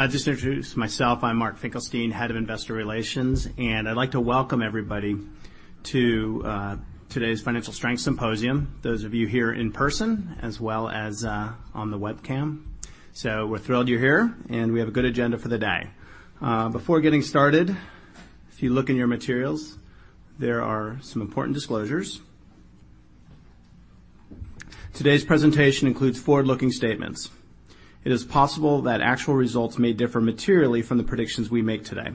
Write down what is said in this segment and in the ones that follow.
I'll just introduce myself. I'm Mark Finkelstein, Head of Investor Relations, and I'd like to welcome everybody to today's Financial Strength Symposium, those of you here in person as well as on the webcam. We're thrilled you're here, and we have a good agenda for the day. Before getting started, if you look in your materials, there are some important disclosures. Today's presentation includes forward-looking statements. It is possible that actual results may differ materially from the predictions we make today.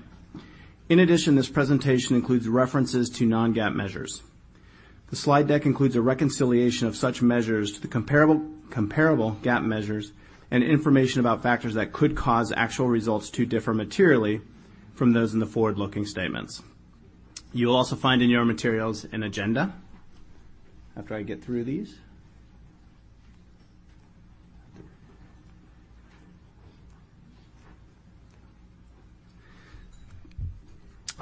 In addition, this presentation includes references to non-GAAP measures. The slide deck includes a reconciliation of such measures to the comparable GAAP measures and information about factors that could cause actual results to differ materially from those in the forward-looking statements. You will also find in your materials an agenda after I get through these.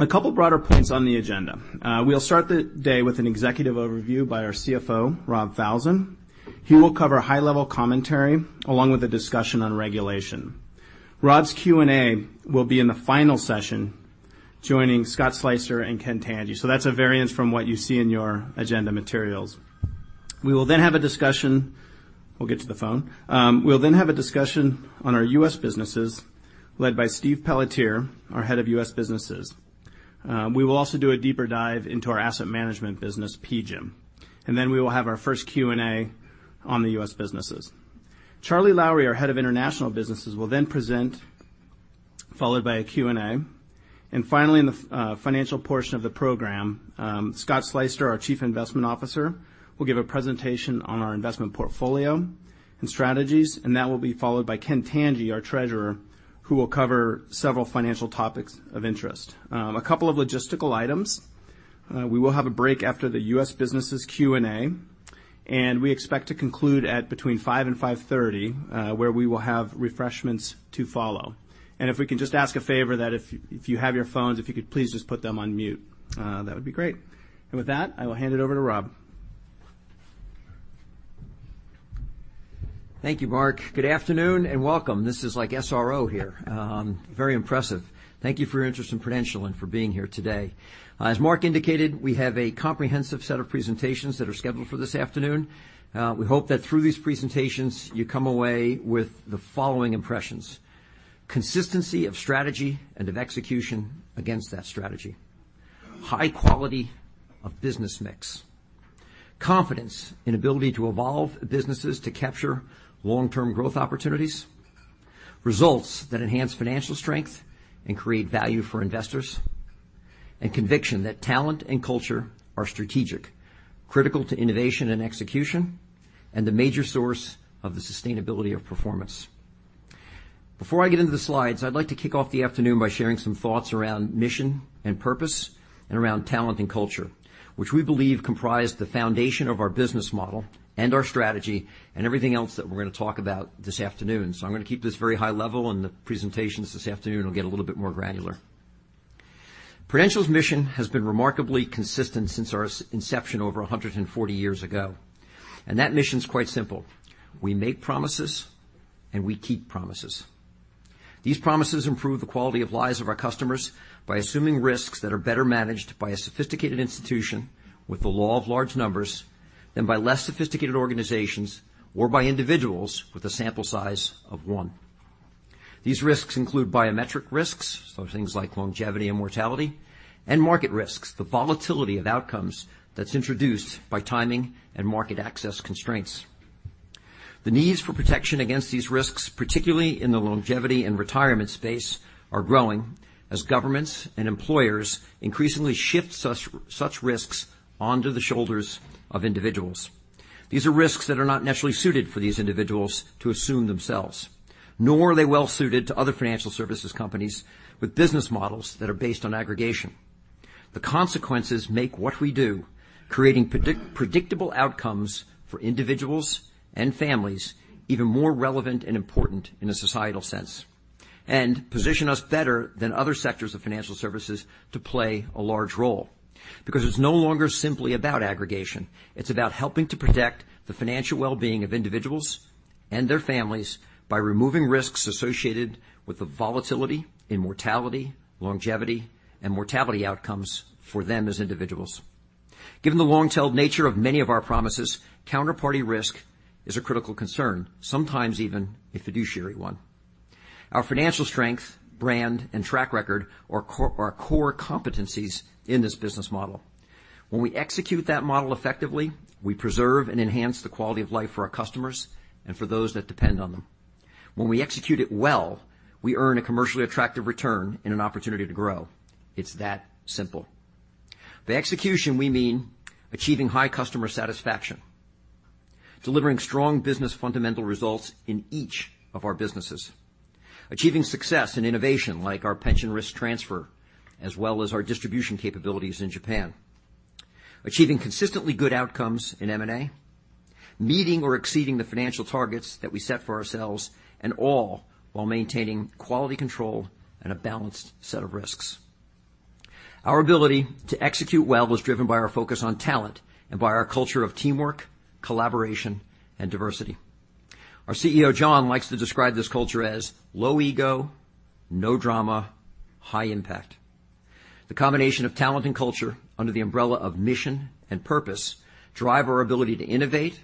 A couple broader points on the agenda. We'll start the day with an executive overview by our CFO, Rob Falzon. He will cover high-level commentary along with a discussion on regulation. Rob's Q&A will be in the final session, joining Scott Sleyster and Ken Tanji. That's a variance from what you see in your agenda materials. We will have a discussion. We'll get to the phone. We will have a discussion on our U.S. Businesses led by Stephen Pelletier, our Head of U.S. Businesses. We will also do a deeper dive into our asset management business, PGIM, and we will have our first Q&A on the U.S. Businesses. Charles Lowrey, our Head of International Businesses, will present, followed by a Q&A. Finally, in the financial portion of the program, Scott Sleyster, our Chief Investment Officer, will give a presentation on our investment portfolio and strategies, and that will be followed by Ken Tanji, our Treasurer, who will cover several financial topics of interest. A couple of logistical items. We will have a break after the U.S. Businesses Q&A, and we expect to conclude at between 5:00 P.M. and 5:30 P.M., where we will have refreshments to follow. If we can just ask a favor that if you have your phones, if you could please just put them on mute, that would be great. With that, I will hand it over to Rob. Thank you, Mark. Good afternoon, and welcome. This is like SRO here. Very impressive. Thank you for your interest in Prudential and for being here today. As Mark indicated, we have a comprehensive set of presentations that are scheduled for this afternoon. We hope that through these presentations, you come away with the following impressions: consistency of strategy and of execution against that strategy, high quality of business mix, confidence and ability to evolve businesses to capture long-term growth opportunities, results that enhance financial strength and create value for investors, and conviction that talent and culture are strategic, critical to innovation and execution, and the major source of the sustainability of performance. Before I get into the slides, I'd like to kick off the afternoon by sharing some thoughts around mission and purpose and around talent and culture, which we believe comprise the foundation of our business model and our strategy and everything else that we're going to talk about this afternoon. I'm going to keep this very high level, and the presentations this afternoon will get a little bit more granular. Prudential's mission has been remarkably consistent since our inception over 140 years ago, and that mission is quite simple. We make promises, and we keep promises. These promises improve the quality of lives of our customers by assuming risks that are better managed by a sophisticated institution with the law of large numbers than by less sophisticated organizations or by individuals with a sample size of one. These risks include biometric risks, things like longevity and mortality, and market risks, the volatility of outcomes that's introduced by timing and market access constraints. The needs for protection against these risks, particularly in the longevity and retirement space, are growing as governments and employers increasingly shift such risks onto the shoulders of individuals. These are risks that are not naturally suited for these individuals to assume themselves, nor are they well-suited to other financial services companies with business models that are based on aggregation. The consequences make what we do, creating predictable outcomes for individuals and families even more relevant and important in a societal sense and position us better than other sectors of financial services to play a large role because it's no longer simply about aggregation. It's about helping to protect the financial well-being of individuals and their families by removing risks associated with the volatility in mortality, longevity, and mortality outcomes for them as individuals. Given the long-tailed nature of many of our promises, counterparty risk is a critical concern, sometimes even a fiduciary one. Our financial strength, brand, and track record are core competencies in this business model. When we execute that model effectively, we preserve and enhance the quality of life for our customers and for those that depend on them. When we execute it well, we earn a commercially attractive return and an opportunity to grow. It's that simple. By execution, we mean achieving high customer satisfaction, delivering strong business fundamental results in each of our businesses, achieving success in innovation like our pension risk transfer, as well as our distribution capabilities in Japan, achieving consistently good outcomes in M&A, meeting or exceeding the financial targets that we set for ourselves, all while maintaining quality control and a balanced set of risks. Our ability to execute well was driven by our focus on talent and by our culture of teamwork, collaboration, and diversity. Our CEO, John, likes to describe this culture as low ego, no drama, high impact. The combination of talent and culture under the umbrella of mission and purpose drive our ability to innovate,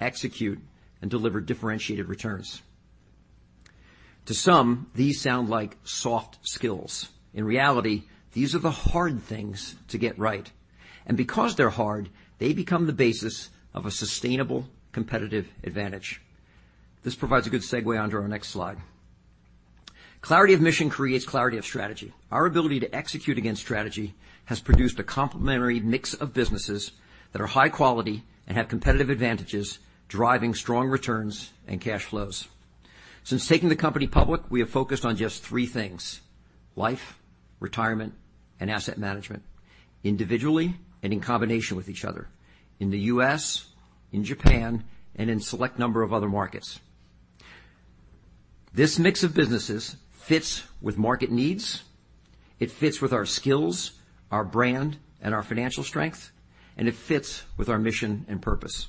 execute, and deliver differentiated returns. To some, these sound like soft skills. In reality, these are the hard things to get right. Because they're hard, they become the basis of a sustainable competitive advantage. This provides a good segue onto our next slide. Clarity of mission creates clarity of strategy. Our ability to execute against strategy has produced a complementary mix of businesses that are high quality and have competitive advantages, driving strong returns and cash flows. Since taking the company public, we have focused on just three things: life, retirement, and asset management, individually and in combination with each other, in the U.S., in Japan, and in select number of other markets. This mix of businesses fits with market needs. It fits with our skills, our brand, and our financial strength. It fits with our mission and purpose.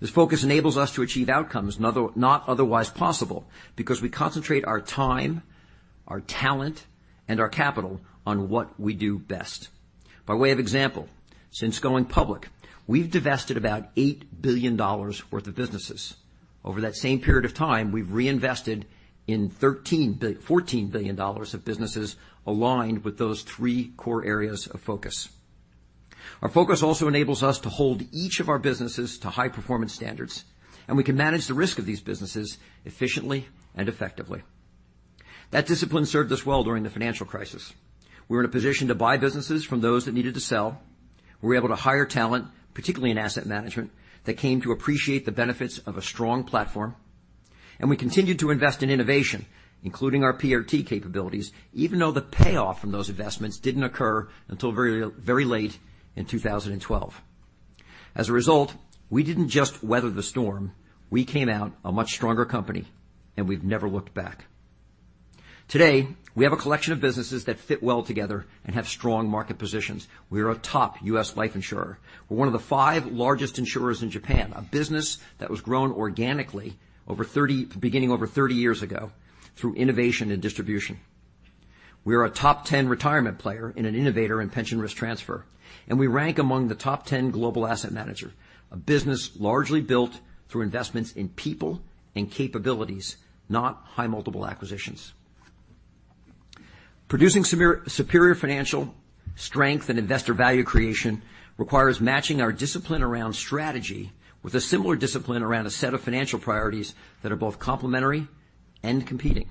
This focus enables us to achieve outcomes not otherwise possible because we concentrate our time, our talent, and our capital on what we do best. By way of example, since going public, we've divested about $8 billion worth of businesses. Over that same period of time, we've reinvested in $14 billion of businesses aligned with those three core areas of focus. Our focus also enables us to hold each of our businesses to high performance standards. We can manage the risk of these businesses efficiently and effectively. That discipline served us well during the financial crisis. We were in a position to buy businesses from those that needed to sell. We were able to hire talent, particularly in asset management, that came to appreciate the benefits of a strong platform. We continued to invest in innovation, including our PRT capabilities, even though the payoff from those investments didn't occur until very late in 2012. As a result, we didn't just weather the storm. We came out a much stronger company. We've never looked back. Today, we have a collection of businesses that fit well together and have strong market positions. We are a top U.S. life insurer. We're one of the five largest insurers in Japan, a business that was grown organically beginning over 30 years ago through innovation and distribution. We are a top 10 retirement player. An innovator in pension risk transfer, we rank among the top 10 global asset manager, a business largely built through investments in people and capabilities, not high multiple acquisitions. Producing superior financial strength and investor value creation requires matching our discipline around strategy with a similar discipline around a set of financial priorities that are both complementary and competing.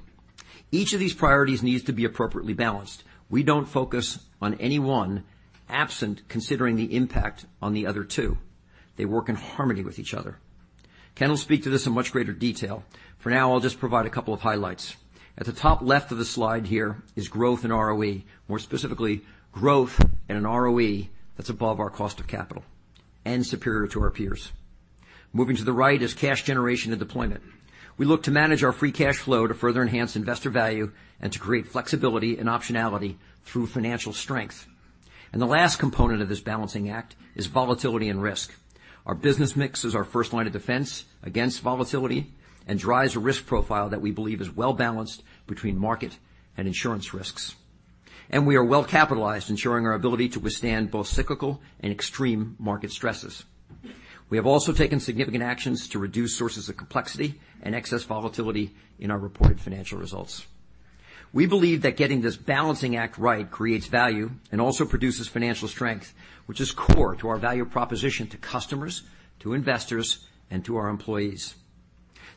Each of these priorities needs to be appropriately balanced. We don't focus on any one absent considering the impact on the other two. They work in harmony with each other. Ken will speak to this in much greater detail. For now, I'll just provide a couple of highlights. At the top left of the slide here is growth in ROE, more specifically, growth in an ROE that's above our cost of capital and superior to our peers. Moving to the right is cash generation and deployment. We look to manage our free cash flow to further enhance investor value and to create flexibility and optionality through financial strength. The last component of this balancing act is volatility and risk. Our business mix is our first line of defense against volatility and drives a risk profile that we believe is well-balanced between market and insurance risks. We are well capitalized, ensuring our ability to withstand both cyclical and extreme market stresses. We have also taken significant actions to reduce sources of complexity and excess volatility in our reported financial results. We believe that getting this balancing act right creates value and also produces financial strength, which is core to our value proposition to customers, to investors, and to our employees.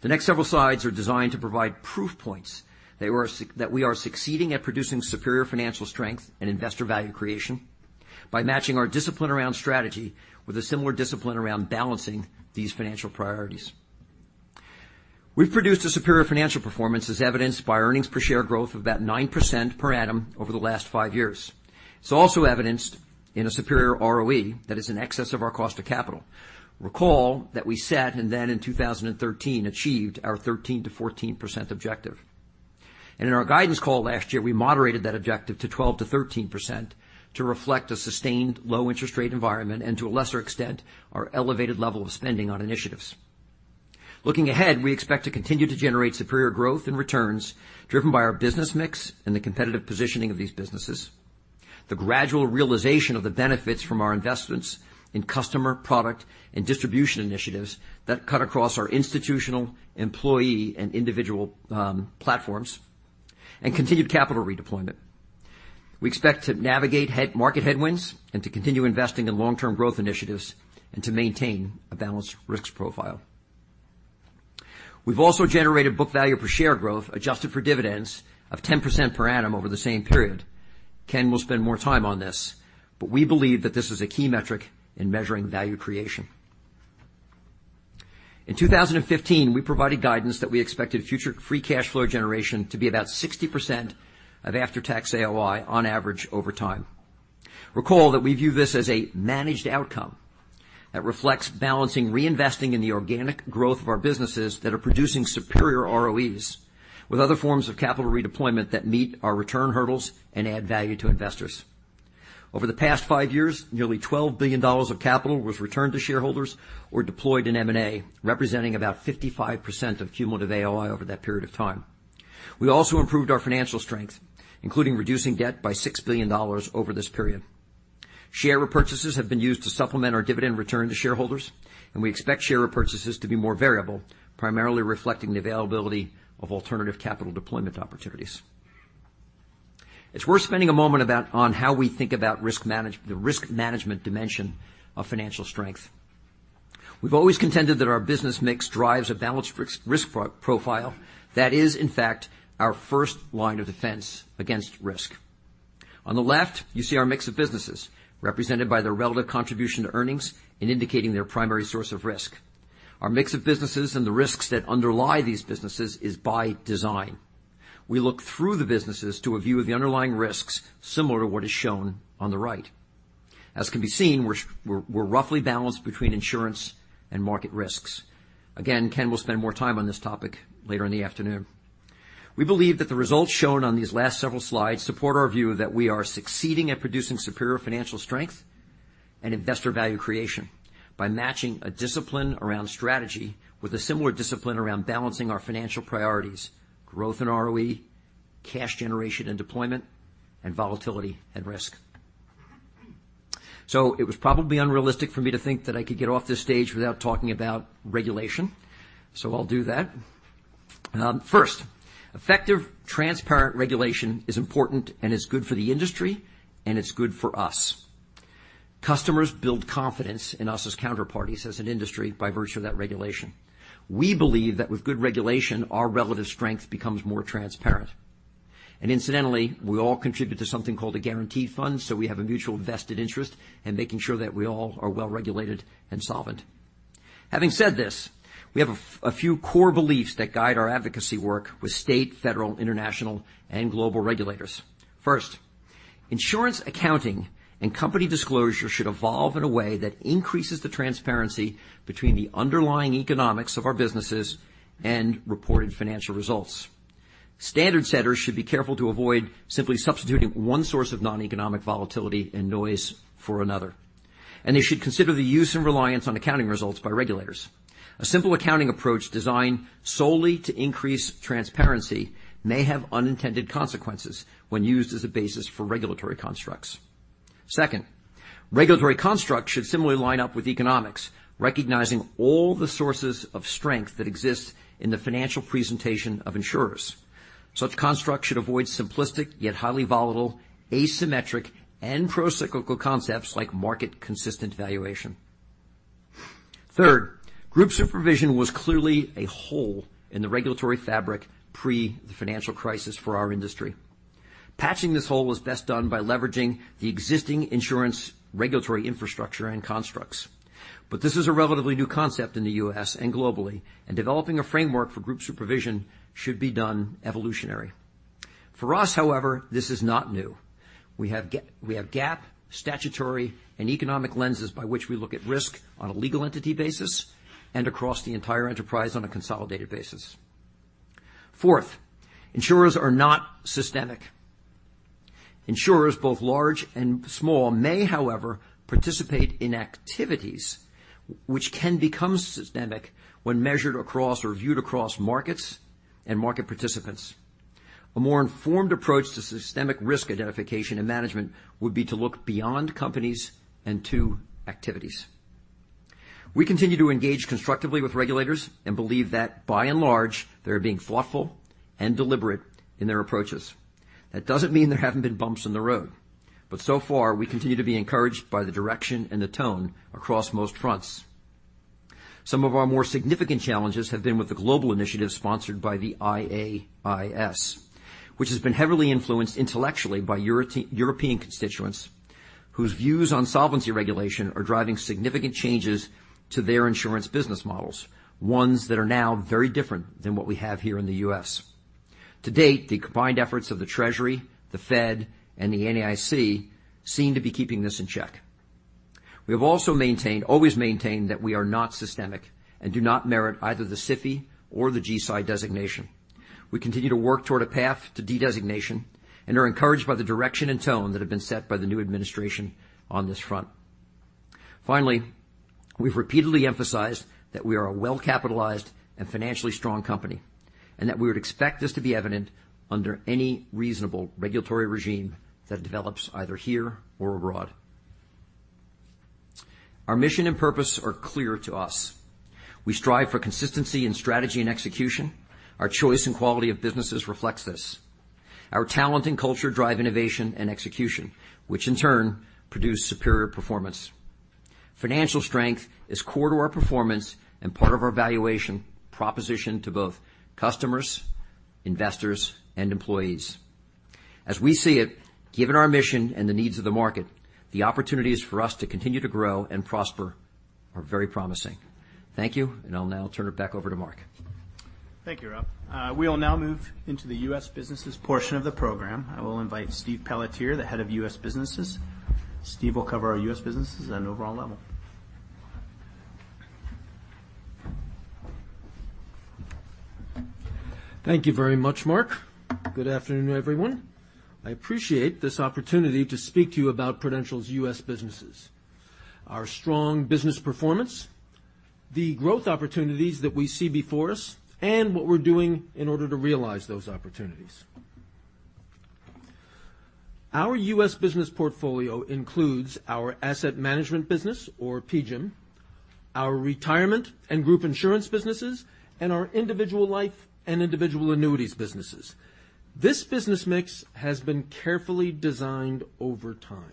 The next several slides are designed to provide proof points that we are succeeding at producing superior financial strength and investor value creation by matching our discipline around strategy with a similar discipline around balancing these financial priorities. We've produced a superior financial performance as evidenced by earnings per share growth of about 9% per annum over the last five years. It's also evidenced in a superior ROE that is in excess of our cost of capital. Recall that we set, then in 2013, achieved our 13%-14% objective. In our guidance call last year, we moderated that objective to 12%-13% to reflect a sustained low interest rate environment, and to a lesser extent, our elevated level of spending on initiatives. Looking ahead, we expect to continue to generate superior growth and returns driven by our business mix and the competitive positioning of these businesses. The gradual realization of the benefits from our investments in customer, product, and distribution initiatives that cut across our institutional, employee, and individual platforms, and continued capital redeployment. We expect to navigate market headwinds and to continue investing in long-term growth initiatives and to maintain a balanced risk profile. We've also generated book value per share growth adjusted for dividends of 10% per annum over the same period. Ken will spend more time on this, but we believe that this is a key metric in measuring value creation. In 2015, we provided guidance that we expected future free cash flow generation to be about 60% of after-tax AOI on average over time. Recall that we view this as a managed outcome. That reflects balancing reinvesting in the organic growth of our businesses that are producing superior ROEs with other forms of capital redeployment that meet our return hurdles and add value to investors. Over the past five years, nearly $12 billion of capital was returned to shareholders or deployed in M&A, representing about 55% of cumulative AOI over that period of time. We also improved our financial strength, including reducing debt by $6 billion over this period. Share repurchases have been used to supplement our dividend return to shareholders, and we expect share repurchases to be more variable, primarily reflecting the availability of alternative capital deployment opportunities. It's worth spending a moment on how we think about the risk management dimension of financial strength. We've always contended that our business mix drives a balanced risk profile that is, in fact, our first line of defense against risk. On the left, you see our mix of businesses represented by their relative contribution to earnings and indicating their primary source of risk. Our mix of businesses and the risks that underlie these businesses is by design. We look through the businesses to a view of the underlying risks, similar to what is shown on the right. As can be seen, we are roughly balanced between insurance and market risks. Again, Ken will spend more time on this topic later in the afternoon. We believe that the results shown on these last several slides support our view that we are succeeding at producing superior financial strength and investor value creation by matching a discipline around strategy with a similar discipline around balancing our financial priorities, growth in ROE, cash generation and deployment, and volatility and risk. It was probably unrealistic for me to think that I could get off this stage without talking about regulation. I will do that. First, effective transparent regulation is important, and it is good for the industry, and it is good for us. Customers build confidence in us as counterparties, as an industry by virtue of that regulation. We believe that with good regulation, our relative strength becomes more transparent. Incidentally, we all contribute to something called a guarantee fund, so we have a mutual vested interest in making sure that we all are well-regulated and solvent. Having said this, we have a few core beliefs that guide our advocacy work with state, federal, international, and global regulators. First, insurance accounting and company disclosure should evolve in a way that increases the transparency between the underlying economics of our businesses and reported financial results. Standard setters should be careful to avoid simply substituting one source of noneconomic volatility and noise for another, and they should consider the use and reliance on accounting results by regulators. A simple accounting approach designed solely to increase transparency may have unintended consequences when used as a basis for regulatory constructs. Second, regulatory constructs should similarly line up with economics, recognizing all the sources of strength that exist in the financial presentation of insurers. Such constructs should avoid simplistic yet highly volatile, asymmetric, and procyclical concepts like market-consistent valuation. Third, group supervision was clearly a hole in the regulatory fabric pre the financial crisis for our industry. Patching this hole was best done by leveraging the existing insurance regulatory infrastructure and constructs. This is a relatively new concept in the U.S. and globally, and developing a framework for group supervision should be done evolutionary. For us, however, this is not new. We have GAAP, statutory, and economic lenses by which we look at risk on a legal entity basis and across the entire enterprise on a consolidated basis. Fourth, insurers are not systemic. Insurers, both large and small, may, however, participate in activities which can become systemic when measured across or viewed across markets and market participants. A more informed approach to systemic risk identification and management would be to look beyond companies and to activities. We continue to engage constructively with regulators and believe that by and large, they are being thoughtful and deliberate in their approaches. That doesn't mean there haven't been bumps in the road, but so far, we continue to be encouraged by the direction and the tone across most fronts. Some of our more significant challenges have been with the global initiatives sponsored by the IAIS, which has been heavily influenced intellectually by European constituents whose views on solvency regulation are driving significant changes to their insurance business models, ones that are now very different than what we have here in the U.S. To date, the combined efforts of the Treasury, the Fed, and the NAIC seem to be keeping this in check. We have always maintained that we are not systemic and do not merit either the SIFI or the GSI designation. We continue to work toward a path to de-designation and are encouraged by the direction and tone that have been set by the new administration on this front. We've repeatedly emphasized that we are a well-capitalized and financially strong company, and that we would expect this to be evident under any reasonable regulatory regime that develops either here or abroad. Our mission and purpose are clear to us. We strive for consistency in strategy and execution. Our choice and quality of businesses reflects this. Our talent and culture drive innovation and execution, which in turn produce superior performance. Financial strength is core to our performance and part of our valuation proposition to both customers, investors, and employees. As we see it, given our mission and the needs of the market, the opportunities for us to continue to grow and prosper are very promising. Thank you, and I'll now turn it back over to Mark. Thank you, Rob. We will now move into the U.S. businesses portion of the program. I will invite Stephen Pelletier, the head of U.S. businesses. Steve will cover our U.S. businesses at an overall level. Thank you very much, Mark. Good afternoon, everyone. I appreciate this opportunity to speak to you about Prudential's U.S. businesses, our strong business performance, the growth opportunities that we see before us, and what we're doing in order to realize those opportunities. Our U.S. business portfolio includes our asset management business or PGIM, our retirement and group insurance businesses, and our individual life and individual annuities businesses. This business mix has been carefully designed over time,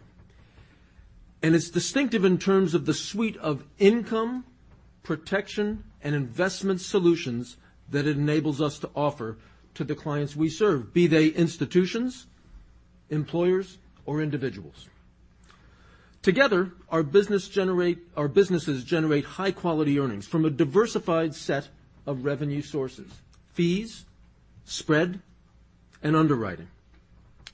and it's distinctive in terms of the suite of income, protection, and investment solutions that it enables us to offer to the clients we serve, be they institutions, employers, or individuals. Together, our businesses generate high quality earnings from a diversified set of revenue sources, fees, spread, and underwriting.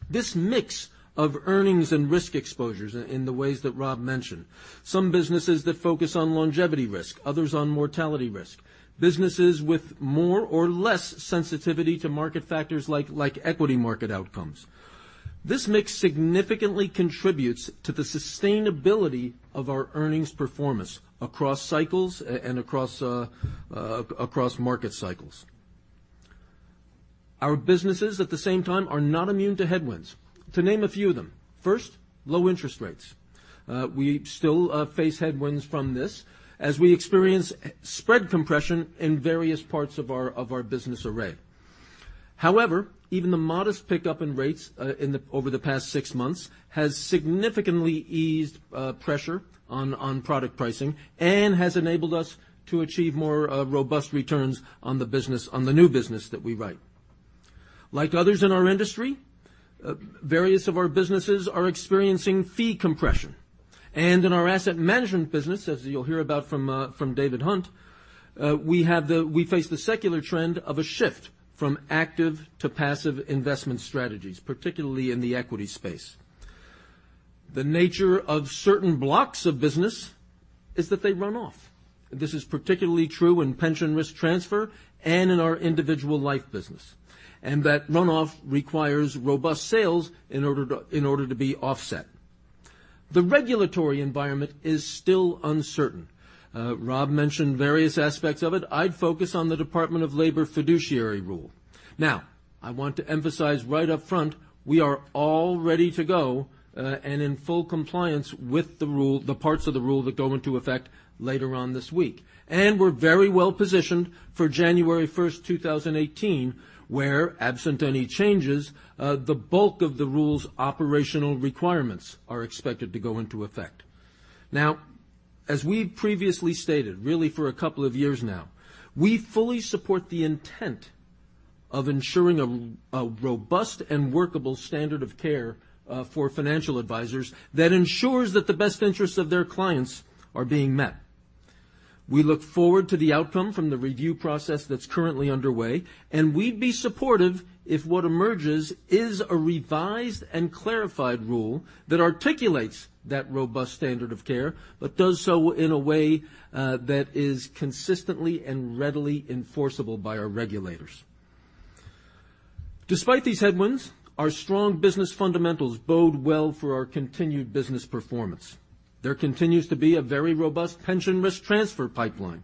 This mix of earnings and risk exposures in the ways that Rob mentioned, some businesses that focus on longevity risk, others on mortality risk, businesses with more or less sensitivity to market factors like equity market outcomes. This mix significantly contributes to the sustainability of our earnings performance across cycles and across market cycles. Our businesses, at the same time, are not immune to headwinds. To name a few of them, first, low interest rates. We still face headwinds from this as we experience spread compression in various parts of our business array. However, even the modest pickup in rates over the past 6 months has significantly eased pressure on product pricing and has enabled us to achieve more robust returns on the new business that we write. Like others in our industry, various of our businesses are experiencing fee compression. In our asset management business, as you'll hear about from David Hunt, we face the secular trend of a shift from active to passive investment strategies, particularly in the equity space. The nature of certain blocks of business is that they run off. This is particularly true in pension risk transfer and in our individual life business, and that runoff requires robust sales in order to be offset. The regulatory environment is still uncertain. Rob mentioned various aspects of it. I'd focus on the Department of Labor fiduciary rule. Now, I want to emphasize right up front, we are all ready to go and in full compliance with the parts of the rule that go into effect later on this week. We're very well positioned for January 1st, 2018, where absent any changes, the bulk of the rule's operational requirements are expected to go into effect. Now, as we previously stated, really for a couple of years now, we fully support the intent of ensuring a robust and workable standard of care for financial advisors that ensures that the best interests of their clients are being met. We look forward to the outcome from the review process that's currently underway, We'd be supportive if what emerges is a revised and clarified rule that articulates that robust standard of care, but does so in a way that is consistently and readily enforceable by our regulators. Despite these headwinds, our strong business fundamentals bode well for our continued business performance. There continues to be a very robust pension risk transfer pipeline,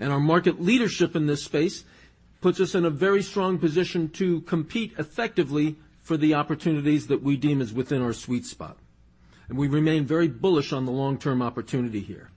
Our market leadership in this space puts us in a very strong position to compete effectively for the opportunities that we deem is within our sweet spot, We remain very bullish on the long term opportunity here.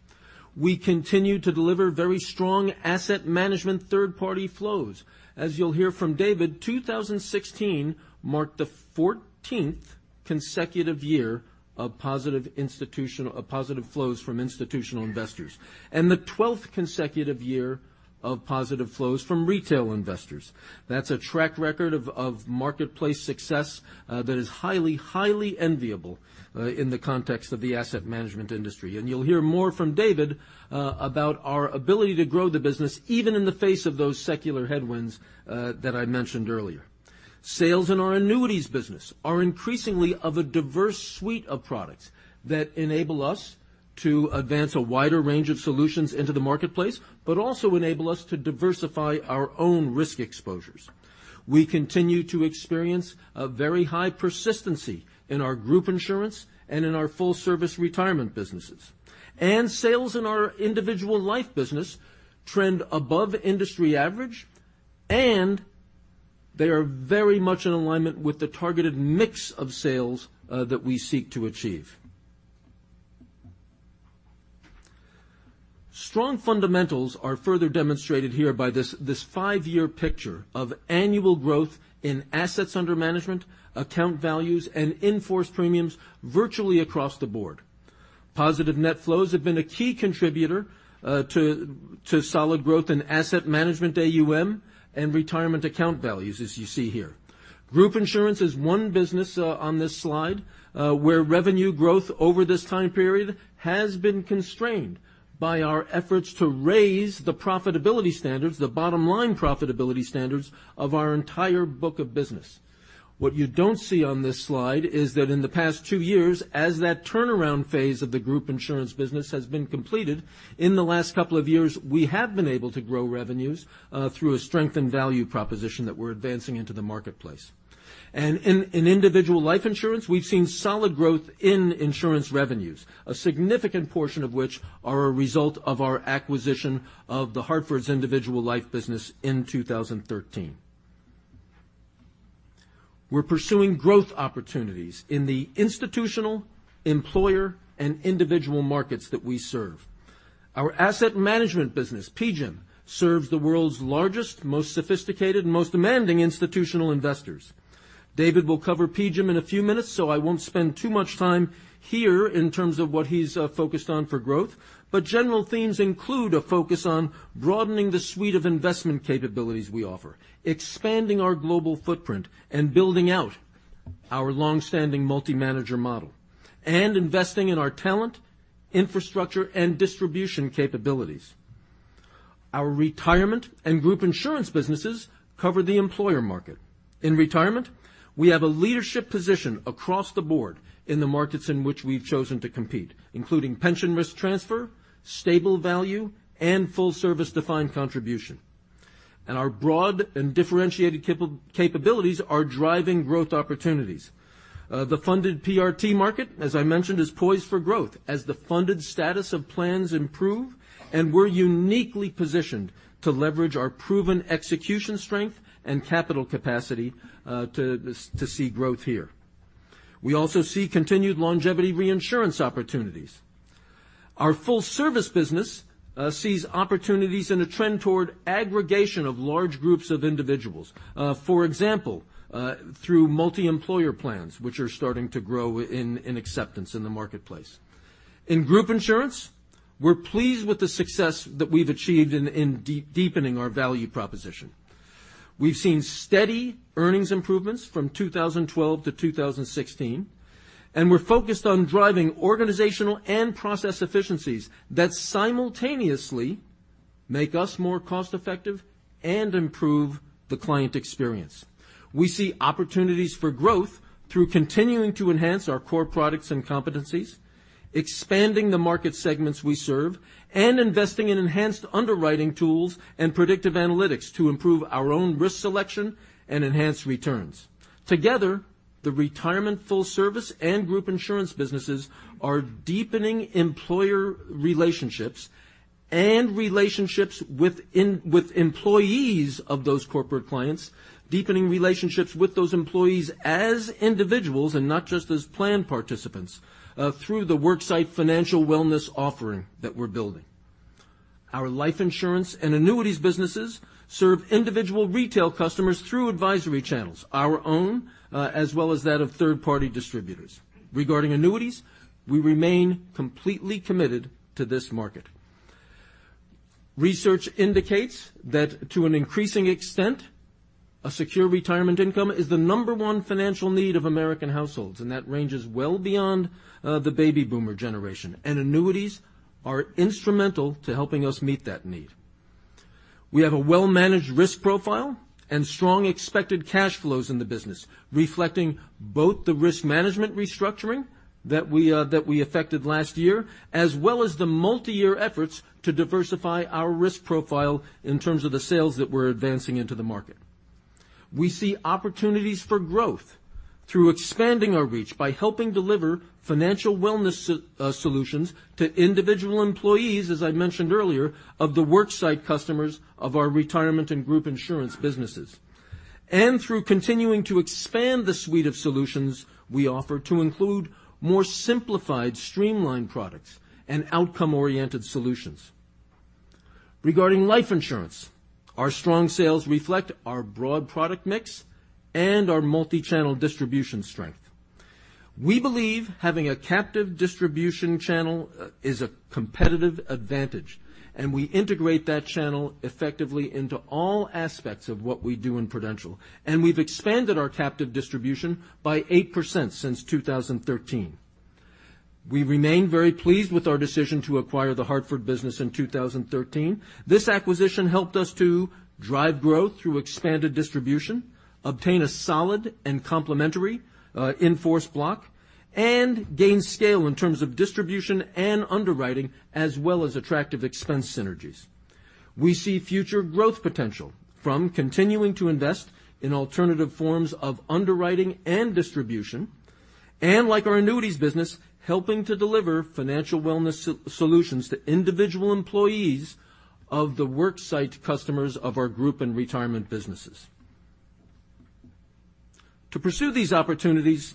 We continue to deliver very strong asset management third party flows. As you'll hear from David, 2016 marked the 14th consecutive year of positive flows from institutional investors and the 12th consecutive year of positive flows from retail investors. That's a track record of marketplace success that is highly enviable in the context of the asset management industry. You'll hear more from David about our ability to grow the business even in the face of those secular headwinds that I mentioned earlier. Sales in our annuities business are increasingly of a diverse suite of products that enable us to advance a wider range of solutions into the marketplace but also enable us to diversify our own risk exposures. We continue to experience a very high persistency in our group insurance and in our full service retirement businesses. Sales in our individual life business trend above industry average, and they are very much in alignment with the targeted mix of sales that we seek to achieve. Strong fundamentals are further demonstrated here by this five-year picture of annual growth in assets under management, account values, and in force premiums virtually across the board. Positive net flows have been a key contributor to solid growth in asset management AUM and retirement account values, as you see here. Group insurance is one business on this slide where revenue growth over this time period has been constrained by our efforts to raise the profitability standards, the bottom line profitability standards of our entire book of business. What you don't see on this slide is that in the past two years, as that turnaround phase of the group insurance business has been completed, in the last couple of years, we have been able to grow revenues through a strengthened value proposition that we're advancing into the marketplace. In individual life insurance, we've seen solid growth in insurance revenues, a significant portion of which are a result of our acquisition of The Hartford's individual life business in 2013. We're pursuing growth opportunities in the institutional, employer, and individual markets that we serve. Our asset management business, PGIM, serves the world's largest, most sophisticated, and most demanding institutional investors. David will cover PGIM in a few minutes, I won't spend too much time here in terms of what he's focused on for growth, but general themes include a focus on broadening the suite of investment capabilities we offer, expanding our global footprint, and building out our long-standing multi-manager model, and investing in our talent, infrastructure, and distribution capabilities. Our retirement and group insurance businesses cover the employer market. In retirement, we have a leadership position across the board in the markets in which we've chosen to compete, including pension risk transfer, stable value, and full service defined contribution. Our broad and differentiated capabilities are driving growth opportunities. The funded PRT market, as I mentioned, is poised for growth as the funded status of plans improve, and we're uniquely positioned to leverage our proven execution strength and capital capacity to see growth here. We also see continued longevity reinsurance opportunities. Our full service business sees opportunities and a trend toward aggregation of large groups of individuals. For example, through multi-employer plans, which are starting to grow in acceptance in the marketplace. In group insurance, we're pleased with the success that we've achieved in deepening our value proposition. We've seen steady earnings improvements from 2012 to 2016, we're focused on driving organizational and process efficiencies that simultaneously make us more cost effective and improve the client experience. We see opportunities for growth through continuing to enhance our core products and competencies, expanding the market segments we serve, and investing in enhanced underwriting tools and predictive analytics to improve our own risk selection and enhance returns. Together, the retirement full service and group insurance businesses are deepening employer relationships and relationships with employees of those corporate clients, deepening relationships with those employees as individuals and not just as plan participants through the worksite financial wellness offering that we're building. Our life insurance and annuities businesses serve individual retail customers through advisory channels, our own, as well as that of third-party distributors. Regarding annuities, we remain completely committed to this market. Research indicates that to an increasing extent, a secure retirement income is the number one financial need of American households, and that ranges well beyond the baby boomer generation. Annuities are instrumental to helping us meet that need. We have a well-managed risk profile and strong expected cash flows in the business, reflecting both the risk management restructuring that we effected last year, as well as the multi-year efforts to diversify our risk profile in terms of the sales that we're advancing into the market. We see opportunities for growth through expanding our reach by helping deliver financial wellness solutions to individual employees, as I mentioned earlier, of the worksite customers of our retirement and group insurance businesses. Through continuing to expand the suite of solutions we offer to include more simplified, streamlined products and outcome-oriented solutions. Regarding life insurance, our strong sales reflect our broad product mix and our multi-channel distribution strength. We believe having a captive distribution channel is a competitive advantage, and we integrate that channel effectively into all aspects of what we do in Prudential, and we've expanded our captive distribution by 8% since 2013. We remain very pleased with our decision to acquire The Hartford business in 2013. This acquisition helped us to drive growth through expanded distribution, obtain a solid and complementary in-force block, and gain scale in terms of distribution and underwriting, as well as attractive expense synergies. We see future growth potential from continuing to invest in alternative forms of underwriting and distribution, and like our annuities business, helping to deliver financial wellness solutions to individual employees of the worksite customers of our group and retirement businesses. To pursue these opportunities,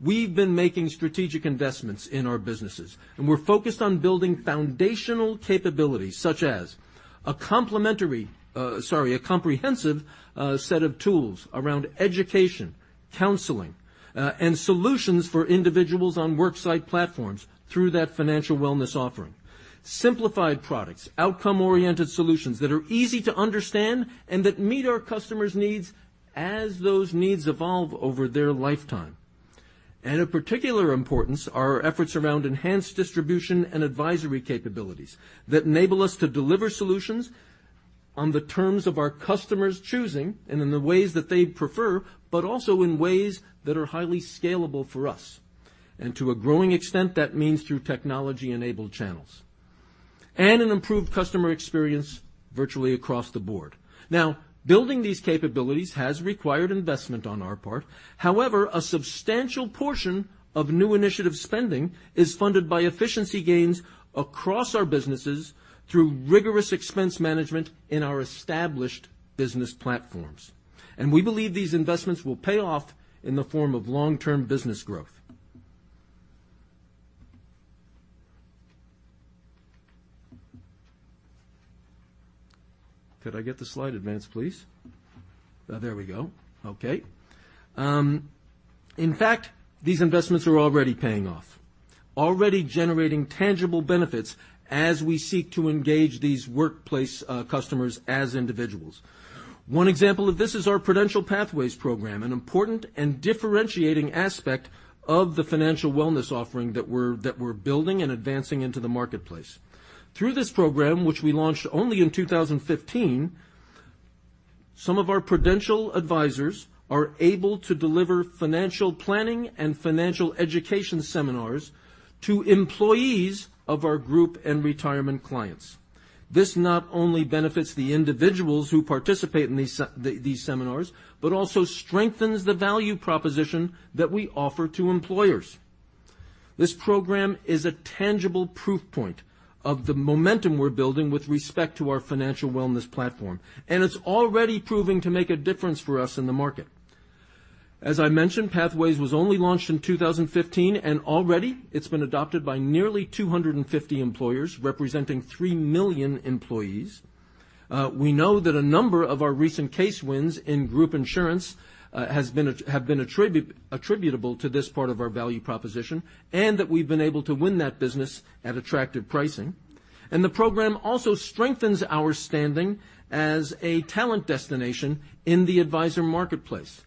we've been making strategic investments in our businesses, and we're focused on building foundational capabilities, such as a comprehensive set of tools around education, counseling, and solutions for individuals on worksite platforms through that financial wellness offering. Simplified products, outcome-oriented solutions that are easy to understand and that meet our customers' needs as those needs evolve over their lifetime. Of particular importance are our efforts around enhanced distribution and advisory capabilities that enable us to deliver solutions on the terms of our customers choosing and in the ways that they prefer, but also in ways that are highly scalable for us. To a growing extent, that means through technology-enabled channels and an improved customer experience virtually across the board. Now, building these capabilities has required investment on our part. However, a substantial portion of new initiative spending is funded by efficiency gains across our businesses through rigorous expense management in our established business platforms. We believe these investments will pay off in the form of long-term business growth. Could I get the slide advance, please? There we go. Okay. In fact, these investments are already paying off, already generating tangible benefits as we seek to engage these workplace customers as individuals. One example of this is our Prudential Pathways program, an important and differentiating aspect of the financial wellness offering that we're building and advancing into the marketplace. Through this program, which we launched only in 2015, some of our Prudential advisors are able to deliver financial planning and financial education seminars to employees of our group and retirement clients. This not only benefits the individuals who participate in these seminars but also strengthens the value proposition that we offer to employers. This program is a tangible proof point of the momentum we're building with respect to our financial wellness platform, it's already proving to make a difference for us in the market. As I mentioned, Pathways was only launched in 2015, already it's been adopted by nearly 250 employers, representing three million employees. We know that a number of our recent case wins in group insurance have been attributable to this part of our value proposition and that we've been able to win that business at attractive pricing. The program also strengthens our standing as a talent destination in the advisor marketplace.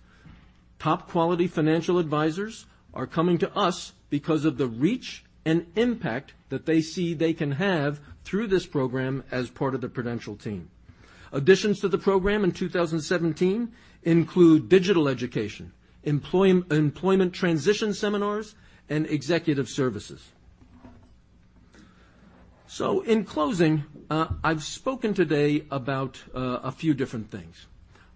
Top-quality financial advisors are coming to us because of the reach and impact that they see they can have through this program as part of the Prudential team. Additions to the program in 2017 include digital education, employment transition seminars, and executive services. In closing, I've spoken today about a few different things.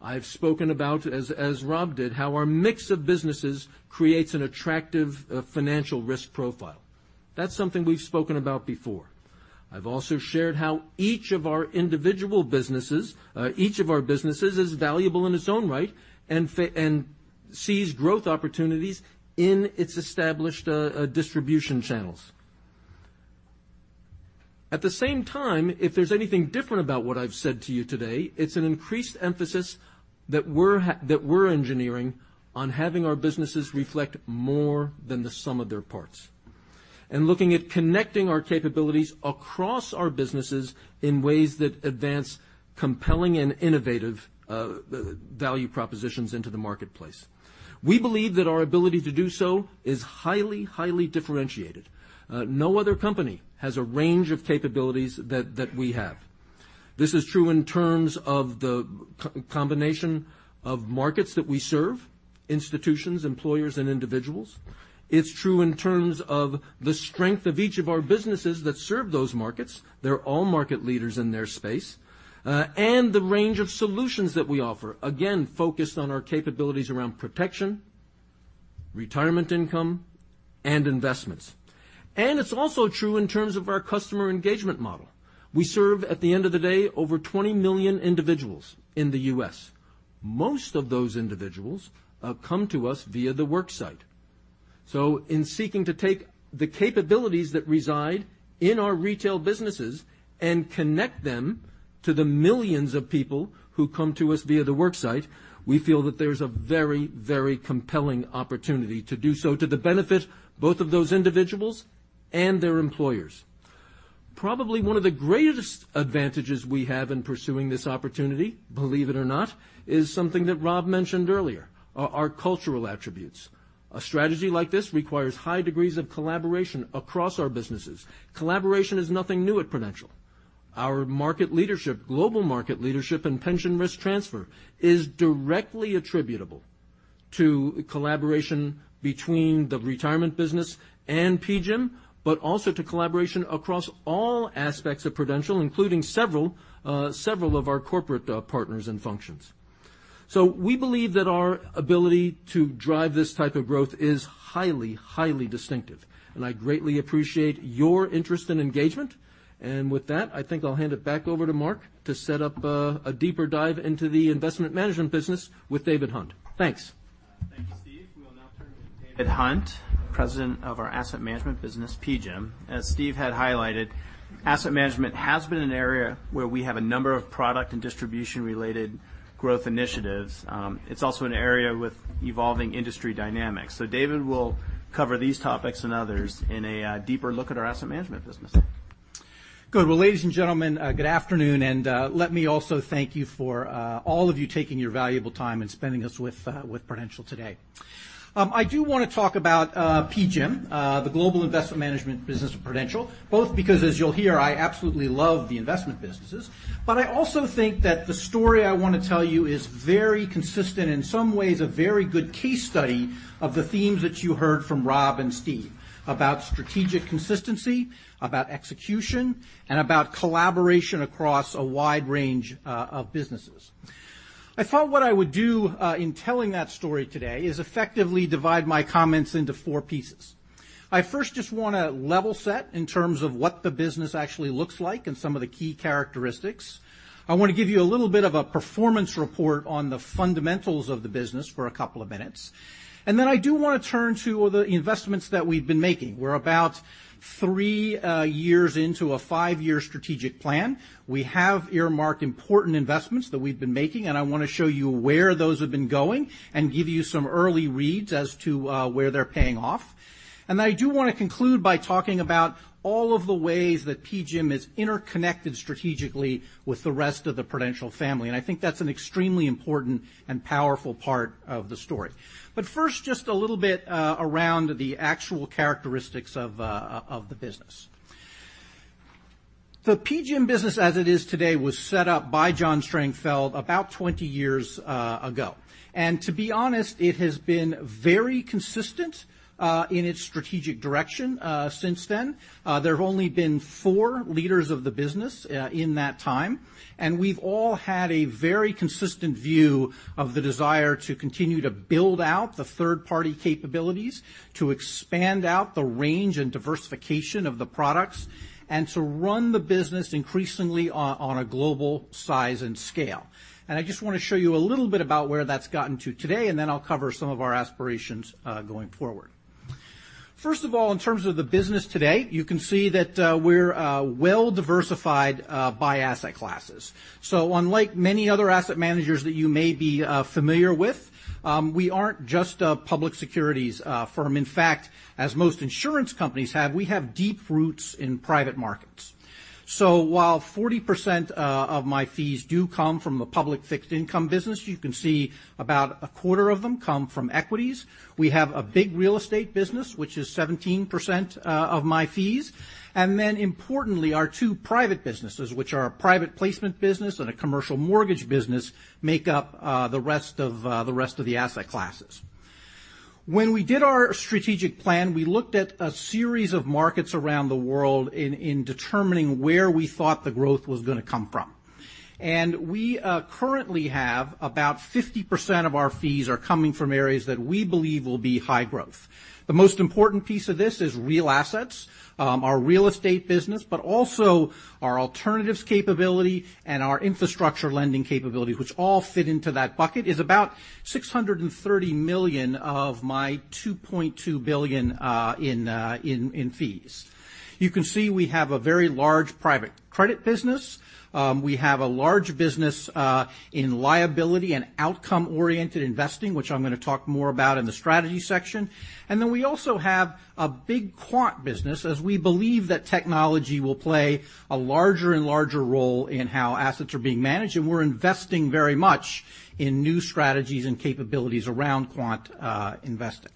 I've spoken about, as Rob did, how our mix of businesses creates an attractive financial risk profile. That's something we've spoken about before. I've also shared how each of our businesses is valuable in its own right and seize growth opportunities in its established distribution channels. At the same time, if there's anything different about what I've said to you today, it's an increased emphasis that we're engineering on having our businesses reflect more than the sum of their parts and looking at connecting our capabilities across our businesses in ways that advance compelling and innovative value propositions into the marketplace. We believe that our ability to do so is highly differentiated. No other company has a range of capabilities that we have. This is true in terms of the combination of markets that we serve: institutions, employers, and individuals. It's true in terms of the strength of each of our businesses that serve those markets. They're all market leaders in their space. The range of solutions that we offer, again, focused on our capabilities around protection, retirement income, and investments. It's also true in terms of our customer engagement model. We serve, at the end of the day, over 20 million individuals in the U.S. Most of those individuals come to us via the work site. In seeking to take the capabilities that reside in our retail businesses and connect them to the millions of people who come to us via the work site, we feel that there's a very compelling opportunity to do so to the benefit both of those individuals and their employers. Probably one of the greatest advantages we have in pursuing this opportunity, believe it or not, is something that Rob mentioned earlier, our cultural attributes. A strategy like this requires high degrees of collaboration across our businesses. Collaboration is nothing new at Prudential. Our global market leadership and pension risk transfer is directly attributable to collaboration between the retirement business and PGIM but also to collaboration across all aspects of Prudential, including several of our corporate partners and functions. We believe that our ability to drive this type of growth is highly distinctive, and I greatly appreciate your interest and engagement. With that, I think I'll hand it back over to Mark to set up a deeper dive into the investment management business with David Hunt. Thanks. Thank you, Steve. We will now turn to David Hunt, president of our asset management business, PGIM. As Steve had highlighted, asset management has been an area where we have a number of product and distribution related growth initiatives. It's also an area with evolving industry dynamics. David will cover these topics and others in a deeper look at our asset management business. Well, ladies and gentlemen, good afternoon, and let me also thank you for all of you taking your valuable time and spending it with Prudential today. I do want to talk about PGIM, the global investment management business of Prudential, both because, as you'll hear, I absolutely love the investment businesses, but I also think that the story I want to tell you is very consistent, in some ways, a very good case study of the themes that you heard from Rob and Steve about strategic consistency, about execution, and about collaboration across a wide range of businesses. I thought what I would do in telling that story today is effectively divide my comments into four pieces. I first just want to level set in terms of what the business actually looks like and some of the key characteristics. I want to give you a little bit of a performance report on the fundamentals of the business for a couple of minutes. I do want to turn to the investments that we've been making. We're about three years into a five-year strategic plan. We have earmarked important investments that we've been making, and I want to show you where those have been going and give you some early reads as to where they're paying off. I do want to conclude by talking about all of the ways that PGIM is interconnected strategically with the rest of the Prudential family, and I think that's an extremely important and powerful part of the story. First, just a little bit around the actual characteristics of the business. The PGIM business as it is today was set up by John Strangfeld about 20 years ago. To be honest, it has been very consistent in its strategic direction since then. There have only been four leaders of the business in that time, and we've all had a very consistent view of the desire to continue to build out the third-party capabilities, to expand out the range and diversification of the products, and to run the business increasingly on a global size and scale. I just want to show you a little bit about where that's gotten to today, and then I'll cover some of our aspirations going forward. First of all, in terms of the business today, you can see that we're well diversified by asset classes. Unlike many other asset managers that you may be familiar with, we aren't just a public securities firm. In fact, as most insurance companies have, we have deep roots in private markets. While 40% of my fees do come from the public fixed income business, you can see about a quarter of them come from equities. We have a big real estate business, which is 17% of my fees. Importantly, our two private businesses, which are a private placement business and a commercial mortgage business, make up the rest of the asset classes. When we did our strategic plan, we looked at a series of markets around the world in determining where we thought the growth was going to come from. We currently have about 50% of our fees are coming from areas that we believe will be high growth. The most important piece of this is real assets, our real estate business, but also our alternatives capability and our infrastructure lending capability, which all fit into that bucket, is about $630 million of my $2.2 billion in fees. You can see we have a very large private credit business. We have a large business in liability and outcome-oriented investing, which I'm going to talk more about in the strategy section. We also have a big quant business as we believe that technology will play a larger and larger role in how assets are being managed, and we're investing very much in new strategies and capabilities around quant investing.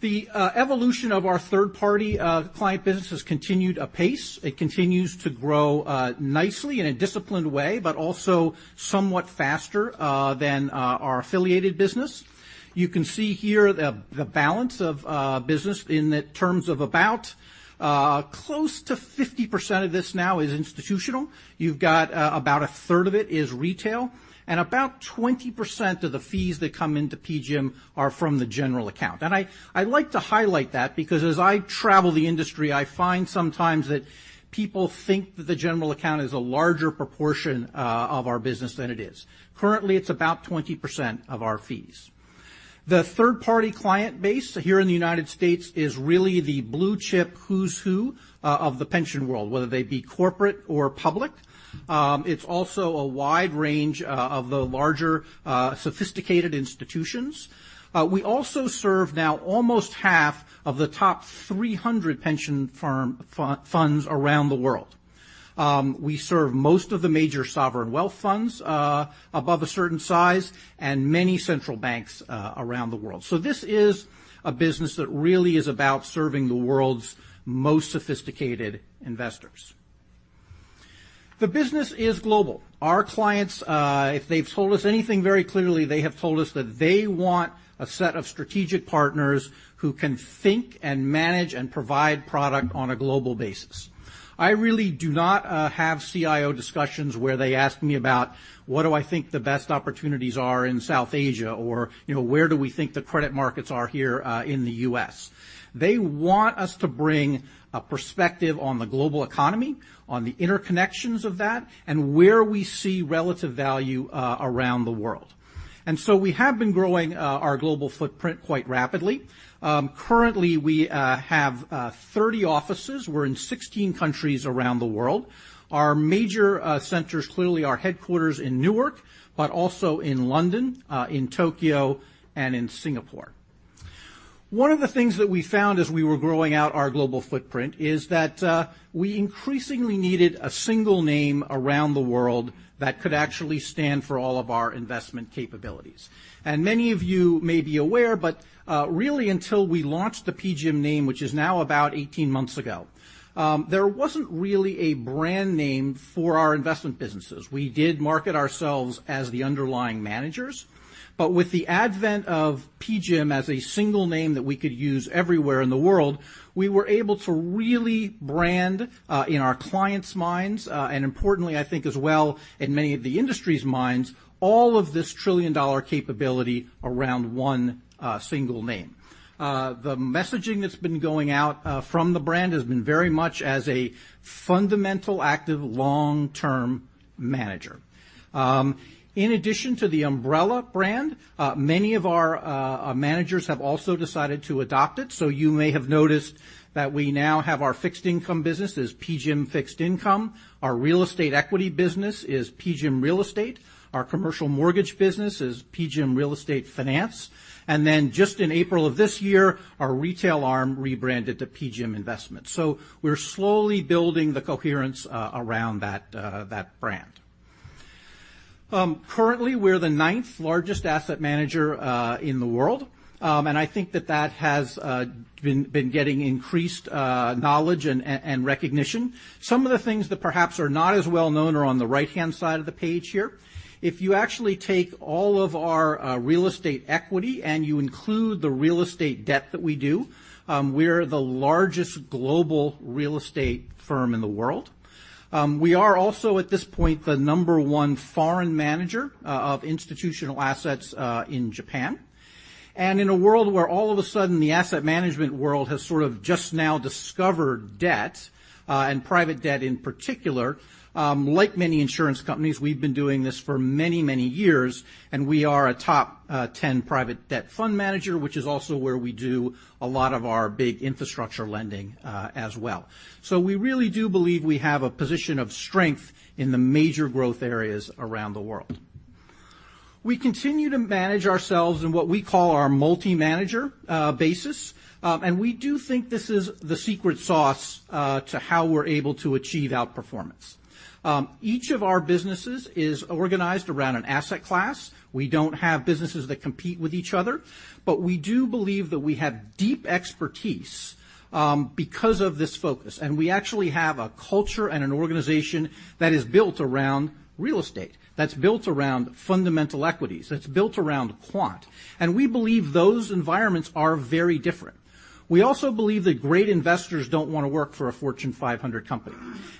The evolution of our third-party client business has continued apace. It continues to grow nicely in a disciplined way, but also somewhat faster than our affiliated business. You can see here the balance of business in terms of about close to 50% of this now is institutional. You've got about a third of it is retail, and about 20% of the fees that come into PGIM are from the general account. I like to highlight that because as I travel the industry, I find sometimes that people think that the general account is a larger proportion of our business than it is. Currently, it's about 20% of our fees. The third-party client base here in the U.S. is really the blue chip who's who of the pension world, whether they be corporate or public. It's also a wide range of the larger, sophisticated institutions. We also serve now almost half of the top 300 pension funds around the world. We serve most of the major sovereign wealth funds above a certain size and many central banks around the world. This is a business that really is about serving the world's most sophisticated investors. The business is global. Our clients, if they've told us anything very clearly, they have told us that they want a set of strategic partners who can think and manage and provide product on a global basis. I really do not have CIO discussions where they ask me about what do I think the best opportunities are in South Asia, or where do we think the credit markets are here in the U.S. They want us to bring a perspective on the global economy, on the interconnections of that, and where we see relative value around the world. We have been growing our global footprint quite rapidly. Currently, we have 30 offices. We're in 16 countries around the world. Our major centers clearly are headquarters in Newark, but also in London, in Tokyo, and in Singapore. One of the things that we found as we were growing out our global footprint is that we increasingly needed a single name around the world that could actually stand for all of our investment capabilities. Many of you may be aware, but really until we launched the PGIM name, which is now about 18 months ago, there wasn't really a brand name for our investment businesses. We did market ourselves as the underlying managers, but with the advent of PGIM as a single name that we could use everywhere in the world, we were able to really brand, in our clients' minds, and importantly, I think as well, in many of the industry's minds, all of this trillion-dollar capability around one single name. The messaging that's been going out from the brand has been very much as a fundamental active long-term manager. In addition to the umbrella brand, many of our managers have also decided to adopt it. You may have noticed that we now have our fixed income business as PGIM Fixed Income, our real estate equity business is PGIM Real Estate, our commercial mortgage business is PGIM Real Estate Finance, and then just in April of this year, our retail arm rebranded to PGIM Investments. We're slowly building the coherence around that brand. Currently, we're the ninth largest asset manager in the world, and I think that that has been getting increased knowledge and recognition. Some of the things that perhaps are not as well known are on the right-hand side of the page here. If you actually take all of our real estate equity and you include the real estate debt that we do, we're the largest global real estate firm in the world. We are also, at this point, the number one foreign manager of institutional assets in Japan. In a world where all of a sudden the asset management world has sort of just now discovered debt, and private debt in particular, like many insurance companies, we've been doing this for many, many years, and we are a top 10 private debt fund manager, which is also where we do a lot of our big infrastructure lending as well. We really do believe we have a position of strength in the major growth areas around the world. We continue to manage ourselves in what we call our multi-manager basis. We do think this is the secret sauce to how we're able to achieve outperformance. Each of our businesses is organized around an asset class. We don't have businesses that compete with each other, but we do believe that we have deep expertise because of this focus. We actually have a culture and an organization that is built around real estate, that's built around fundamental equities, that's built around quant. We believe those environments are very different. We also believe that great investors don't want to work for a Fortune 500 company.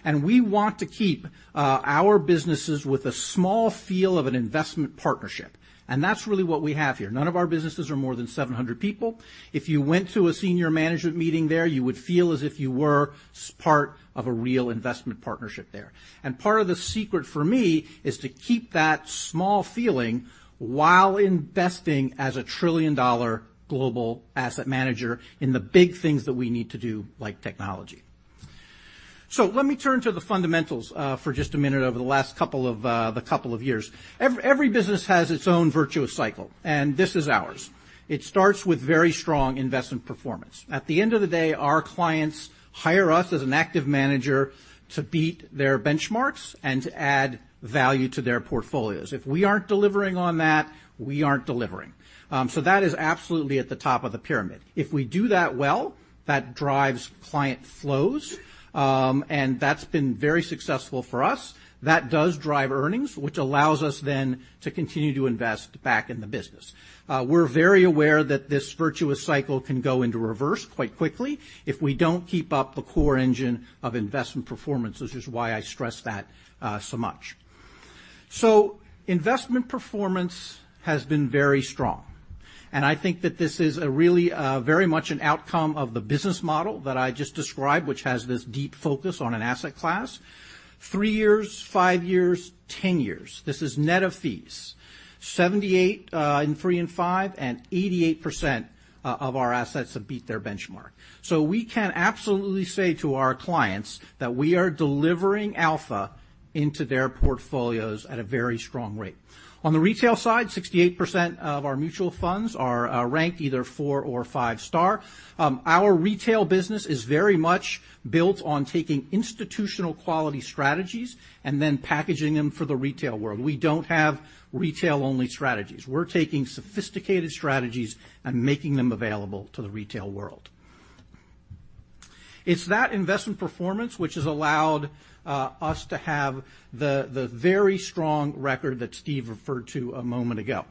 We want to keep our businesses with a small feel of an investment partnership, and that's really what we have here. None of our businesses are more than 700 people. If you went to a senior management meeting there, you would feel as if you were part of a real investment partnership there. Part of the secret for me is to keep that small feeling while investing as a trillion-dollar global asset manager in the big things that we need to do, like technology. Let me turn to the fundamentals for just a minute over the last couple of years. Every business has its own virtuous cycle. This is ours. It starts with very strong investment performance. At the end of the day, our clients hire us as an active manager to beat their benchmarks and to add value to their portfolios. If we aren't delivering on that, we aren't delivering. That is absolutely at the top of the pyramid. If we do that well, that drives client flows, and that's been very successful for us. That does drive earnings, which allows us then to continue to invest back in the business. We're very aware that this virtuous cycle can go into reverse quite quickly if we don't keep up the core engine of investment performance, which is why I stress that so much. Investment performance has been very strong. I think that this is really very much an outcome of the business model that I just described, which has this deep focus on an asset class. Three years, five years, 10 years, this is net of fees, 78 in three and five, and 88% of our assets have beat their benchmark. We can absolutely say to our clients that we are delivering alpha into their portfolios at a very strong rate. On the retail side, 68% of our mutual funds are ranked either 4 or 5 star. Our retail business is very much built on taking institutional quality strategies and then packaging them for the retail world. We don't have retail-only strategies. We're taking sophisticated strategies and making them available to the retail world. It's that investment performance which has allowed us to have the very strong record that Steve referred to a moment ago.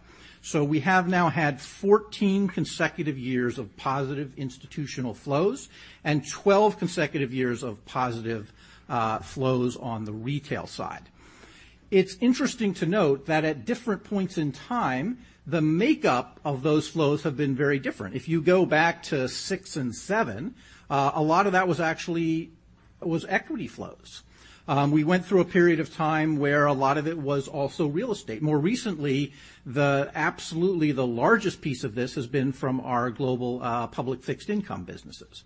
We have now had 14 consecutive years of positive institutional flows and 12 consecutive years of positive flows on the retail side. It's interesting to note that at different points in time, the makeup of those flows have been very different. If you go back to six and seven, a lot of that was actually equity flows. We went through a period of time where a lot of it was also real estate. More recently, absolutely the largest piece of this has been from our global public fixed income businesses.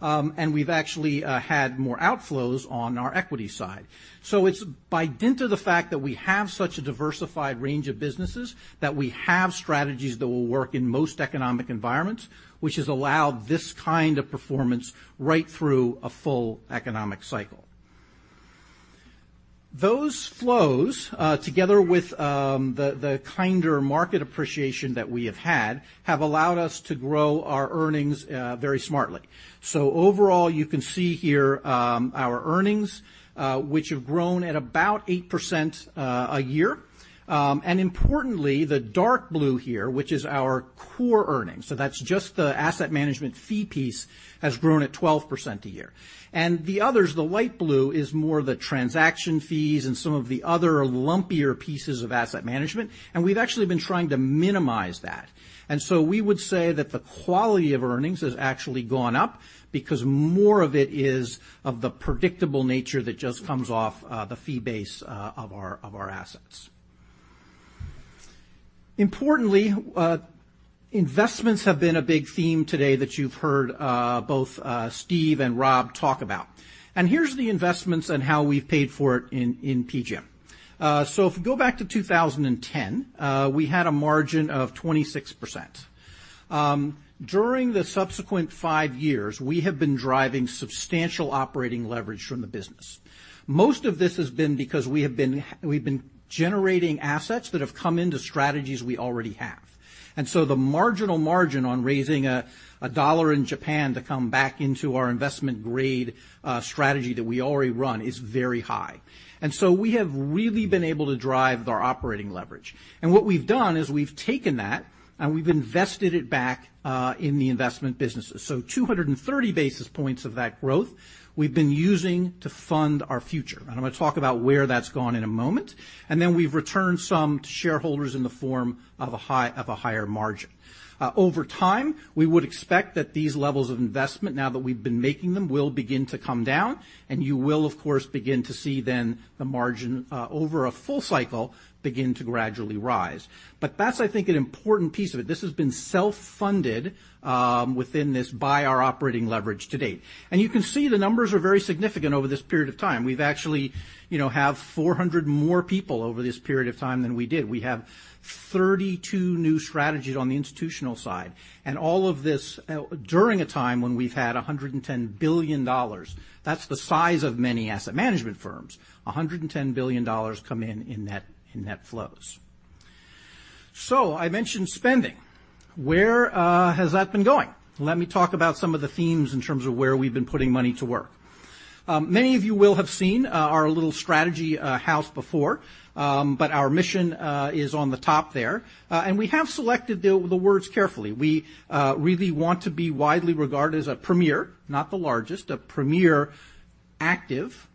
We've actually had more outflows on our equity side. It's by dint of the fact that we have such a diversified range of businesses, that we have strategies that will work in most economic environments, which has allowed this kind of performance right through a full economic cycle. Those flows, together with the kinder market appreciation that we have had, have allowed us to grow our earnings very smartly. Overall, you can see here our earnings, which have grown at about 8% a year. Importantly, the dark blue here, which is our core earnings, so that's just the asset management fee piece, has grown at 12% a year. The others, the light blue, is more the transaction fees and some of the other lumpier pieces of asset management, and we've actually been trying to minimize that. We would say that the quality of earnings has actually gone up because more of it is of the predictable nature that just comes off the fee base of our assets. Importantly, investments have been a big theme today that you've heard both Steve and Rob talk about, and here's the investments and how we've paid for it in PGIM. If we go back to 2010, we had a margin of 26%. During the subsequent five years, we have been driving substantial operating leverage from the business. Most of this has been because we've been generating assets that have come into strategies we already have. The marginal margin on raising a $1 in Japan to come back into our investment grade strategy that we already run is very high. We have really been able to drive our operating leverage. What we've done is we've taken that, and we've invested it back in the investment businesses. 230 basis points of that growth we've been using to fund our future, and I'm going to talk about where that's gone in a moment. Then we've returned some to shareholders in the form of a higher margin. Over time, we would expect that these levels of investment, now that we've been making them, will begin to come down, and you will, of course, begin to see then the margin over a full cycle begin to gradually rise. That's, I think, an important piece of it. This has been self-funded within this by our operating leverage to date. You can see the numbers are very significant over this period of time. We've actually have 400 more people over this period of time than we did. We have 32 new strategies on the institutional side, all of this during a time when we've had $110 billion. That's the size of many asset management firms. $110 billion come in net flows. I mentioned spending. Where has that been going? Let me talk about some of the themes in terms of where we've been putting money to work. Many of you will have seen our little strategy house before, our mission is on the top there. We have selected the words carefully. We really want to be widely regarded as a premier, not the largest, a premier active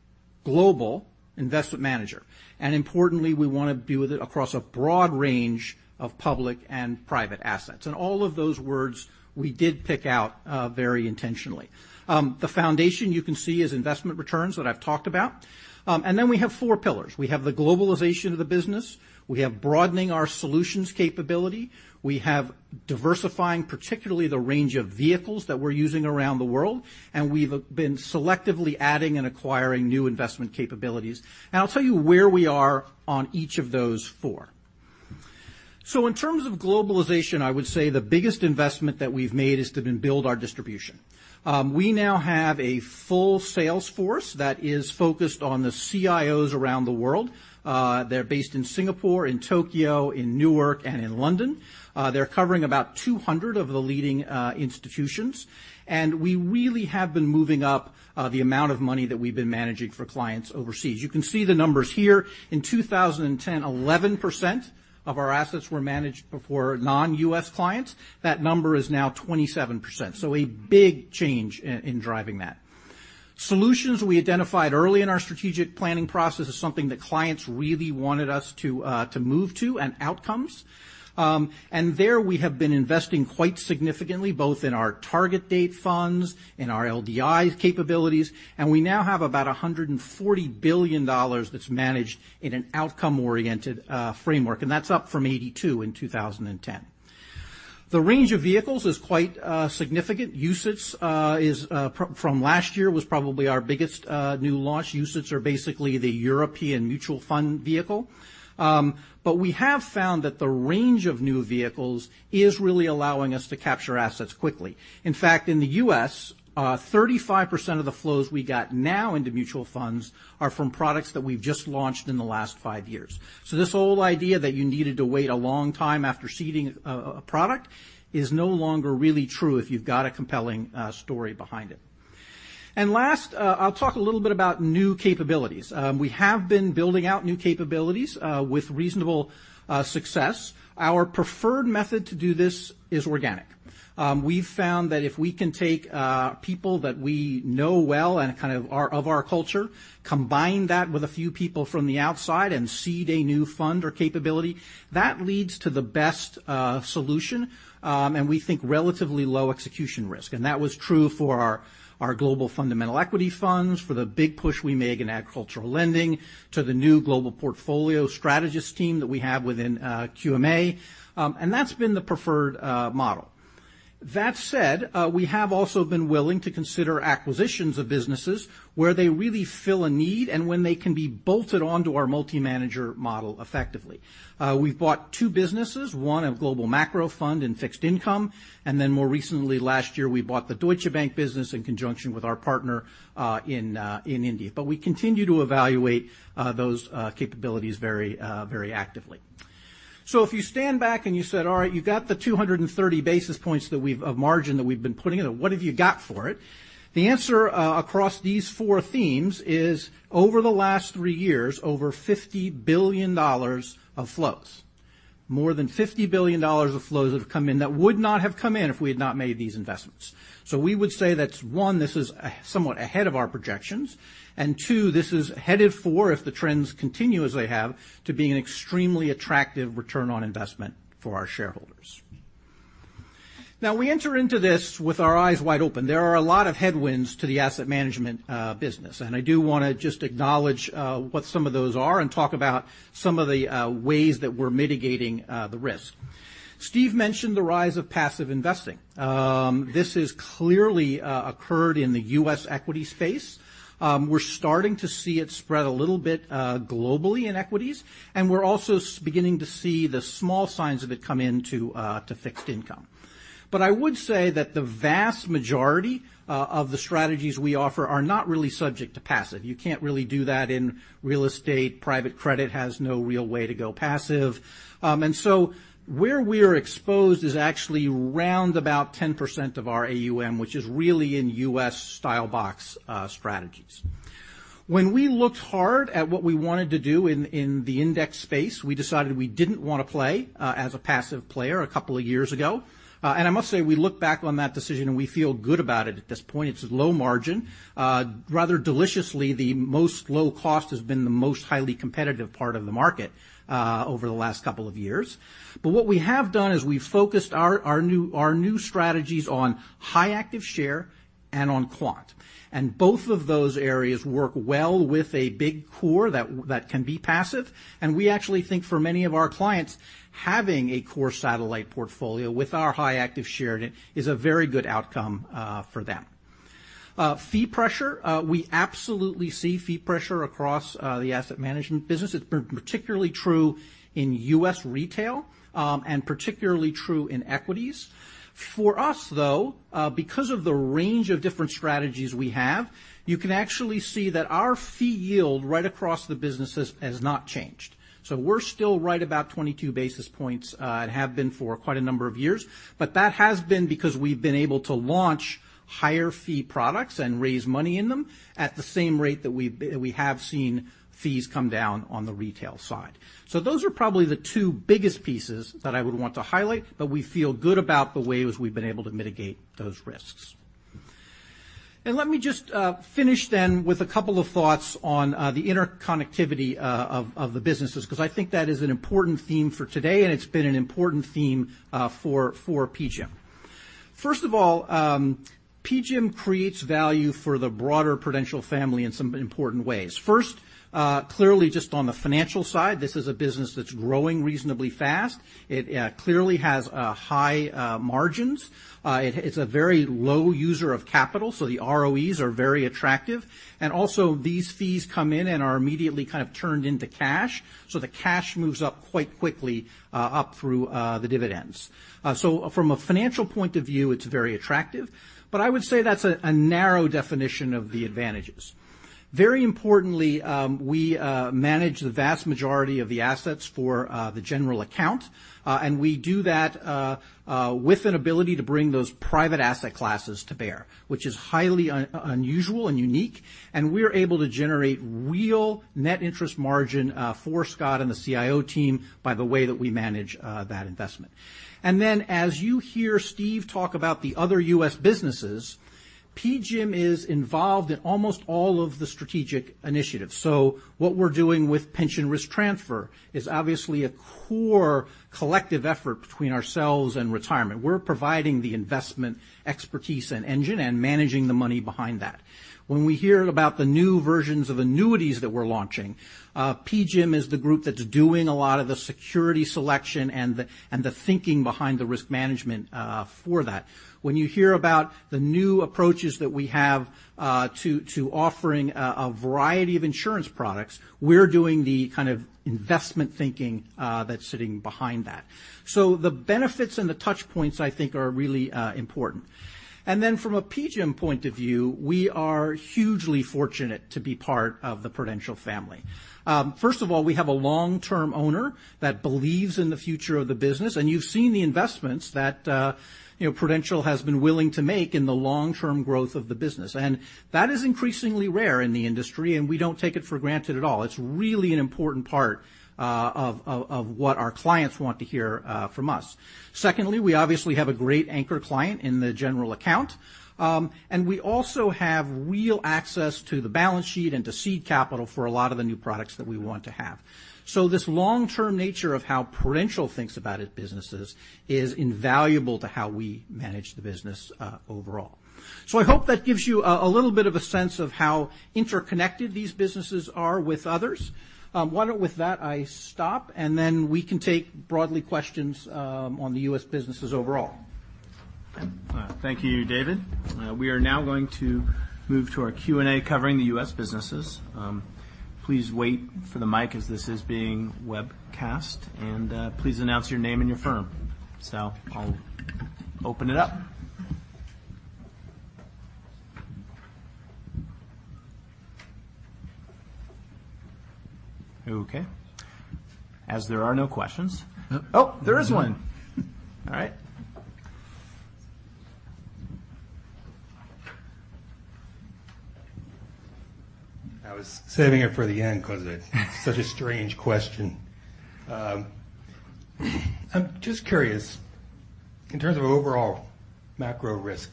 global investment manager. Importantly, we want to be with it across a broad range of public and private assets. All of those words we did pick out very intentionally. The foundation you can see is investment returns that I've talked about, then we have four pillars. We have the globalization of the business. We have broadening our solutions capability. We have diversifying, particularly the range of vehicles that we're using around the world, we've been selectively adding and acquiring new investment capabilities. I'll tell you where we are on each of those four. In terms of globalization, I would say the biggest investment that we've made is to build our distribution. We now have a full sales force that is focused on the CIOs around the world. They're based in Singapore, in Tokyo, in Newark, and in London. They're covering about 200 of the leading institutions, we really have been moving up the amount of money that we've been managing for clients overseas. You can see the numbers here. In 2010, 11% of our assets were managed for non-U.S. clients. That number is now 27%, a big change in driving that. Solutions we identified early in our strategic planning process is something that clients really wanted us to move to, outcomes. There we have been investing quite significantly, both in our target date funds, in our LDI capabilities, and we now have about $140 billion that's managed in an outcome-oriented framework, and that's up from $82 in 2010. The range of vehicles is quite significant. UCITS from last year was probably our biggest new launch. UCITS are basically the European mutual fund vehicle. We have found that the range of new vehicles is really allowing us to capture assets quickly. In fact, in the U.S., 35% of the flows we got now into mutual funds are from products that we've just launched in the last five years. This whole idea that you needed to wait a long time after seeding a product is no longer really true if you've got a compelling story behind it. Last, I'll talk a little bit about new capabilities. We have been building out new capabilities with reasonable success. Our preferred method to do this is organic. We've found that if we can take people that we know well and kind of are of our culture, combine that with a few people from the outside and seed a new fund or capability, that leads to the best solution, and we think relatively low execution risk, and that was true for our global fundamental equity funds, for the big push we make in agricultural lending, to the new global portfolio strategist team that we have within QMA, and that's been the preferred model. That said, we have also been willing to consider acquisitions of businesses where they really fill a need and when they can be bolted onto our multi-manager model effectively. We've bought two businesses, one a global macro fund in fixed income, and then more recently last year, we bought the Deutsche Bank business in conjunction with our partner in India. We continue to evaluate those capabilities very actively. If you stand back and you said, all right, you've got the 230 basis points of margin that we've been putting in, what have you got for it? The answer across these four themes is over the last three years, over $50 billion of flows. More than $50 billion of flows have come in that would not have come in if we had not made these investments. We would say that, one, this is somewhat ahead of our projections. Two, this is headed for, if the trends continue as they have, to be an extremely attractive return on investment for our shareholders. Now we enter into this with our eyes wide open. There are a lot of headwinds to the asset management business. I do want to just acknowledge what some of those are and talk about some of the ways that we're mitigating the risk. Steve mentioned the rise of passive investing. This has clearly occurred in the U.S. equity space. We're starting to see it spread a little bit globally in equities. We're also beginning to see the small signs of it come into fixed income. I would say that the vast majority of the strategies we offer are not really subject to passive. You can't really do that in real estate. Private credit has no real way to go passive. Where we are exposed is actually round about 10% of our AUM, which is really in U.S. style box strategies. When we looked hard at what we wanted to do in the index space, we decided we didn't want to play as a passive player a couple of years ago. I must say, we look back on that decision, and we feel good about it at this point. It's low margin. Rather deliciously, the most low cost has been the most highly competitive part of the market over the last couple of years. What we have done is we've focused our new strategies on high active share and on quant. Both of those areas work well with a big core that can be passive. We actually think for many of our clients, having a core satellite portfolio with our high active share in it is a very good outcome for them. Fee pressure, we absolutely see fee pressure across the asset management business. It's been particularly true in U.S. retail, particularly true in equities. For us, though, because of the range of different strategies we have, you can actually see that our fee yield right across the businesses has not changed. We're still right about 22 basis points, and have been for quite a number of years. That has been because we've been able to launch higher fee products and raise money in them at the same rate that we have seen fees come down on the retail side. Those are probably the two biggest pieces that I would want to highlight, but we feel good about the ways we've been able to mitigate those risks. Let me just finish then with a couple of thoughts on the interconnectivity of the businesses, because I think that is an important theme for today, and it's been an important theme for PGIM. First of all, PGIM creates value for the broader Prudential family in some important ways. First, clearly just on the financial side, this is a business that's growing reasonably fast. It clearly has high margins. It's a very low user of capital, so the ROEs are very attractive. Also, these fees come in and are immediately kind of turned into cash, so the cash moves up quite quickly, up through the dividends. From a financial point of view, it's very attractive. I would say that's a narrow definition of the advantages. Very importantly, we manage the vast majority of the assets for the general account, and we do that with an ability to bring those private asset classes to bear, which is highly unusual and unique. We are able to generate real net interest margin for Scott and the CIO team by the way that we manage that investment. As you hear Steve talk about the other U.S. businesses, PGIM is involved in almost all of the strategic initiatives. What we're doing with pension risk transfer is obviously a core collective effort between ourselves and retirement. We're providing the investment expertise and engine and managing the money behind that. When we hear about the new versions of annuities that we're launching, PGIM is the group that's doing a lot of the security selection and the thinking behind the risk management for that. When you hear about the new approaches that we have to offering a variety of insurance products, we're doing the kind of investment thinking that's sitting behind that. The benefits and the touch points I think are really important. From a PGIM point of view, we are hugely fortunate to be part of the Prudential family. First of all, we have a long-term owner that believes in the future of the business, and you've seen the investments that Prudential has been willing to make in the long-term growth of the business. That is increasingly rare in the industry, and we don't take it for granted at all. It's really an important part of what our clients want to hear from us. Secondly, we obviously have a great anchor client in the general account. We also have real access to the balance sheet and to seed capital for a lot of the new products that we want to have. This long-term nature of how Prudential thinks about its businesses is invaluable to how we manage the business overall. I hope that gives you a little bit of a sense of how interconnected these businesses are with others. Why don't with that I stop, and then we can take broadly questions on the U.S. businesses overall. Thank you, David. We are now going to move to our Q&A covering the U.S. businesses. Please wait for the mic as this is being webcast, and please announce your name and your firm. I'll open it up Okay. As there are no questions. There is one. All right. I was saving it for the end because it's such a strange question. I'm just curious, in terms of overall macro risk,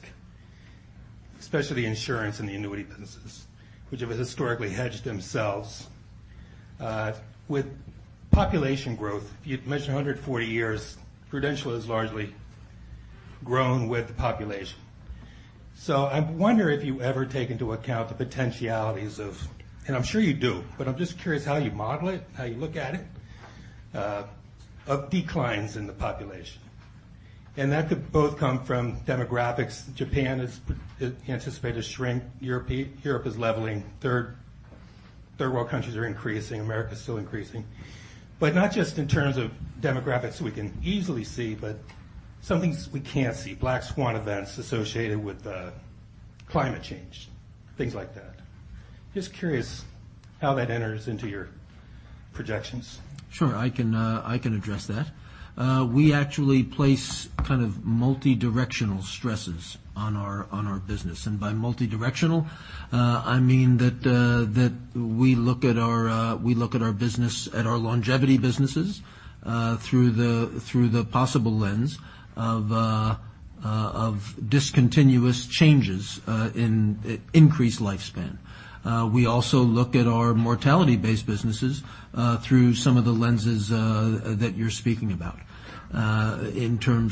especially insurance and the annuity businesses, which have historically hedged themselves, with population growth, you mentioned 140 years, Prudential has largely grown with the population. I wonder if you ever take into account the potentialities of, and I'm sure you do, but I'm just curious how you model it, how you look at it, of declines in the population. That could both come from demographics. Japan is anticipated to shrink. Europe is leveling. Third-world countries are increasing. America's still increasing. Not just in terms of demographics we can easily see, but some things we can't see, black swan events associated with climate change, things like that. Just curious how that enters into your projections. Sure. I can address that. We actually place kind of multi-directional stresses on our business. By multi-directional, I mean that we look at our longevity businesses through the possible lens of discontinuous changes in increased lifespan. We also look at our mortality-based businesses through some of the lenses that you're speaking about in terms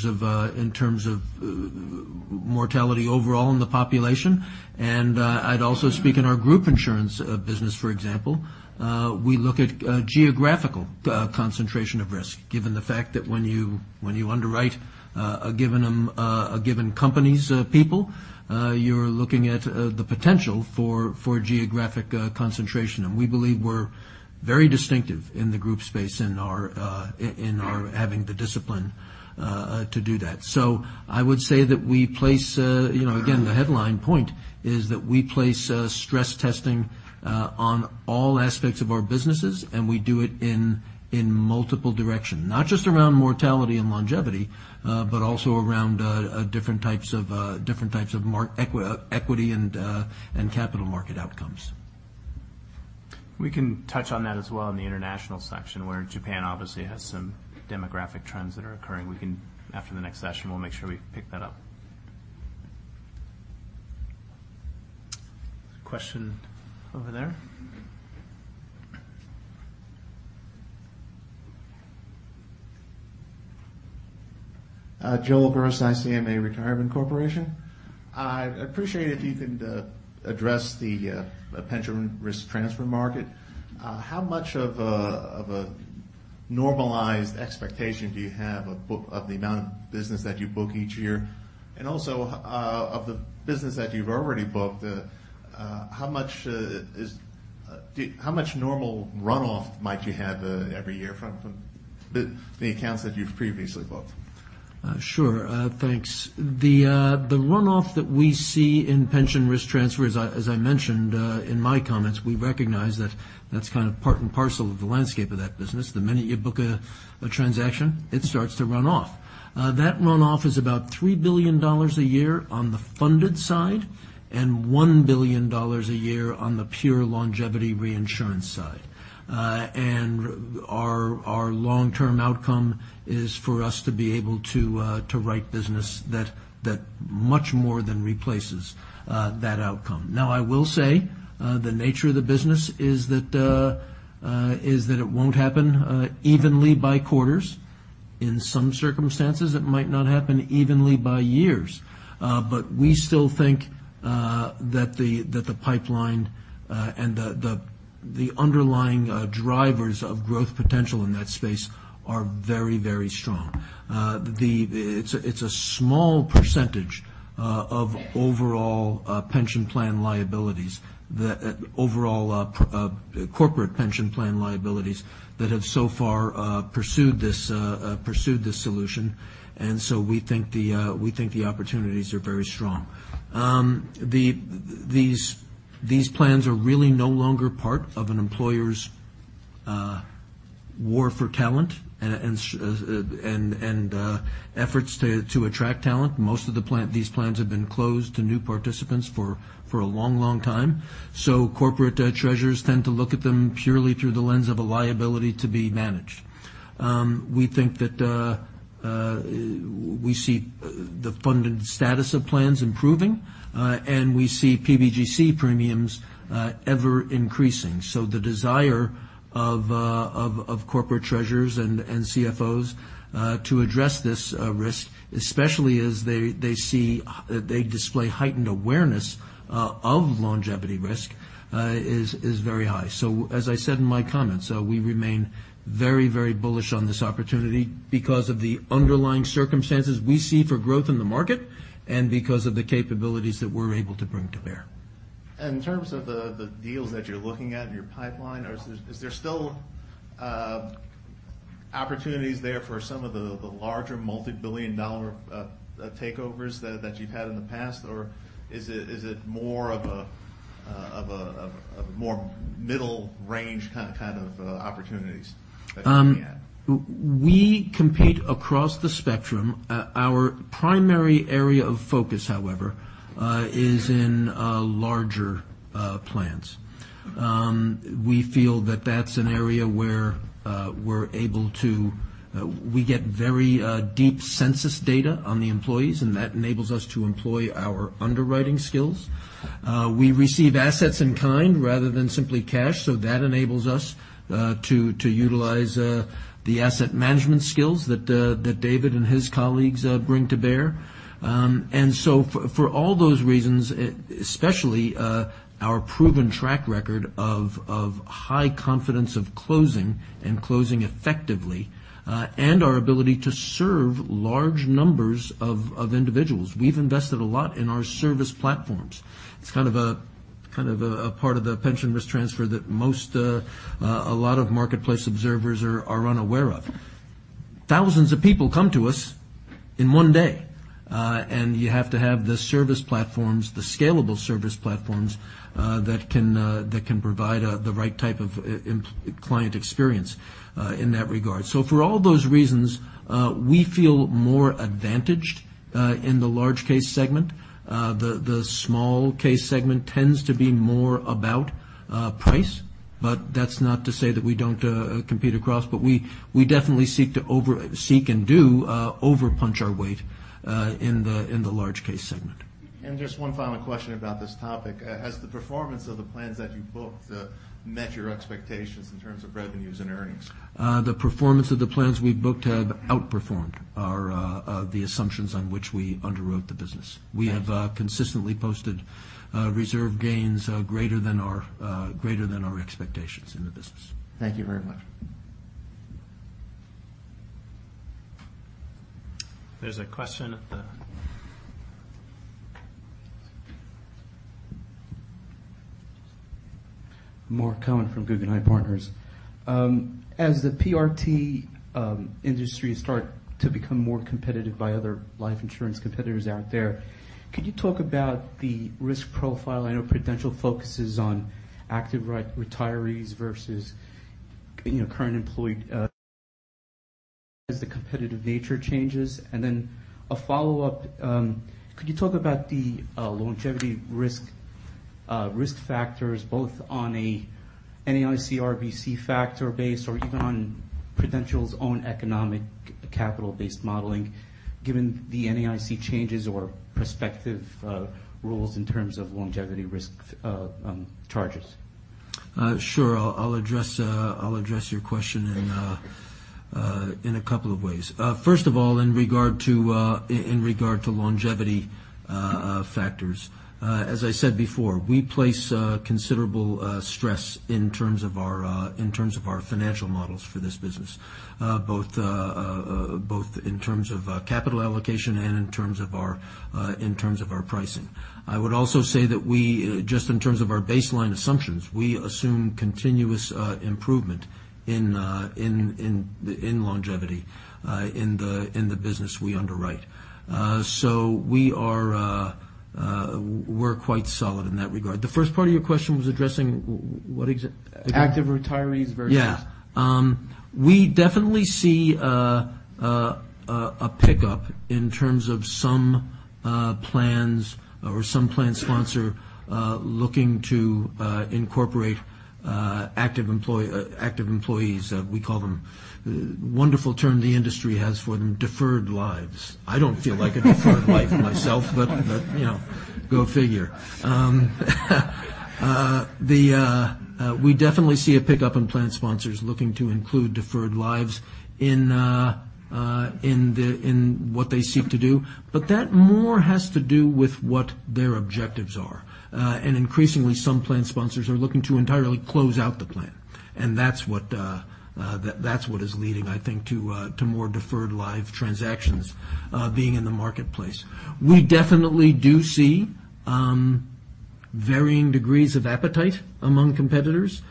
of mortality overall in the population. I'd also speak in our group insurance business, for example. We look at geographical concentration of risk, given the fact that when you underwrite a given company's people, you're looking at the potential for geographic concentration. We believe we're very distinctive in the group space in our having the discipline to do that. I would say that we place, again, the headline point is that we place stress testing on all aspects of our businesses, and we do it in multiple directions, not just around mortality and longevity, but also around different types of equity and capital market outcomes. We can touch on that as well in the international section, where Japan obviously has some demographic trends that are occurring. After the next session, we'll make sure we pick that up. Question over there. Joel Gross, ICMA Retirement Corporation. I'd appreciate it if you could address the pension risk transfer market. How much of a normalized expectation do you have of the amount of business that you book each year? Also, of the business that you've already booked, how much normal runoff might you have every year from the accounts that you've previously booked? Sure. Thanks. The runoff that we see in pension risk transfers, as I mentioned in my comments, we recognize that that's kind of part and parcel of the landscape of that business. The minute you book a transaction, it starts to run off. That runoff is about $3 billion a year on the funded side and $1 billion a year on the pure longevity reinsurance side. Our long-term outcome is for us to be able to write business that much more than replaces that outcome. Now, I will say, the nature of the business is that it won't happen evenly by quarters. In some circumstances, it might not happen evenly by years. We still think that the pipeline and the underlying drivers of growth potential in that space are very, very strong. It's a small percentage of overall corporate pension plan liabilities that have so far pursued this solution, and so we think the opportunities are very strong. These plans are really no longer part of an employer's war for talent and efforts to attract talent. Most of these plans have been closed to new participants for a long time. Corporate treasurers tend to look at them purely through the lens of a liability to be managed. We think that we see the funded status of plans improving, and we see PBGC premiums ever increasing. The desire of corporate treasurers and CFOs to address this risk, especially as they display heightened awareness of longevity risk, is very high. As I said in my comments, we remain very bullish on this opportunity because of the underlying circumstances we see for growth in the market and because of the capabilities that we're able to bring to bear. In terms of the deals that you're looking at in your pipeline, is there still opportunities there for some of the larger multibillion-dollar takeovers that you've had in the past? Is it more of a middle range kind of opportunities that you're looking at? We compete across the spectrum. Our primary area of focus, however, is in larger plans. We feel that that's an area where we get very deep census data on the employees, and that enables us to employ our underwriting skills. We receive assets in kind rather than simply cash, so that enables us to utilize the asset management skills that David and his colleagues bring to bear. For all those reasons, especially our proven track record of high confidence of closing and closing effectively, and our ability to serve large numbers of individuals, we've invested a lot in our service platforms. It's kind of a part of the pension risk transfer that a lot of marketplace observers are unaware of. Thousands of people come to us in one day, and you have to have the scalable service platforms that can provide the right type of client experience in that regard. For all those reasons, we feel more advantaged in the large case segment. The small case segment tends to be more about price, but that's not to say that we don't compete across, but we definitely seek and do over-punch our weight in the large case segment. Just one final question about this topic. Has the performance of the plans that you've booked met your expectations in terms of revenues and earnings? The performance of the plans we've booked have outperformed the assumptions on which we underwrote the business. We have consistently posted reserve gains greater than our expectations in the business. Thank you very much. There's a question at the Mark Cohen from Guggenheim Partners. As the PRT industry start to become more competitive by other life insurance competitors out there, could you talk about the risk profile? I know Prudential focuses on active retirees versus current employee as the competitive nature changes. A follow-up, could you talk about the longevity risk factors, both on a NAIC RBC factor base or even on Prudential's own economic capital-based modeling, given the NAIC changes or prospective rules in terms of longevity risk charges? Sure. I'll address your question in a couple of ways. First of all, in regard to longevity factors, as I said before, we place considerable stress in terms of our financial models for this business, both in terms of capital allocation and in terms of our pricing. I would also say that just in terms of our baseline assumptions, we assume continuous improvement in longevity in the business we underwrite. We're quite solid in that regard. The first part of your question was addressing what exac- Active retirees versus- Yeah. We definitely see a pickup in terms of some plans or some plan sponsor looking to incorporate active employees. We call them, wonderful term the industry has for them, deferred lives. I don't feel like a deferred life myself, but go figure. We definitely see a pickup in plan sponsors looking to include deferred lives in what they seek to do. That more has to do with what their objectives are. Increasingly, some plan sponsors are looking to entirely close out the plan. That's what is leading, I think, to more deferred life transactions being in the marketplace. We definitely do see varying degrees of appetite among competitors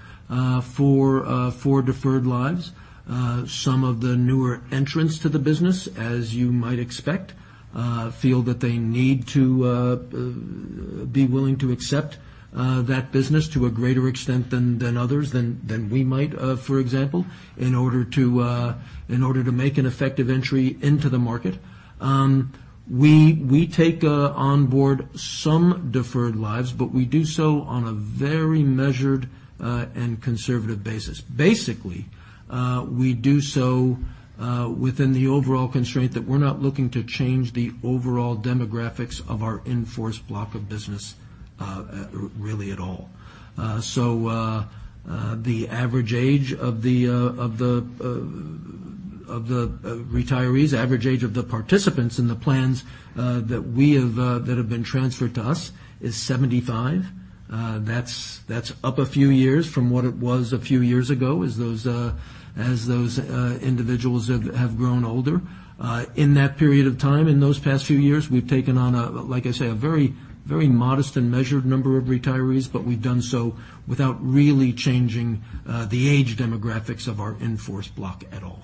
for deferred lives. Some of the newer entrants to the business, as you might expect, feel that they need to be willing to accept that business to a greater extent than others, than we might, for example, in order to make an effective entry into the market. We take onboard some deferred lives, but we do so on a very measured and conservative basis. Basically, we do so within the overall constraint that we're not looking to change the overall demographics of our in-force block of business really at all. The average age of the retirees, average age of the participants in the plans that have been transferred to us is 75. That's up a few years from what it was a few years ago as those individuals have grown older. In that period of time, in those past few years, we've taken on a, like I say, a very modest and measured number of retirees, but we've done so without really changing the age demographics of our in-force block at all.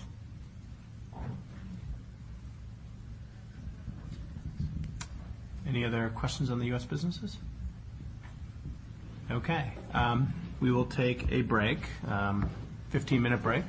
Any other questions on the U.S. businesses? Okay. We will take a break, 15-minute break.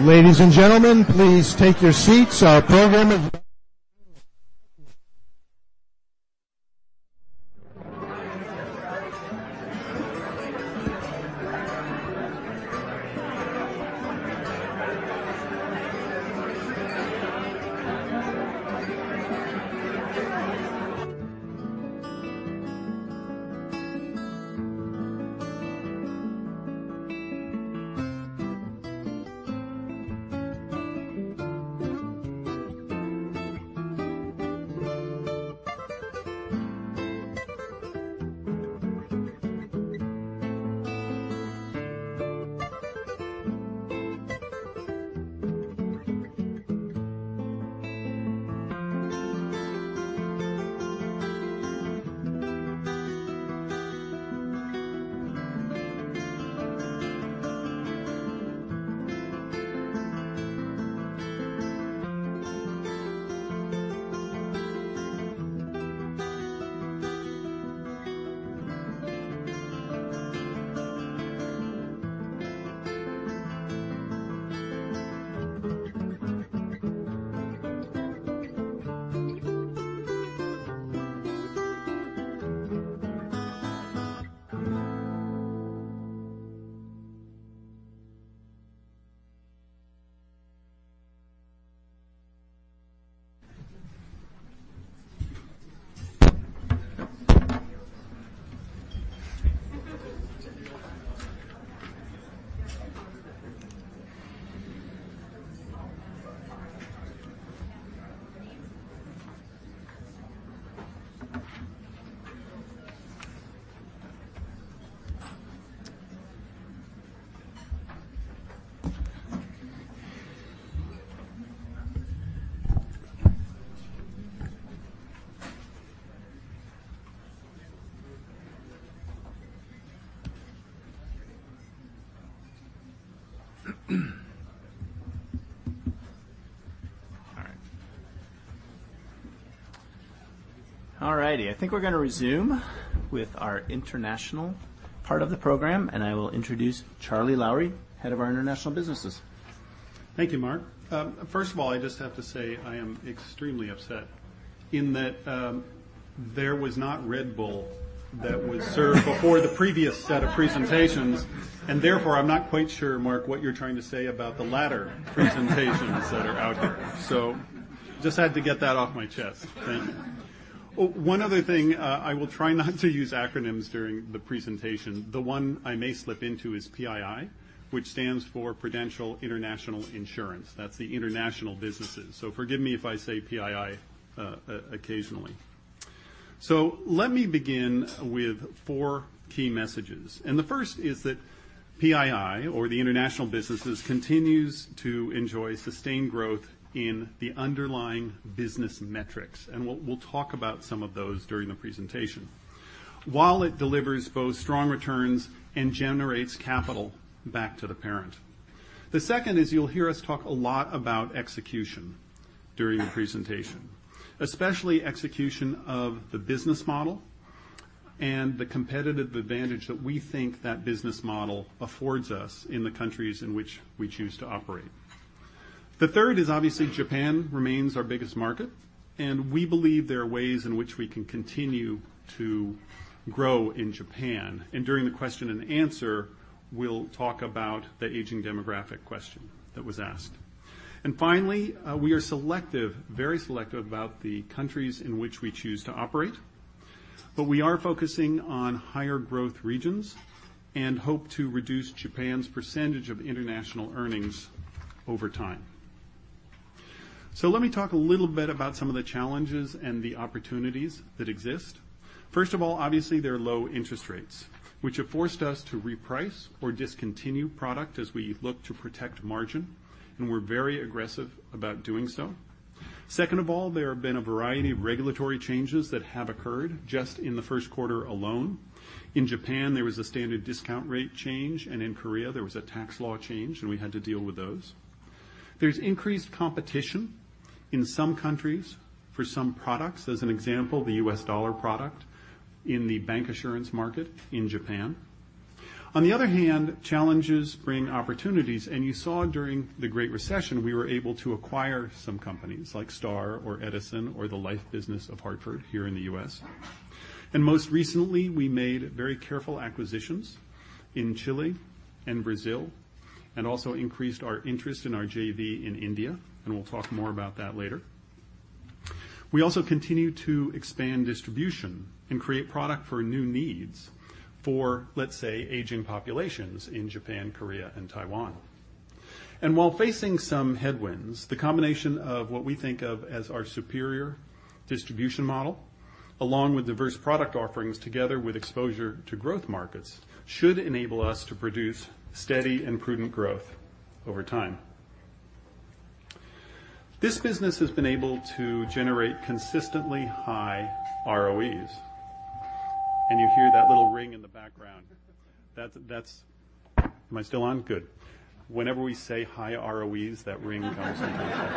Good job. Very nice. Ladies and gentlemen, please take your seats. All right. All righty. I think we're going to resume with our international part of the program. I will introduce Charlie Lowrey, Head of our International Businesses. Thank you, Mark. First of all, I just have to say I am extremely upset in that there was not Red Bull that was served before the previous set of presentations. Therefore, I'm not quite sure, Mark, what you're trying to say about the latter presentations that are out there. Just had to get that off my chest. Thank you. One other thing, I will try not to use acronyms during the presentation. The one I may slip into is PII, which stands for Prudential International Insurance. That's the International Businesses. Forgive me if I say PII occasionally. Let me begin with four key messages. The first is that PII or the International Businesses continues to enjoy sustained growth in the underlying business metrics. We'll talk about some of those during the presentation. While it delivers both strong returns and generates capital back to the parent. The second is you'll hear us talk a lot about execution during the presentation, especially execution of the business model and the competitive advantage that we think that business model affords us in the countries in which we choose to operate. The third is obviously Japan remains our biggest market, and we believe there are ways in which we can continue to grow in Japan. During the question and answer, we'll talk about the aging demographic question that was asked. Finally, we are selective, very selective about the countries in which we choose to operate, but we are focusing on higher growth regions and hope to reduce Japan's percentage of international earnings over time. Let me talk a little bit about some of the challenges and the opportunities that exist. First of all, obviously, there are low interest rates, which have forced us to reprice or discontinue product as we look to protect margin, and we're very aggressive about doing so. Second of all, there have been a variety of regulatory changes that have occurred just in the first quarter alone. In Japan, there was a standard discount rate change, and in Korea there was a tax law change, and we had to deal with those. There's increased competition in some countries for some products, as an example, the U.S. dollar product in the bancassurance market in Japan. On the other hand, challenges bring opportunities, and you saw during the Great Recession we were able to acquire some companies like Star or Edison or the life business of The Hartford here in the U.S. Most recently, we made very careful acquisitions in Chile and Brazil and also increased our interest in our JV in India, and we'll talk more about that later. We also continue to expand distribution and create product for new needs for, let's say, aging populations in Japan, Korea, and Taiwan. While facing some headwinds, the combination of what we think of as our superior distribution model along with diverse product offerings together with exposure to growth markets, should enable us to produce steady and prudent growth over time. This business has been able to generate consistently high ROEs. You hear that little ring in the background. Am I still on? Good. Whenever we say high ROEs, that ring comes into play.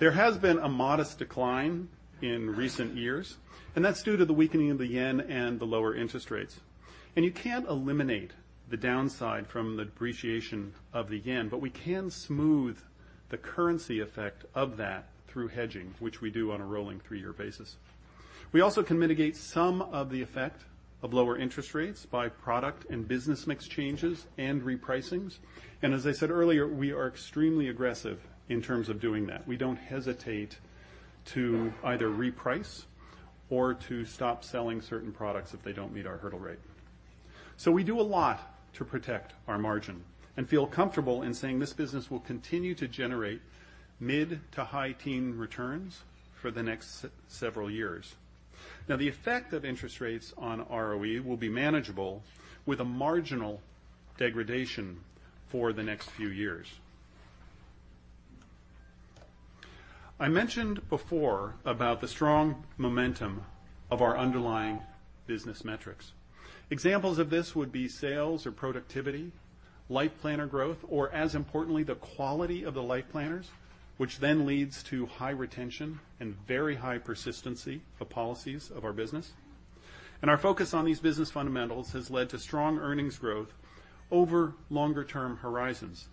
There has been a modest decline in recent years, and that's due to the weakening of the yen and the lower interest rates. You can't eliminate the downside from the depreciation of the yen, but we can smooth the currency effect of that through hedging, which we do on a rolling three-year basis. We also can mitigate some of the effect of lower interest rates by product and business mix changes and repricings. As I said earlier, we are extremely aggressive in terms of doing that. We don't hesitate to either reprice or to stop selling certain products if they don't meet our hurdle rate. We do a lot to protect our margin and feel comfortable in saying this business will continue to generate mid to high teen returns for the next several years. Now, the effect of interest rates on ROE will be manageable with a marginal degradation for the next few years. I mentioned before about the strong momentum of our underlying business metrics. Examples of this would be sales or productivity, life planner growth, or as importantly, the quality of the life planners, which then leads to high retention and very high persistency of policies of our business. Our focus on these business fundamentals has led to strong earnings growth over longer term horizons.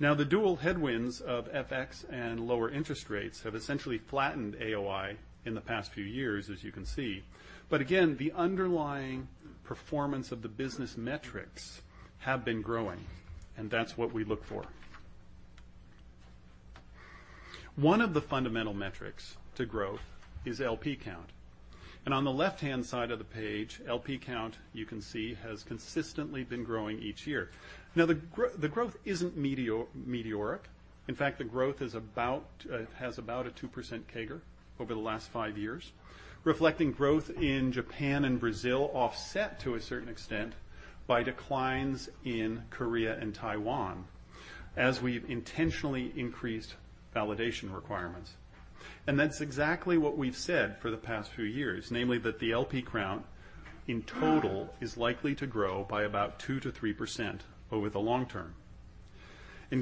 The dual headwinds of FX and lower interest rates have essentially flattened AOI in the past few years, as you can see. Again, the underlying performance of the business metrics have been growing, and that's what we look for. One of the fundamental metrics to growth is LP count. On the left-hand side of the page, LP count, you can see, has consistently been growing each year. The growth isn't meteoric. In fact, the growth has about a 2% CAGR over the last 5 years, reflecting growth in Japan and Brazil, offset to a certain extent by declines in Korea and Taiwan as we've intentionally increased validation requirements. That's exactly what we've said for the past few years, namely that the LP count in total is likely to grow by about 2%-3% over the long term.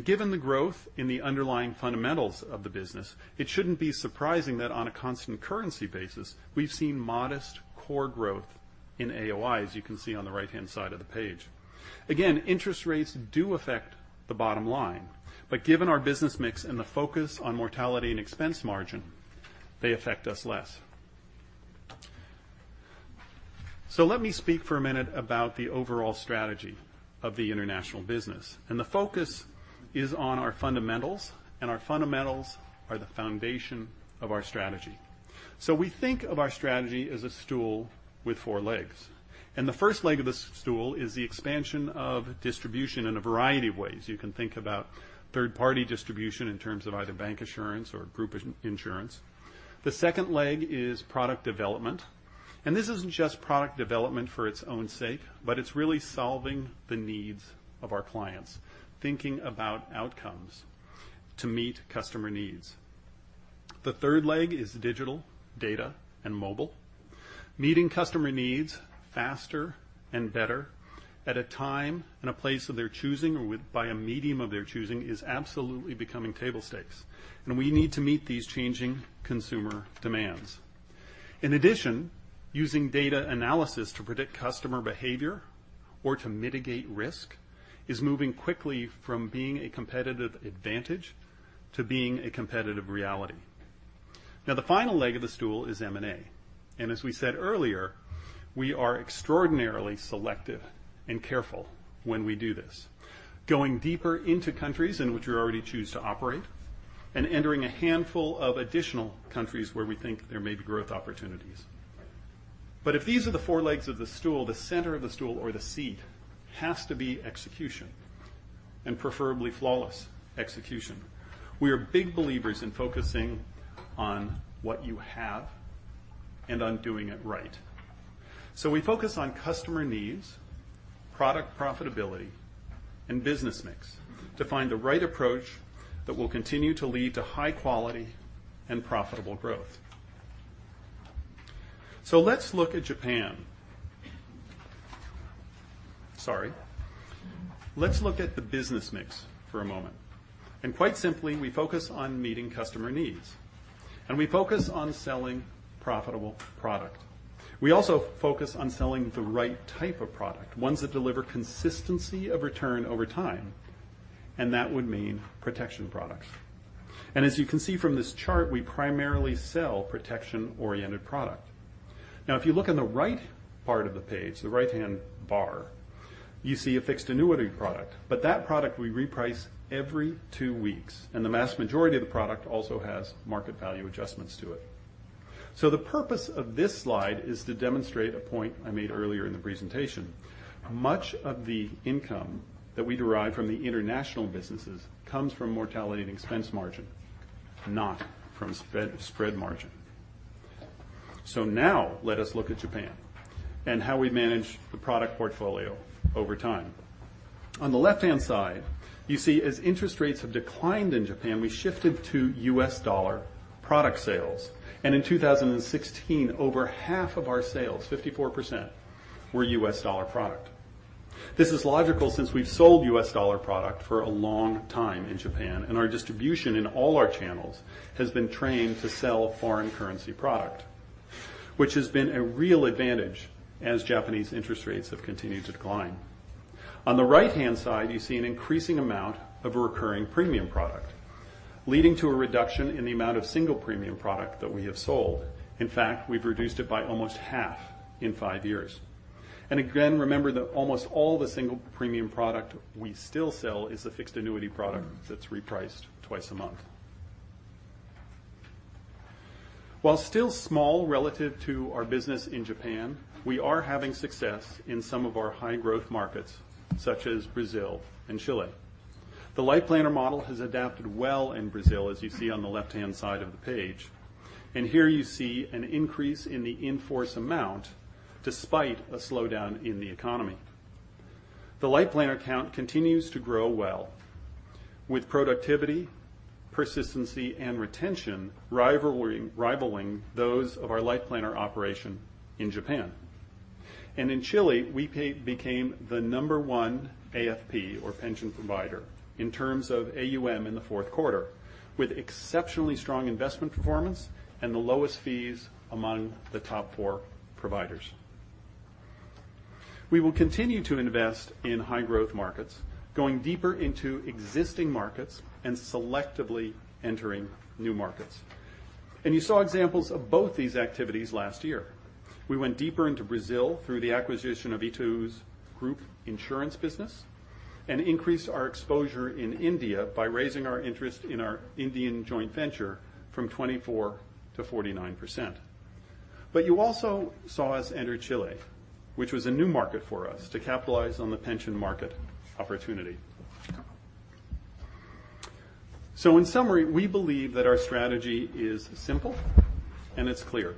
Given the growth in the underlying fundamentals of the business, it shouldn't be surprising that on a constant currency basis, we've seen modest core growth in AOI, as you can see on the right-hand side of the page. Interest rates do affect the bottom line, but given our business mix and the focus on mortality and expense margin, they affect us less. Let me speak for a minute about the overall strategy of the international business. The focus is on our fundamentals, and our fundamentals are the foundation of our strategy. We think of our strategy as a stool with 4 legs. The first leg of the stool is the expansion of distribution in a variety of ways. You can think about third-party distribution in terms of either bank assurance or group insurance. The second leg is product development. This isn't just product development for its own sake, but it's really solving the needs of our clients, thinking about outcomes to meet customer needs. The third leg is digital data and mobile. Meeting customer needs faster and better at a time and a place of their choosing or by a medium of their choosing is absolutely becoming table stakes, and we need to meet these changing consumer demands. In addition, using data analysis to predict customer behavior or to mitigate risk is moving quickly from being a competitive advantage to being a competitive reality. The final leg of the stool is M&A, and as we said earlier, we are extraordinarily selective and careful when we do this. Going deeper into countries in which we already choose to operate and entering a handful of additional countries where we think there may be growth opportunities. If these are the 4 legs of the stool, the center of the stool or the seat has to be execution, and preferably flawless execution. We are big believers in focusing on what you have and on doing it right. We focus on customer needs, product profitability, and business mix to find the right approach that will continue to lead to high quality and profitable growth. Let's look at Japan. Sorry. Let's look at the business mix for a moment. Quite simply, we focus on meeting customer needs, we focus on selling profitable product. We also focus on selling the right type of product, ones that deliver consistency of return over time, that would mean protection products. As you can see from this chart, we primarily sell protection-oriented product. If you look in the right part of the page, the right-hand bar, you see a fixed annuity product. That product we reprice every two weeks, and the vast majority of the product also has market value adjustments to it. The purpose of this slide is to demonstrate a point I made earlier in the presentation. Much of the income that we derive from the international businesses comes from mortality and expense margin, not from spread margin. Now let us look at Japan and how we manage the product portfolio over time. On the left-hand side, you see as interest rates have declined in Japan, we shifted to U.S. dollar product sales. In 2016, over half of our sales, 54%, were U.S. dollar product. This is logical since we've sold U.S. dollar product for a long time in Japan, our distribution in all our channels has been trained to sell foreign currency product, which has been a real advantage as Japanese interest rates have continued to decline. On the right-hand side, you see an increasing amount of recurring premium product, leading to a reduction in the amount of single premium product that we have sold. In fact, we've reduced it by almost half in five years. Again, remember that almost all the single premium product we still sell is the fixed annuity product that's repriced twice a month. While still small relative to our business in Japan, we are having success in some of our high growth markets, such as Brazil and Chile. The LifePlanner model has adapted well in Brazil, as you see on the left-hand side of the page. Here you see an increase in the in-force amount despite a slowdown in the economy. The LifePlanner count continues to grow well, with productivity, persistency, and retention rivaling those of our LifePlanner operation in Japan. In Chile, we became the number 1 AFP or pension provider in terms of AUM in the fourth quarter, with exceptionally strong investment performance and the lowest fees among the top 4 providers. We will continue to invest in high growth markets, going deeper into existing markets and selectively entering new markets. You saw examples of both these activities last year. We went deeper into Brazil through the acquisition of Itaú's group insurance business and increased our exposure in India by raising our interest in our Indian joint venture from 24% to 49%. You also saw us enter Chile, which was a new market for us to capitalize on the pension market opportunity. In summary, we believe that our strategy is simple and it's clear,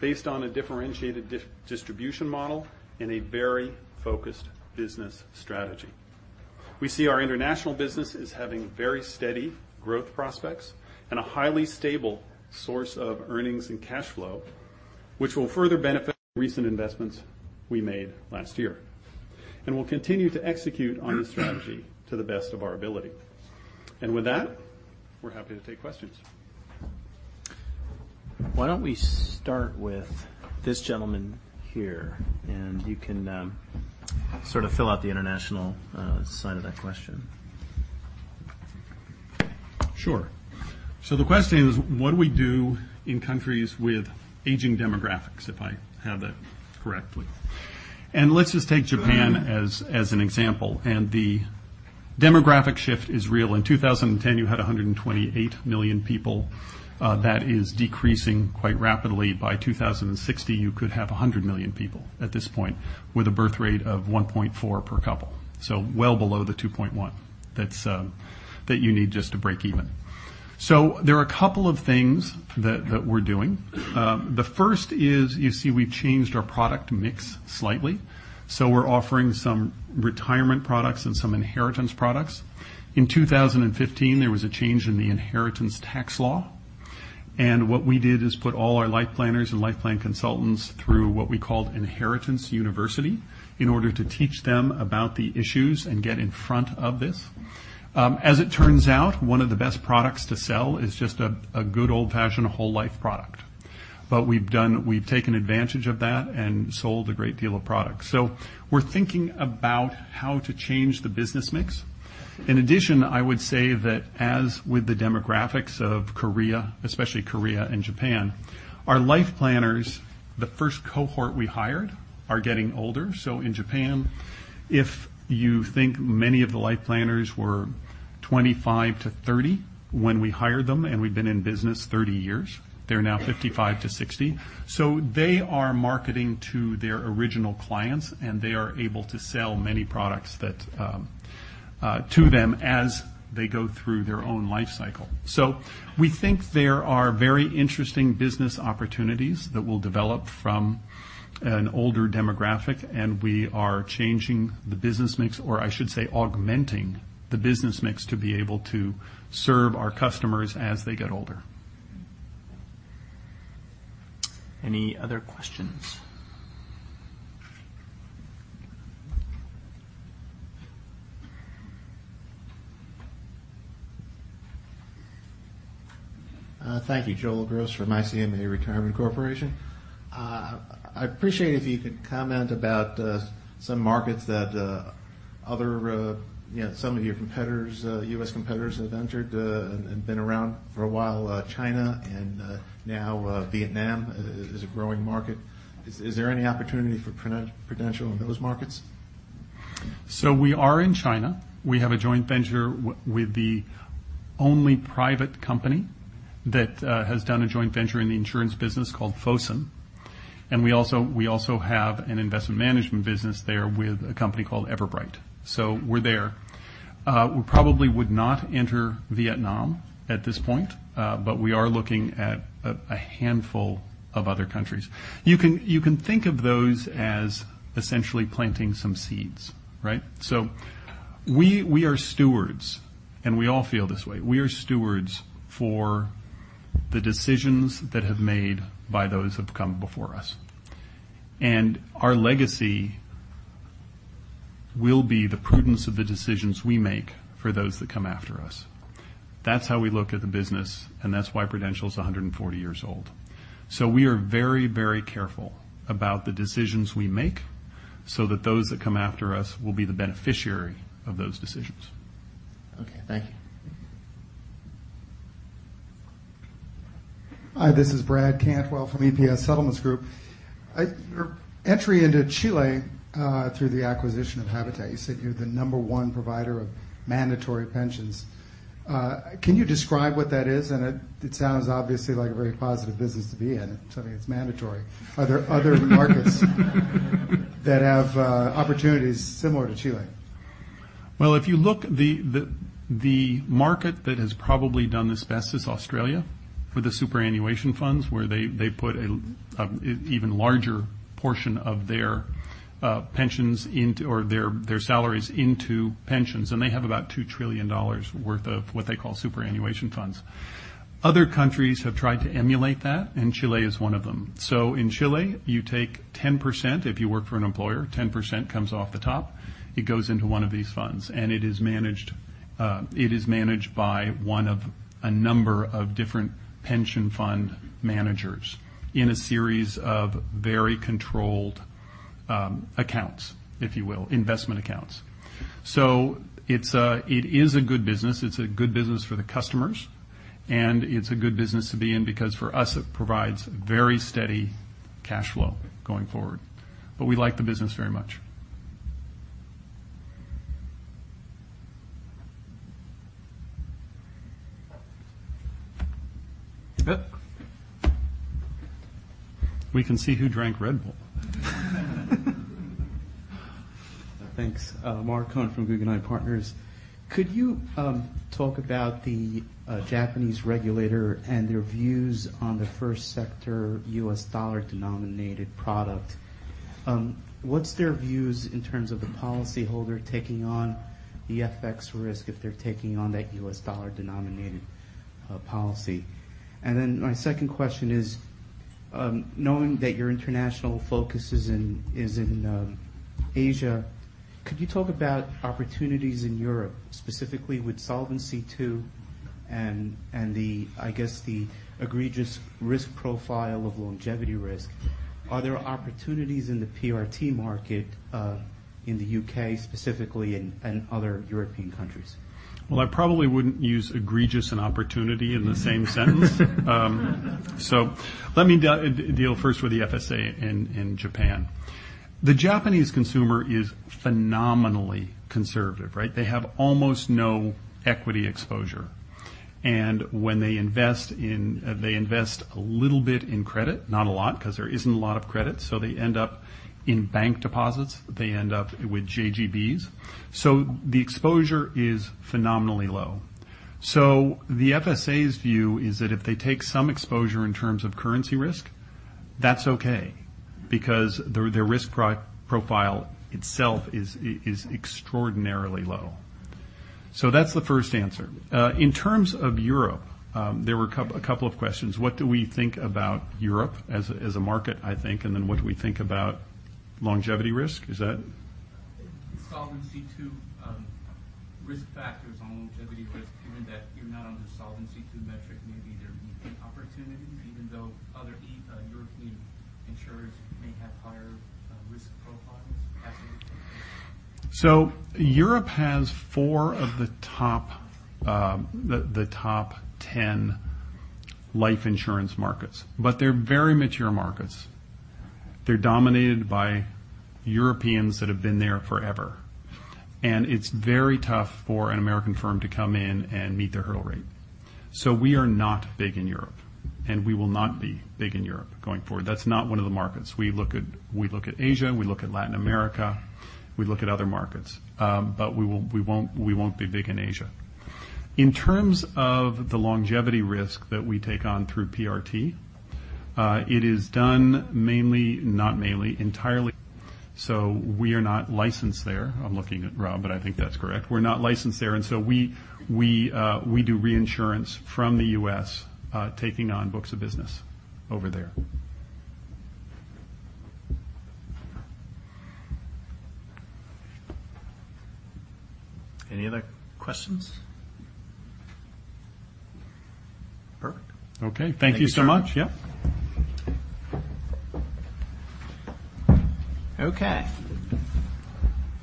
based on a differentiated distribution model and a very focused business strategy. We see our international business as having very steady growth prospects and a highly stable source of earnings and cash flow, which will further benefit recent investments we made last year. We'll continue to execute on this strategy to the best of our ability. With that, we're happy to take questions. Why don't we start with this gentleman here? You can sort of fill out the international side of that question. Sure. The question is: what do we do in countries with aging demographics, if I have that correctly? Let's just take Japan as an example. The demographic shift is real. In 2010, you had 128 million people. That is decreasing quite rapidly. By 2060, you could have 100 million people at this point with a birth rate of 1.4 per couple. Well below the 2.1 that you need just to break even. There are a couple of things that we're doing. The first is you see we've changed our product mix slightly. We're offering some retirement products and some inheritance products. In 2015, there was a change in the inheritance tax law, what we did is put all our life planners and life plan consultants through what we called Inheritance University in order to teach them about the issues and get in front of this. As it turns out, one of the best products to sell is just a good old-fashioned whole life product. We've taken advantage of that and sold a great deal of product. We're thinking about how to change the business mix. In addition, I would say that as with the demographics of Korea, especially Korea and Japan, our life planners, the first cohort we hired, are getting older. In Japan, if you think many of the life planners were 25-30 when we hired them, and we've been in business 30 years, they're now 55-60. They are marketing to their original clients, and they are able to sell many products to them as they go through their own life cycle. We think there are very interesting business opportunities that will develop from an older demographic, and we are changing the business mix or, I should say, augmenting the business mix to be able to serve our customers as they get older. Any other questions? Thank you. Joel Gross from ICMA Retirement Corporation. I'd appreciate if you could comment about some markets that some of your competitors, U.S. competitors, have entered and been around for a while, China and now Vietnam is a growing market. Is there any opportunity for Prudential in those markets? We are in China. We have a joint venture with the only private company that has done a joint venture in the insurance business called Fosun. We also have an investment management business there with a company called Everbright. We're there. We probably would not enter Vietnam at this point, but we are looking at a handful of other countries. You can think of those as essentially planting some seeds, right? We are stewards, and we all feel this way. We are stewards for the decisions that have made by those who've come before us. Our legacy will be the prudence of the decisions we make for those that come after us. That's how we look at the business, and that's why Prudential is 140 years old. We are very careful about the decisions we make so that those that come after us will be the beneficiary of those decisions. Okay. Thank you. Hi, this is Brad Cantwell from EPS Settlements Group. Your entry into Chile, through the acquisition of Habitat, you said you're the number 1 provider of mandatory pensions. Can you describe what that is? It sounds obviously like a very positive business to be in, assuming it's mandatory. Are there other markets that have opportunities similar to Chile? If you look, the market that has probably done this best is Australia with the superannuation funds, where they put an even larger portion of their pensions or their salaries into pensions, they have about $2 trillion worth of what they call superannuation funds. Other countries have tried to emulate that, Chile is one of them. In Chile, you take 10%, if you work for an employer, 10% comes off the top. It goes into one of these funds, it is managed by one of a number of different pension fund managers in a series of very controlled accounts, if you will, investment accounts. It is a good business. It's a good business for the customers, it's a good business to be in because, for us, it provides very steady cash flow going forward. We like the business very much. Yep. We can see who drank Red Bull. Thanks. Mark Cohen from Guggenheim Partners. Could you talk about the Japanese regulator and their views on the first sector U.S. dollar denominated product? What's their views in terms of the policyholder taking on the FX risk if they're taking on that U.S. dollar denominated policy? My second question is, knowing that your international focus is in Asia, could you talk about opportunities in Europe, specifically with Solvency II and, I guess, the egregious risk profile of longevity risk? Are there opportunities in the PRT market in the U.K., specifically, and other European countries? Well, I probably wouldn't use egregious and opportunity in the same sentence. Let me deal first with the FSA in Japan. The Japanese consumer is phenomenally conservative, right? They have almost no equity exposure, and when they invest, they invest a little bit in credit, not a lot, because there isn't a lot of credit, so they end up in bank deposits. They end up with JGBs. The exposure is phenomenally low. The FSA's view is that if they take some exposure in terms of currency risk That's okay because their risk profile itself is extraordinarily low. That's the first answer. In terms of Europe, there were a couple of questions. What do we think about Europe as a market, I think, and then what do we think about longevity risk? Is that- Solvency II risk factors on longevity risk, given that you're not under Solvency II metric, maybe there would be opportunities, even though other European insurers may have higher risk profiles. Europe has four of the top 10 life insurance markets, they're very mature markets. They're dominated by Europeans that have been there forever. It's very tough for an American firm to come in and meet their hurdle rate. We are not big in Europe, and we will not be big in Europe going forward. That's not one of the markets. We look at Asia, we look at Latin America, we look at other markets. We won't be big in Asia. In terms of the longevity risk that we take on through PRT, it is done entirely. We are not licensed there. I'm looking at Rob, I think that's correct. We're not licensed there, we do reinsurance from the U.S. taking on books of business over there. Any other questions? Perfect. Thank you so much. Yep.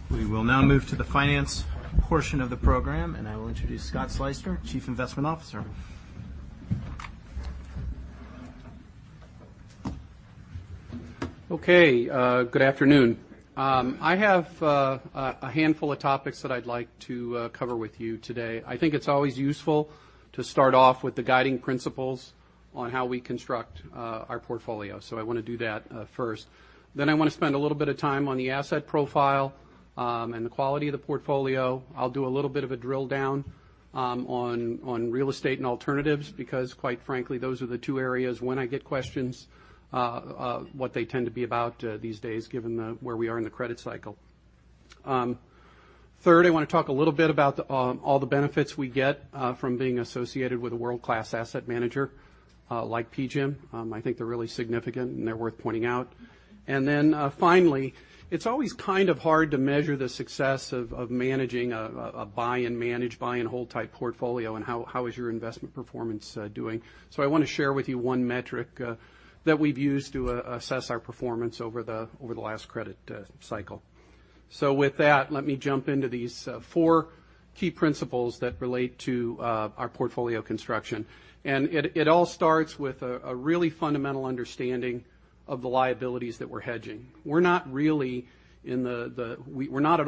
We will now move to the finance portion of the program, and I will introduce Scott Sleyster, Chief Investment Officer. Okay, good afternoon. I have a handful of topics that I'd like to cover with you today. I think it's always useful to start off with the guiding principles on how we construct our portfolio. I want to do that first. I want to spend a little bit of time on the asset profile and the quality of the portfolio. I'll do a little bit of a drill down on real estate and alternatives because quite frankly, those are the two areas when I get questions, what they tend to be about these days given where we are in the credit cycle. Third, I want to talk a little bit about all the benefits we get from being associated with a world-class asset manager like PGIM. I think they're really significant and they're worth pointing out. Finally, it's always kind of hard to measure the success of managing a buy and manage, buy and hold type portfolio and how is your investment performance doing. I want to share with you one metric that we've used to assess our performance over the last credit cycle. With that, let me jump into these four key principles that relate to our portfolio construction. It all starts with a really fundamental understanding of the liabilities that we're hedging. We're not at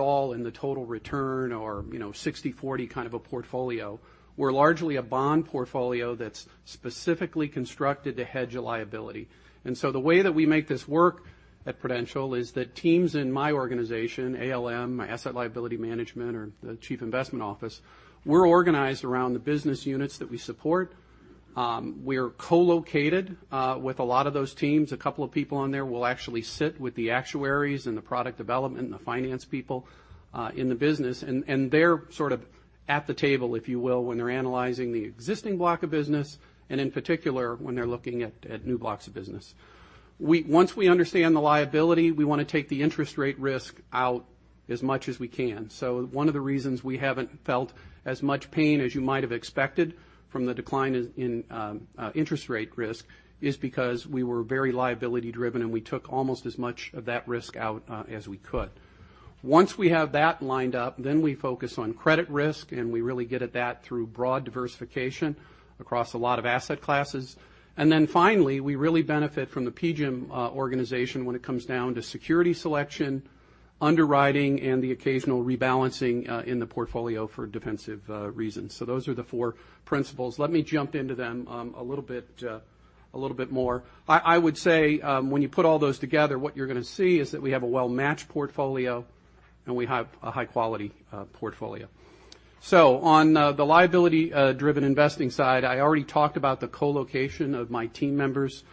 all in the total return or 60/40 kind of a portfolio. We're largely a bond portfolio that's specifically constructed to hedge a liability. The way that we make this work at Prudential is that teams in my organization, ALM, Asset Liability Management or the Chief Investment Office, we're organized around the business units that we support. We're co-located with a lot of those teams. A couple of people on there will actually sit with the actuaries and the product development and the finance people in the business. They're sort of at the table, if you will, when they're analyzing the existing block of business, and in particular, when they're looking at new blocks of business. Once we understand the liability, we want to take the interest rate risk out as much as we can. One of the reasons we haven't felt as much pain as you might have expected from the decline in interest rate risk is because we were very liability driven and we took almost as much of that risk out as we could. Once we have that lined up, then we focus on credit risk, and we really get at that through broad diversification across a lot of asset classes. Finally, we really benefit from the PGIM organization when it comes down to security selection, underwriting, and the occasional rebalancing in the portfolio for defensive reasons. Those are the four principles. Let me jump into them a little bit more. I would say when you put all those together, what you're going to see is that we have a well-matched portfolio and we have a high quality portfolio. On the liability driven investing side, I already talked about the co-location of my team members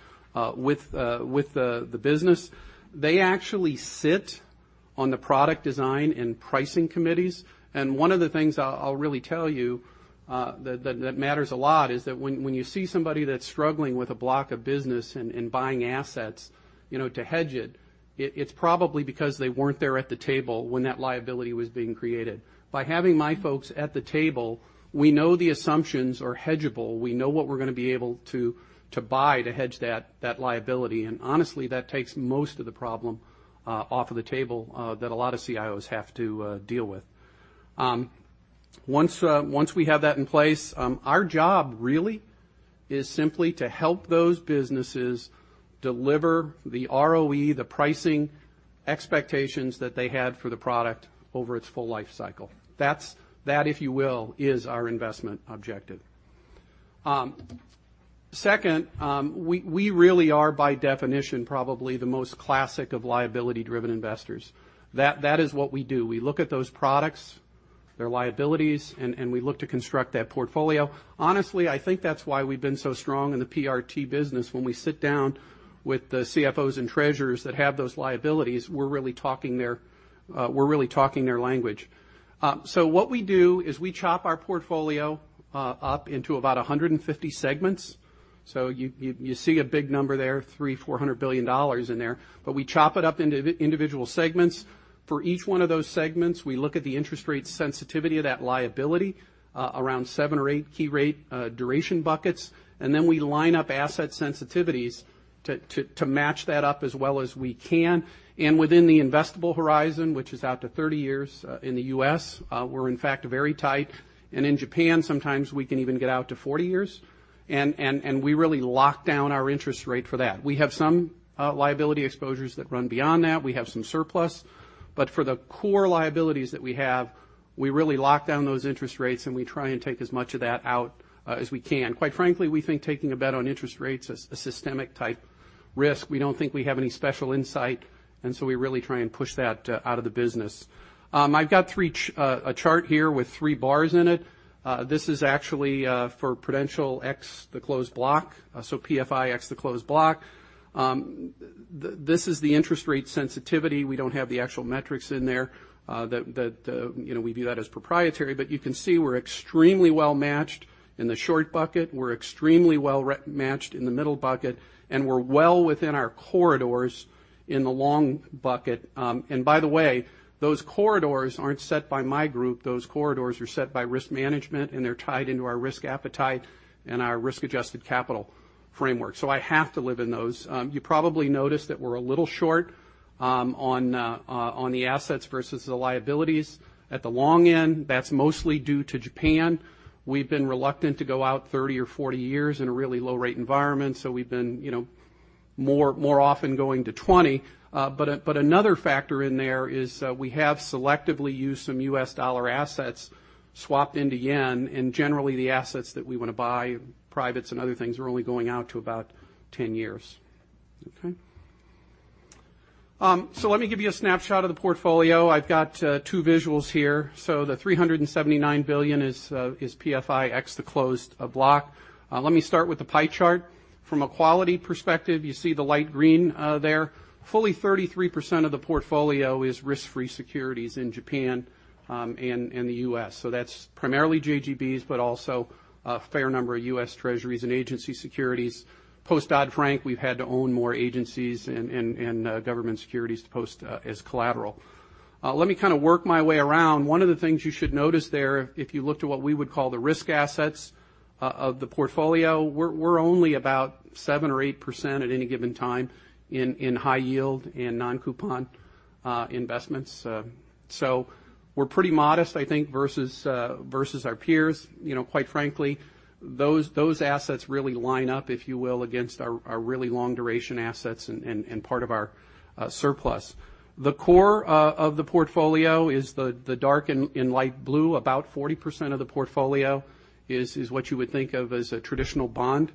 with the business. They actually sit on the product design and pricing committees. One of the things I'll really tell you that matters a lot is that when you see somebody that's struggling with a block of business and buying assets to hedge it's probably because they weren't there at the table when that liability was being created. By having my folks at the table, we know the assumptions are hedgeable. We know what we're going to be able to buy to hedge that liability. Honestly, that takes most of the problem off of the table that a lot of CIOs have to deal with. Once we have that in place, our job really is simply to help those businesses deliver the ROE, the pricing expectations that they had for the product over its full life cycle. That, if you will, is our investment objective. Second, we really are by definition probably the most classic of liability driven investors. That is what we do. We look at those products. Their liabilities, and we look to construct that portfolio. Honestly, I think that's why we've been so strong in the PRT business. When we sit down with the CFOs and treasurers that have those liabilities, we're really talking their language. We chop our portfolio up into about 150 segments. You see a big number there, $300 or $400 billion in there, but we chop it up into individual segments. For each one of those segments, we look at the interest rate sensitivity of that liability around seven or eight key rate duration buckets, and then we line up asset sensitivities to match that up as well as we can. Within the investable horizon, which is out to 30 years in the U.S., we're in fact very tight. In Japan, sometimes we can even get out to 40 years, and we really lock down our interest rate for that. We have some liability exposures that run beyond that. We have some surplus. For the core liabilities that we have, we really lock down those interest rates, and we try and take as much of that out as we can. Quite frankly, we think taking a bet on interest rates a systemic type risk. We don't think we have any special insight, we really try and push that out of the business. I've got a chart here with three bars in it. This is actually for Prudential ex the Closed Block, PFI ex the Closed Block. This is the interest rate sensitivity. We don't have the actual metrics in there. We view that as proprietary. You can see we're extremely well matched in the short bucket. We're extremely well matched in the middle bucket, and we're well within our corridors in the long bucket. By the way, those corridors aren't set by my group. Those corridors are set by risk management, and they're tied into our risk appetite and our risk-adjusted capital framework. I have to live in those. You probably noticed that we're a little short on the assets versus the liabilities at the long end. That's mostly due to Japan. We've been reluctant to go out 30 or 40 years in a really low-rate environment, we've been more often going to 20. Another factor in there is we have selectively used some U.S. dollar assets swapped into JPY, and generally the assets that we want to buy, privates and other things, are only going out to about 10 years. Okay. Let me give you a snapshot of the portfolio. I've got two visuals here. The $379 billion is PFI ex the Closed Block. Let me start with the pie chart. From a quality perspective, you see the light green there. Fully 33% of the portfolio is risk-free securities in Japan and the U.S. That's primarily JGBs but also a fair number of U.S. Treasuries and agency securities. Post-Dodd-Frank, we've had to own more agencies and government securities to post as collateral. Let me kind of work my way around. One of the things you should notice there, if you look to what we would call the risk assets of the portfolio, we're only about 7% or 8% at any given time in high yield and non-coupon investments. We're pretty modest, I think, versus our peers. Quite frankly, those assets really line up, if you will, against our really long duration assets and part of our surplus. The core of the portfolio is the dark and light blue. About 40% of the portfolio is what you would think of as a traditional bond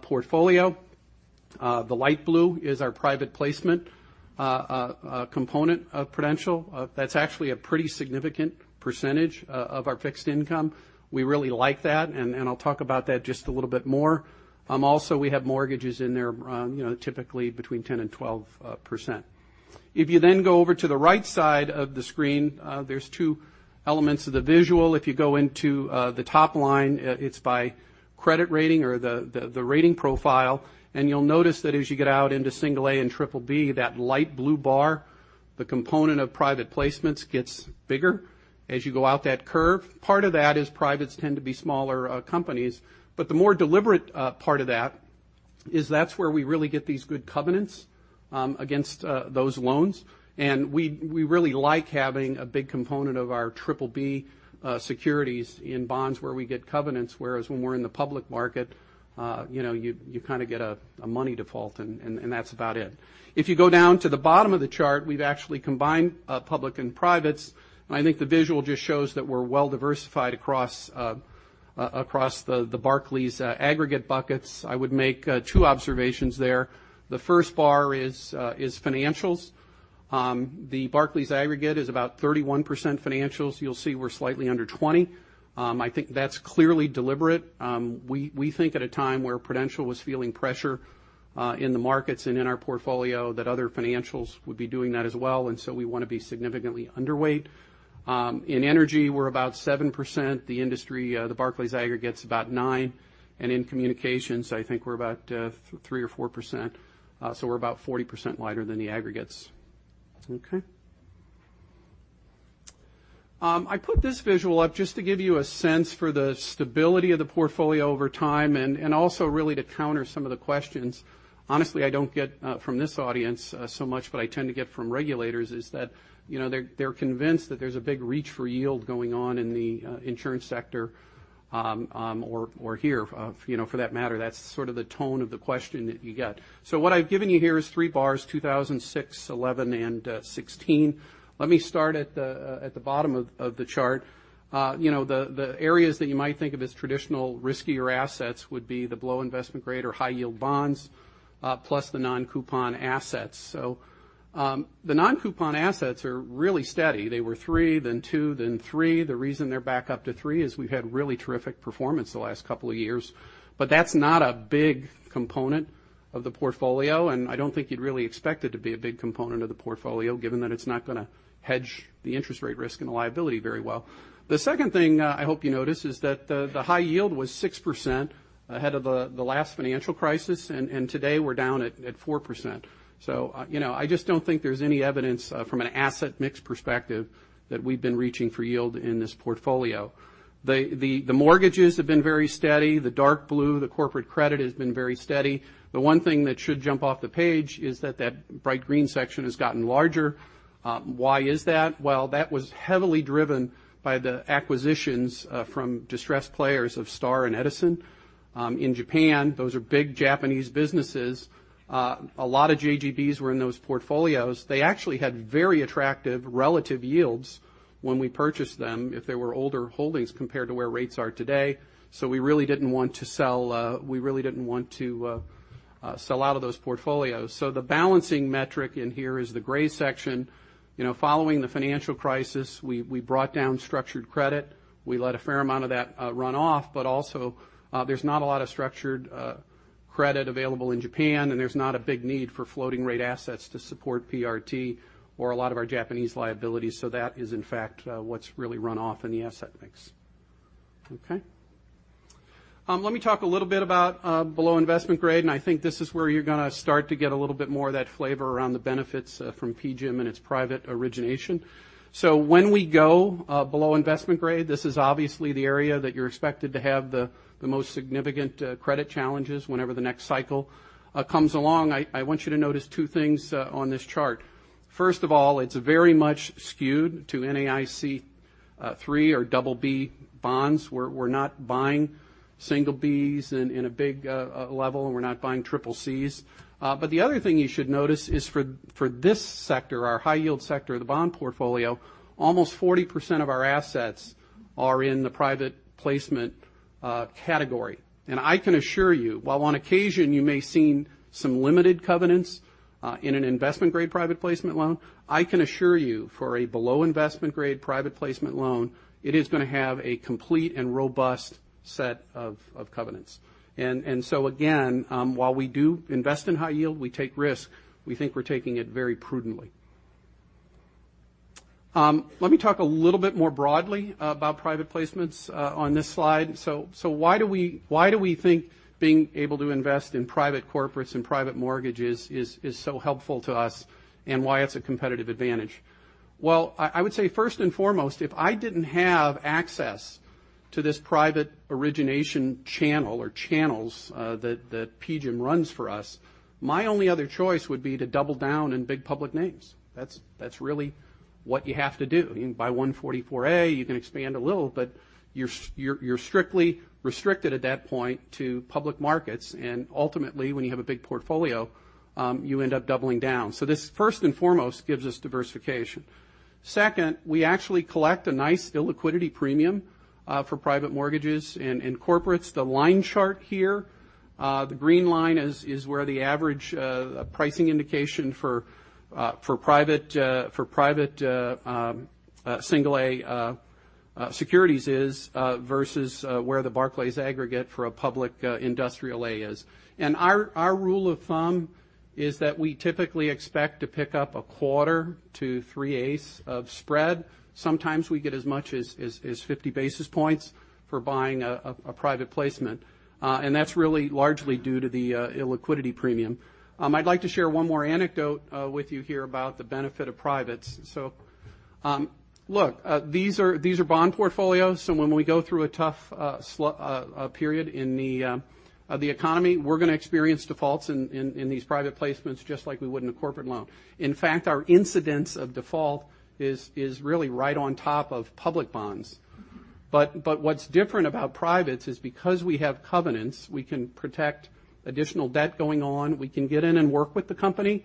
portfolio. The light blue is our private placement component of Prudential. That's actually a pretty significant percentage of our fixed income. We really like that, and I'll talk about that just a little bit more. Also, we have mortgages in there, typically between 10% and 12%. If you then go over to the right side of the screen, there's two elements of the visual. If you go into the top line, it's by credit rating or the rating profile, and you'll notice that as you get out into single A and triple B, that light blue bar, the component of private placements gets bigger as you go out that curve. Part of that is privates tend to be smaller companies. The more deliberate part of that is that's where we really get these good covenants against those loans, and we really like having a big component of our triple B securities in bonds where we get covenants, whereas when we're in the public market, you kind of get a money default, and that's about it. If you go down to the bottom of the chart, we've actually combined public and privates. I think the visual just shows that we're well diversified across the Barclays Aggregate buckets. I would make two observations there. The first bar is financials. The Barclays Aggregate is about 31% financials. You'll see we're slightly under 20. I think that's clearly deliberate. We think at a time where Prudential was feeling pressure in the markets and in our portfolio that other financials would be doing that as well, we want to be significantly underweight. In energy, we're about 7%. The industry, the Barclays Aggregate's about nine. In communications, I think we're about 3% or 4%. We're about 40% lighter than the aggregates. Okay. I put this visual up just to give you a sense for the stability of the portfolio over time and also really to counter some of the questions. Honestly, I don't get from this audience so much, but I tend to get from regulators is that they're convinced that there's a big reach for yield going on in the insurance sector or here for that matter. That's sort of the tone of the question that you get. What I've given you here is three bars, 2006, 2011, and 2016. Let me start at the bottom of the chart. The areas that you might think of as traditional riskier assets would be the below investment grade or high yield bonds, plus the non-coupon assets. The non-coupon assets are really steady. They were three, then two, then three. The reason they're back up to three is we've had really terrific performance the last couple of years, but that's not a big component of the portfolio, and I don't think you'd really expect it to be a big component of the portfolio given that it's not going to hedge the interest rate risk and the liability very well. The second thing I hope you notice is that the high yield was 6% ahead of the last financial crisis, and today we're down at 4%. I just don't think there's any evidence from an asset mix perspective that we've been reaching for yield in this portfolio. The mortgages have been very steady. The dark blue, the corporate credit, has been very steady. The one thing that should jump off the page is that that bright green section has gotten larger. Why is that? Well, that was heavily driven by the acquisitions from distressed players of Star and Edison. In Japan, those are big Japanese businesses. A lot of JGBs were in those portfolios. They actually had very attractive relative yields when we purchased them if they were older holdings compared to where rates are today. We really didn't want to sell out of those portfolios. The balancing metric in here is the gray section. Following the financial crisis, we brought down structured credit. We let a fair amount of that run off, but also there's not a lot of structured credit available in Japan, and there's not a big need for floating rate assets to support PRT or a lot of our Japanese liabilities. That is in fact what's really run off in the asset mix. Let me talk a little bit about below investment grade, and I think this is where you're going to start to get a little bit more of that flavor around the benefits from PGIM and its private origination. When we go below investment grade, this is obviously the area that you're expected to have the most significant credit challenges whenever the next cycle comes along. I want you to notice two things on this chart. First of all, it's very much skewed to NAIC III or BB bonds. We're not buying single Bs in a big level, and we're not buying CCCs. The other thing you should notice is for this sector, our high yield sector of the bond portfolio, almost 40% of our assets are in the private placement category. I can assure you, while on occasion you may seen some limited covenants in an investment-grade private placement loan, I can assure you for a below investment-grade private placement loan, it is going to have a complete and robust set of covenants. Again, while we do invest in high yield, we take risk. We think we're taking it very prudently. Let me talk a little bit more broadly about private placements on this slide. Why do we think being able to invest in private corporates and private mortgages is so helpful to us and why it's a competitive advantage? I would say first and foremost, if I didn't have access to this private origination channel or channels that PGIM runs for us, my only other choice would be to double down in big public names. That's really what you have to do. By 144A, you can expand a little, but you're strictly restricted at that point to public markets, and ultimately, when you have a big portfolio, you end up doubling down. This first and foremost gives us diversification. Second, we actually collect a nice illiquidity premium for private mortgages and corporates. The line chart here, the green line is where the average pricing indication for private single A securities is, versus where the Barclays Aggregate for a public industrial A is. Our rule of thumb is that we typically expect to pick up a quarter to three-eighths of spread. Sometimes we get as much as 50 basis points for buying a private placement. That's really largely due to the illiquidity premium. I'd like to share one more anecdote with you here about the benefit of privates. Look, these are bond portfolios, so when we go through a tough period in the economy, we're going to experience defaults in these private placements just like we would in a corporate loan. In fact, our incidence of default is really right on top of public bonds. What's different about privates is because we have covenants, we can protect additional debt going on. We can get in and work with the company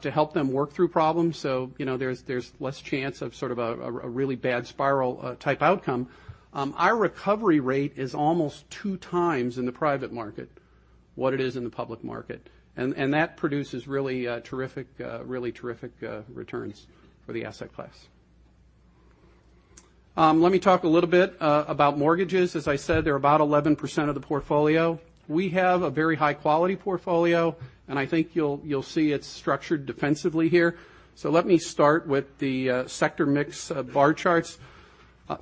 to help them work through problems. There's less chance of sort of a really bad spiral type outcome. Our recovery rate is almost two times in the private market what it is in the public market, and that produces really terrific returns for the asset class. Let me talk a little bit about mortgages. As I said, they're about 11% of the portfolio. We have a very high-quality portfolio, and I think you'll see it's structured defensively here. Let me start with the sector mix bar charts.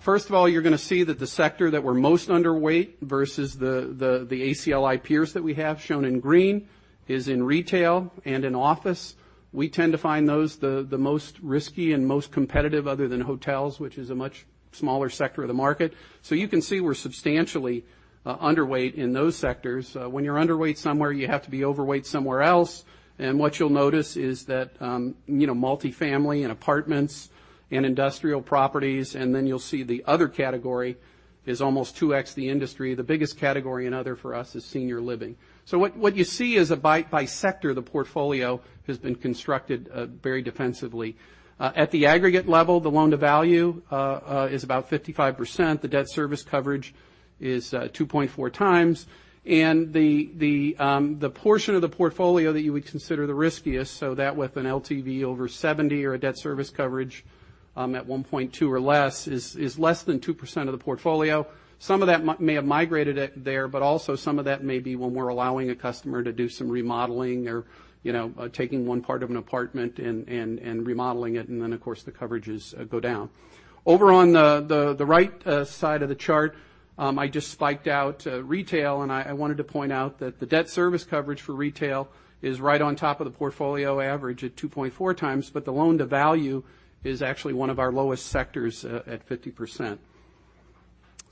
First of all, you're going to see that the sector that we're most underweight versus the ACLI peers that we have shown in green is in retail and in office. We tend to find those the most risky and most competitive other than hotels, which is a much smaller sector of the market. You can see we're substantially underweight in those sectors. When you're underweight somewhere, you have to be overweight somewhere else. What you'll notice is that multifamily and apartments and industrial properties, and then you'll see the other category is almost two times the industry. The biggest category in other for us is senior living. What you see is by sector, the portfolio has been constructed very defensively. At the aggregate level, the loan-to-value is about 55%, the debt service coverage is 2.4 times, and the portion of the portfolio that you would consider the riskiest, so that with an LTV over 70 or a debt service coverage at 1.2 or less is less than 2% of the portfolio. Some of that may have migrated there, but also some of that may be when we're allowing a customer to do some remodeling or taking one part of an apartment and remodeling it, and then, of course, the coverages go down. Over on the right side of the chart, I just spiked out retail. I wanted to point out that the debt service coverage for retail is right on top of the portfolio average at 2.4 times, but the loan-to-value is actually one of our lowest sectors at 50%.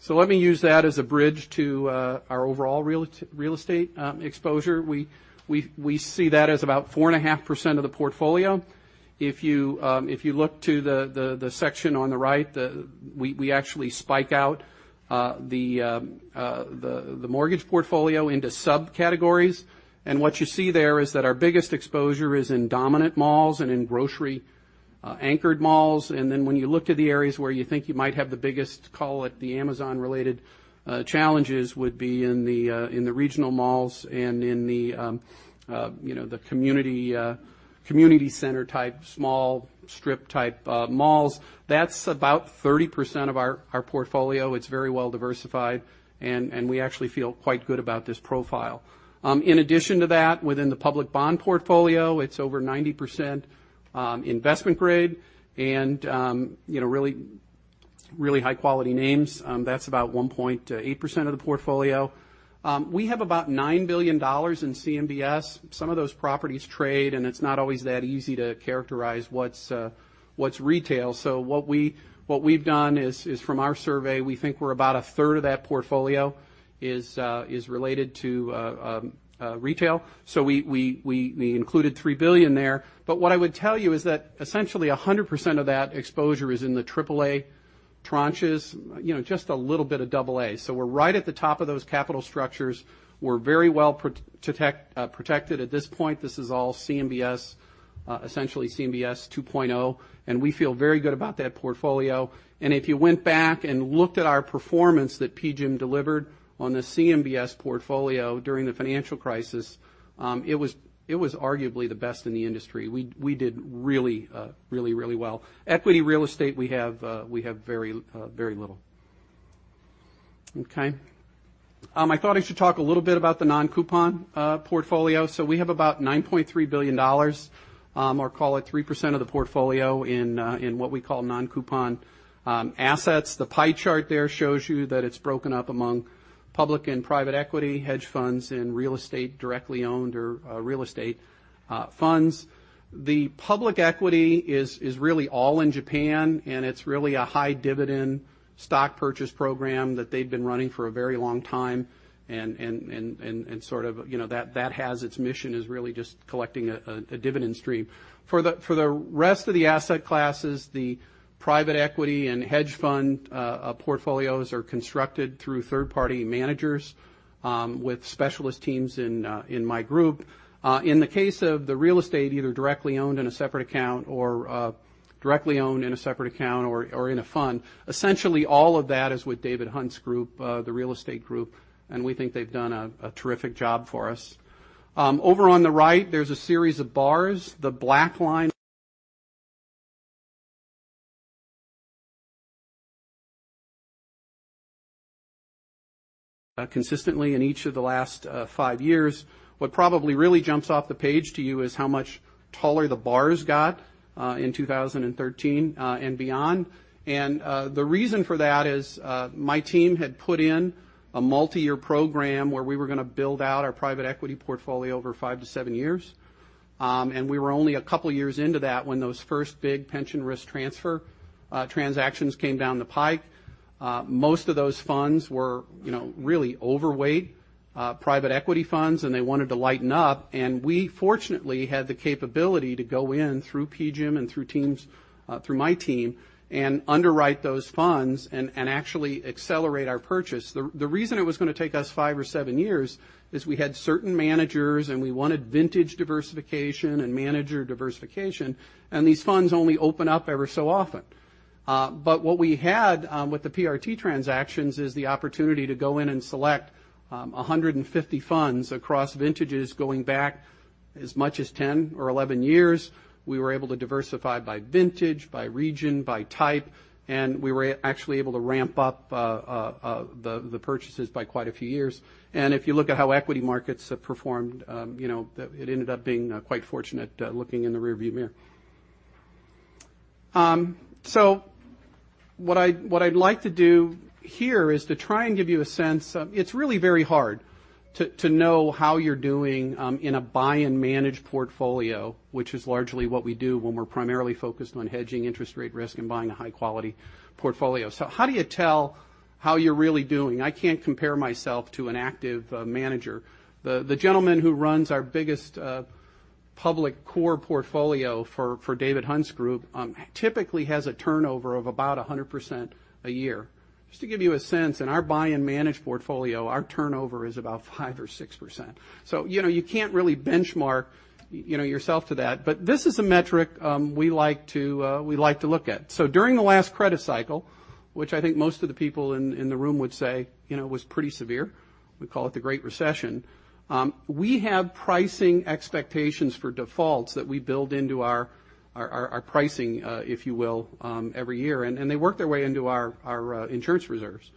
Let me use that as a bridge to our overall real estate exposure. We see that as about 4.5% of the portfolio. If you look to the section on the right, we actually spike out the mortgage portfolio into subcategories. What you see there is that our biggest exposure is in dominant malls and in grocery-anchored malls. When you look to the areas where you think you might have the biggest, call it the Amazon-related challenges, would be in the regional malls and in the community center type, small strip type malls. That's about 30% of our portfolio. It's very well diversified. We actually feel quite good about this profile. In addition to that, within the public bond portfolio, it's over 90% investment grade and really high-quality names. That's about 1.8% of the portfolio. We have about $9 billion in CMBS. Some of those properties trade. It's not always that easy to characterize what's retail. What we've done is from our survey, we think we're about a third of that portfolio is related to retail. We included $3 billion there. What I would tell you is that essentially 100% of that exposure is in the AAA tranches, just a little bit of AA. We're right at the top of those capital structures. We're very well protected at this point. This is all CMBS, essentially CMBS 2.0. We feel very good about that portfolio. If you went back and looked at our performance that PGIM delivered on the CMBS portfolio during the financial crisis, it was arguably the best in the industry. We did really well. Equity real estate, we have very little. Okay. I thought I should talk a little bit about the non-coupon portfolio. We have about $9.3 billion, or call it 3% of the portfolio in what we call non-coupon assets. The pie chart there shows you that it's broken up among public and private equity, hedge funds, and real estate directly owned or real estate funds. The public equity is really all in Japan. It's really a high dividend stock purchase program that they've been running for a very long time. That has its mission as really just collecting a dividend stream. For the rest of the asset classes, the private equity and hedge fund portfolios are constructed through third-party managers with specialist teams in my group. In the case of the real estate, either directly owned in a separate account or in a fund, essentially all of that is with David Hunt's group, the real estate group. We think they've done a terrific job for us. Over on the right, there's a series of bars. The black line, consistently in each of the last five years. What probably really jumps off the page to you is how much taller the bars got in 2013 and beyond. The reason for that is my team had put in a multi-year program where we were going to build out our private equity portfolio over five to seven years. We were only a couple of years into that when those first big pension risk transfer transactions came down the pipe. Most of those funds were really overweight private equity funds, and they wanted to lighten up. We fortunately had the capability to go in through PGIM and through my team and underwrite those funds and actually accelerate our purchase. The reason it was going to take us 5 or 7 years is we had certain managers and we wanted vintage diversification and manager diversification, and these funds only open up every so often. What we had with the PRT transactions is the opportunity to go in and select 150 funds across vintages going back as much as 10 or 11 years. We were able to diversify by vintage, by region, by type, and we were actually able to ramp up the purchases by quite a few years. If you look at how equity markets have performed, it ended up being quite fortunate looking in the rearview mirror. What I'd like to do here is to try and give you a sense. It's really very hard to know how you're doing in a buy and manage portfolio, which is largely what we do when we're primarily focused on hedging interest rate risk and buying a high-quality portfolio. How do you tell how you're really doing? I can't compare myself to an active manager. The gentleman who runs our biggest public core portfolio for David Hunt's group typically has a turnover of about 100% a year. Just to give you a sense, in our buy and manage portfolio, our turnover is about 5% or 6%. You can't really benchmark yourself to that. This is a metric we like to look at. During the last credit cycle, which I think most of the people in the room would say was pretty severe, we call it the Great Recession, we have pricing expectations for defaults that we build into our pricing, if you will, every year. They work their way into our insurance reserves.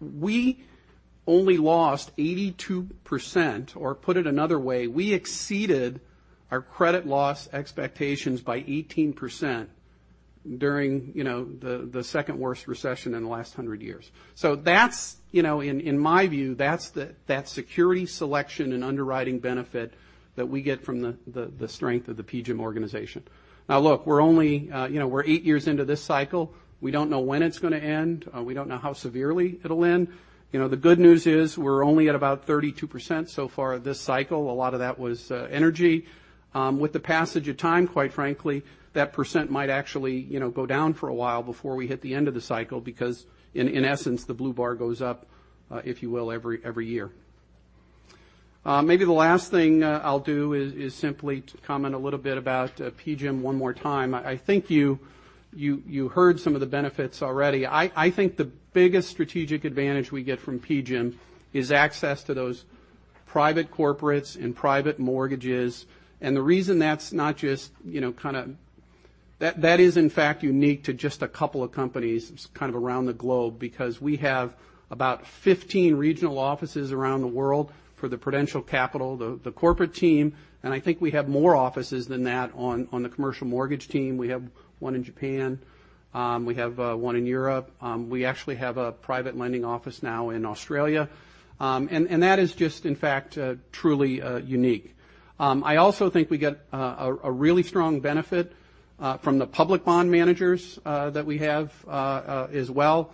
We only lost 82%, or put it another way, we exceeded our credit loss expectations by 18%. During the second worst recession in the last 100 years. In my view, that's security selection and underwriting benefit that we get from the strength of the PGIM organization. Now look, we're 8 years into this cycle. We don't know when it's going to end. We don't know how severely it'll end. The good news is we're only at about 32% so far this cycle. A lot of that was energy. With the passage of time, quite frankly, that percent might actually go down for a while before we hit the end of the cycle because, in essence, the blue bar goes up, if you will, every year. Maybe the last thing I'll do is simply to comment a little bit about PGIM one more time. I think you heard some of the benefits already. I think the biggest strategic advantage we get from PGIM is access to those private corporates and private mortgages. The reason that's not just unique to just a couple of companies around the globe because we have about 15 regional offices around the world for the Prudential Capital, the corporate team, and I think we have more offices than that on the commercial mortgage team. We have one in Japan. We have one in Europe. We actually have a private lending office now in Australia. That is just, in fact, truly unique. I also think we get a really strong benefit from the public bond managers that we have as well.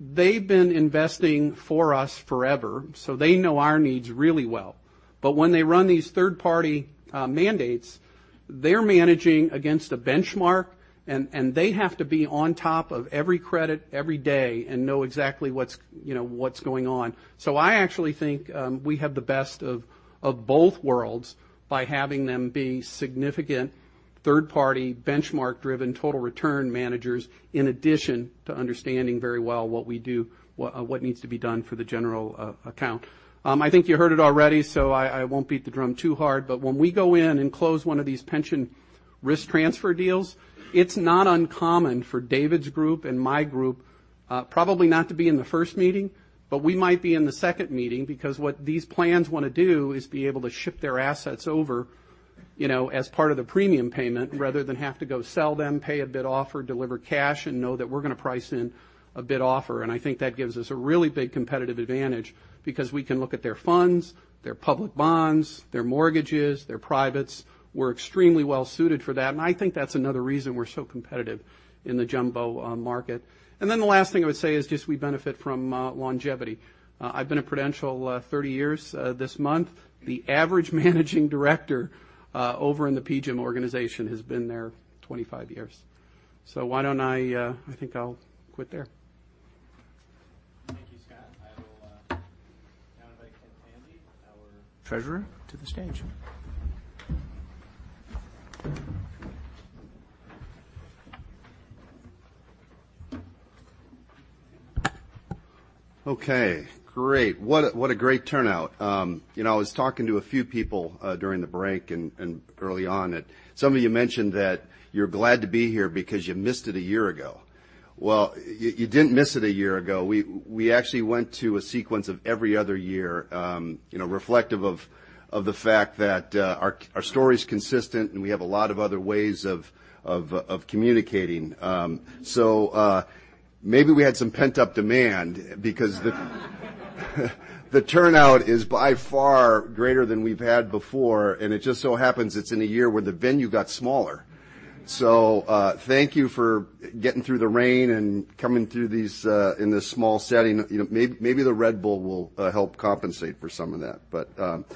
They've been investing for us forever, so they know our needs really well. When they run these third-party mandates, they're managing against a benchmark and they have to be on top of every credit every day and know exactly what's going on. I actually think we have the best of both worlds by having them be significant third-party benchmark driven total return managers in addition to understanding very well what we do, what needs to be done for the general account. I think you heard it already so I won't beat the drum too hard. When we go in and close one of these pension risk transfer deals, it's not uncommon for David's group and my group probably not to be in the first meeting, but we might be in the second meeting because what these plans want to do is be able to ship their assets over as part of the premium payment rather than have to go sell them, pay a bid offer, deliver cash, and know that we're going to price in a bid offer. I think that gives us a really big competitive advantage because we can look at their funds, their public bonds, their mortgages, their privates. We're extremely well suited for that and I think that's another reason we're so competitive in the jumbo market. The last thing I would say is just we benefit from longevity. I've been at Prudential 30 years this month. The average managing director over in the PGIM organization has been there 25 years. Why don't I think I'll quit there. Thank you, Scott. I will now invite Ken Tanji, our Treasurer, to the stage. Okay, great. What a great turnout. I was talking to a few people during the break and early on and some of you mentioned that you're glad to be here because you missed it a year ago. You didn't miss it a year ago. We actually went to a sequence of every other year, reflective of the fact that our story's consistent and we have a lot of other ways of communicating. Maybe we had some pent-up demand because the turnout is by far greater than we've had before and it just so happens it's in a year where the venue got smaller. Thank you for getting through the rain and coming through in this small setting. Maybe the Red Bull will help compensate for some of that.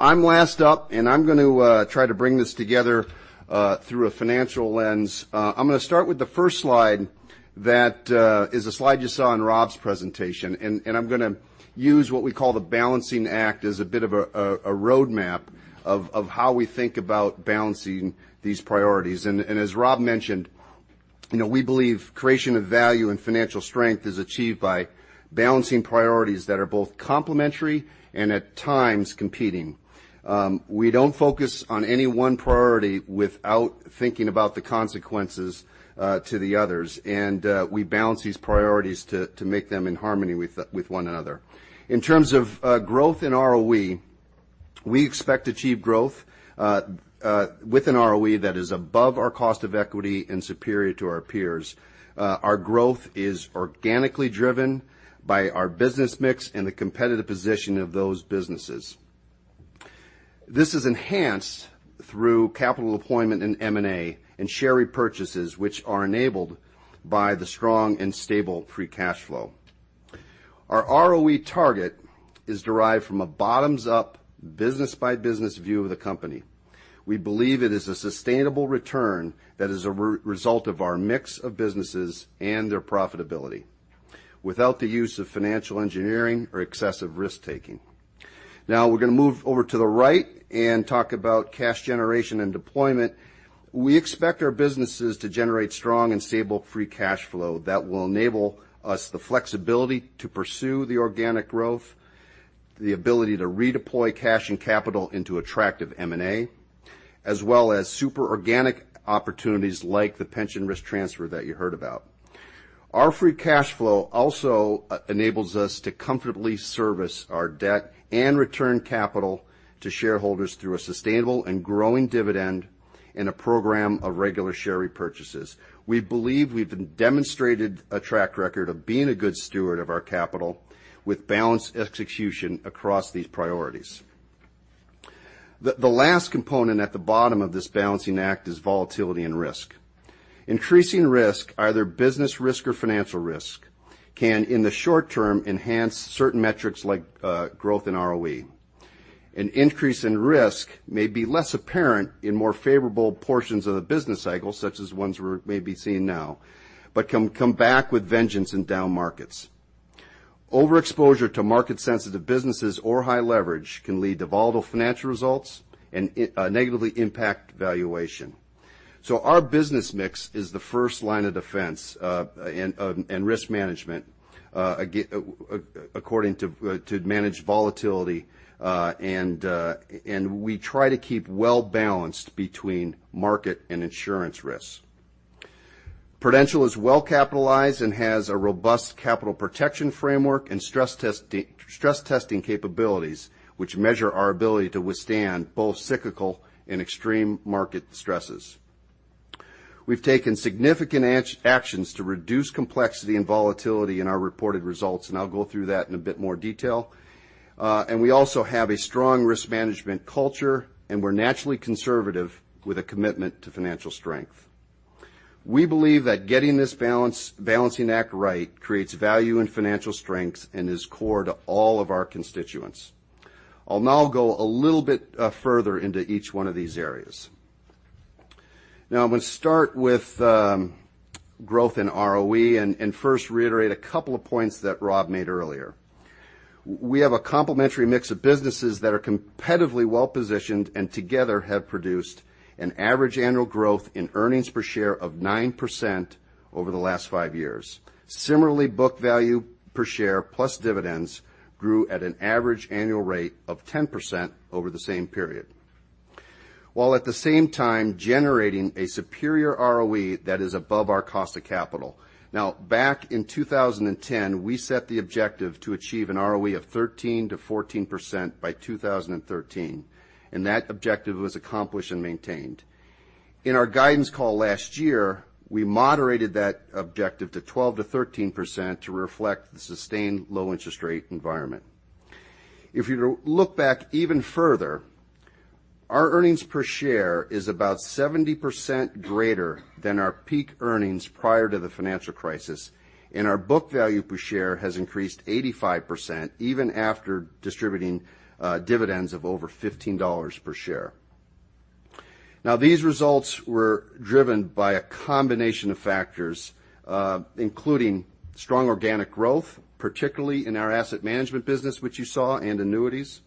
I'm last up and I'm going to try to bring this together through a financial lens. I'm going to start with the first slide that is a slide you saw in Rob's presentation, and I'm going to use what we call the balancing act as a bit of a roadmap of how we think about balancing these priorities. As Rob mentioned, we believe creation of value and financial strength is achieved by balancing priorities that are both complementary and at times competing. We don't focus on any one priority without thinking about the consequences to the others. We balance these priorities to make them in harmony with one another. In terms of growth in ROE, we expect to achieve growth with an ROE that is above our cost of equity and superior to our peers. Our growth is organically driven by our business mix and the competitive position of those businesses. This is enhanced through capital deployment in M&A and share repurchases which are enabled by the strong and stable free cash flow. Our ROE target is derived from a bottoms-up business by business view of the company. We believe it is a sustainable return that is a result of our mix of businesses and their profitability without the use of financial engineering or excessive risk-taking. We're going to move over to the right and talk about cash generation and deployment. We expect our businesses to generate strong and stable free cash flow that will enable us the flexibility to pursue the organic growth, the ability to redeploy cash and capital into attractive M&A, as well as super organic opportunities like the pension risk transfer that you heard about. Our free cash flow also enables us to comfortably service our debt and return capital to shareholders through a sustainable and growing dividend and a program of regular share repurchases. We believe we've demonstrated a track record of being a good steward of our capital with balanced execution across these priorities. The last component at the bottom of this balancing act is volatility and risk. Increasing risk, either business risk or financial risk, can, in the short term, enhance certain metrics like growth in ROE. An increase in risk may be less apparent in more favorable portions of the business cycle, such as ones we may be seeing now, but can come back with vengeance in down markets. Overexposure to market sensitive businesses or high leverage can lead to volatile financial results and negatively impact valuation. Our business mix is the first line of defense in risk management according to managed volatility, and we try to keep well-balanced between market and insurance risks. Prudential is well capitalized and has a robust capital protection framework and stress testing capabilities, which measure our ability to withstand both cyclical and extreme market stresses. We've taken significant actions to reduce complexity and volatility in our reported results, and I'll go through that in a bit more detail. We also have a strong risk management culture, and we're naturally conservative with a commitment to financial strength. We believe that getting this balancing act right creates value and financial strength and is core to all of our constituents. I'll now go a little bit further into each one of these areas. I'm going to start with growth in ROE and first reiterate a couple of points that Rob made earlier. We have a complementary mix of businesses that are competitively well positioned and together have produced an average annual growth in earnings per share of 9% over the last five years. Similarly, book value per share, plus dividends grew at an average annual rate of 10% over the same period. While at the same time generating a superior ROE that is above our cost of capital. Back in 2010, we set the objective to achieve an ROE of 13%-14% by 2013, and that objective was accomplished and maintained. In our guidance call last year, we moderated that objective to 12%-13% to reflect the sustained low interest rate environment. If you look back even further, our earnings per share is about 70% greater than our peak earnings prior to the financial crisis, and our book value per share has increased 85%, even after distributing dividends of over $15 per share. These results were driven by a combination of factors, including strong organic growth, particularly in our asset management business, which you saw, and annuities,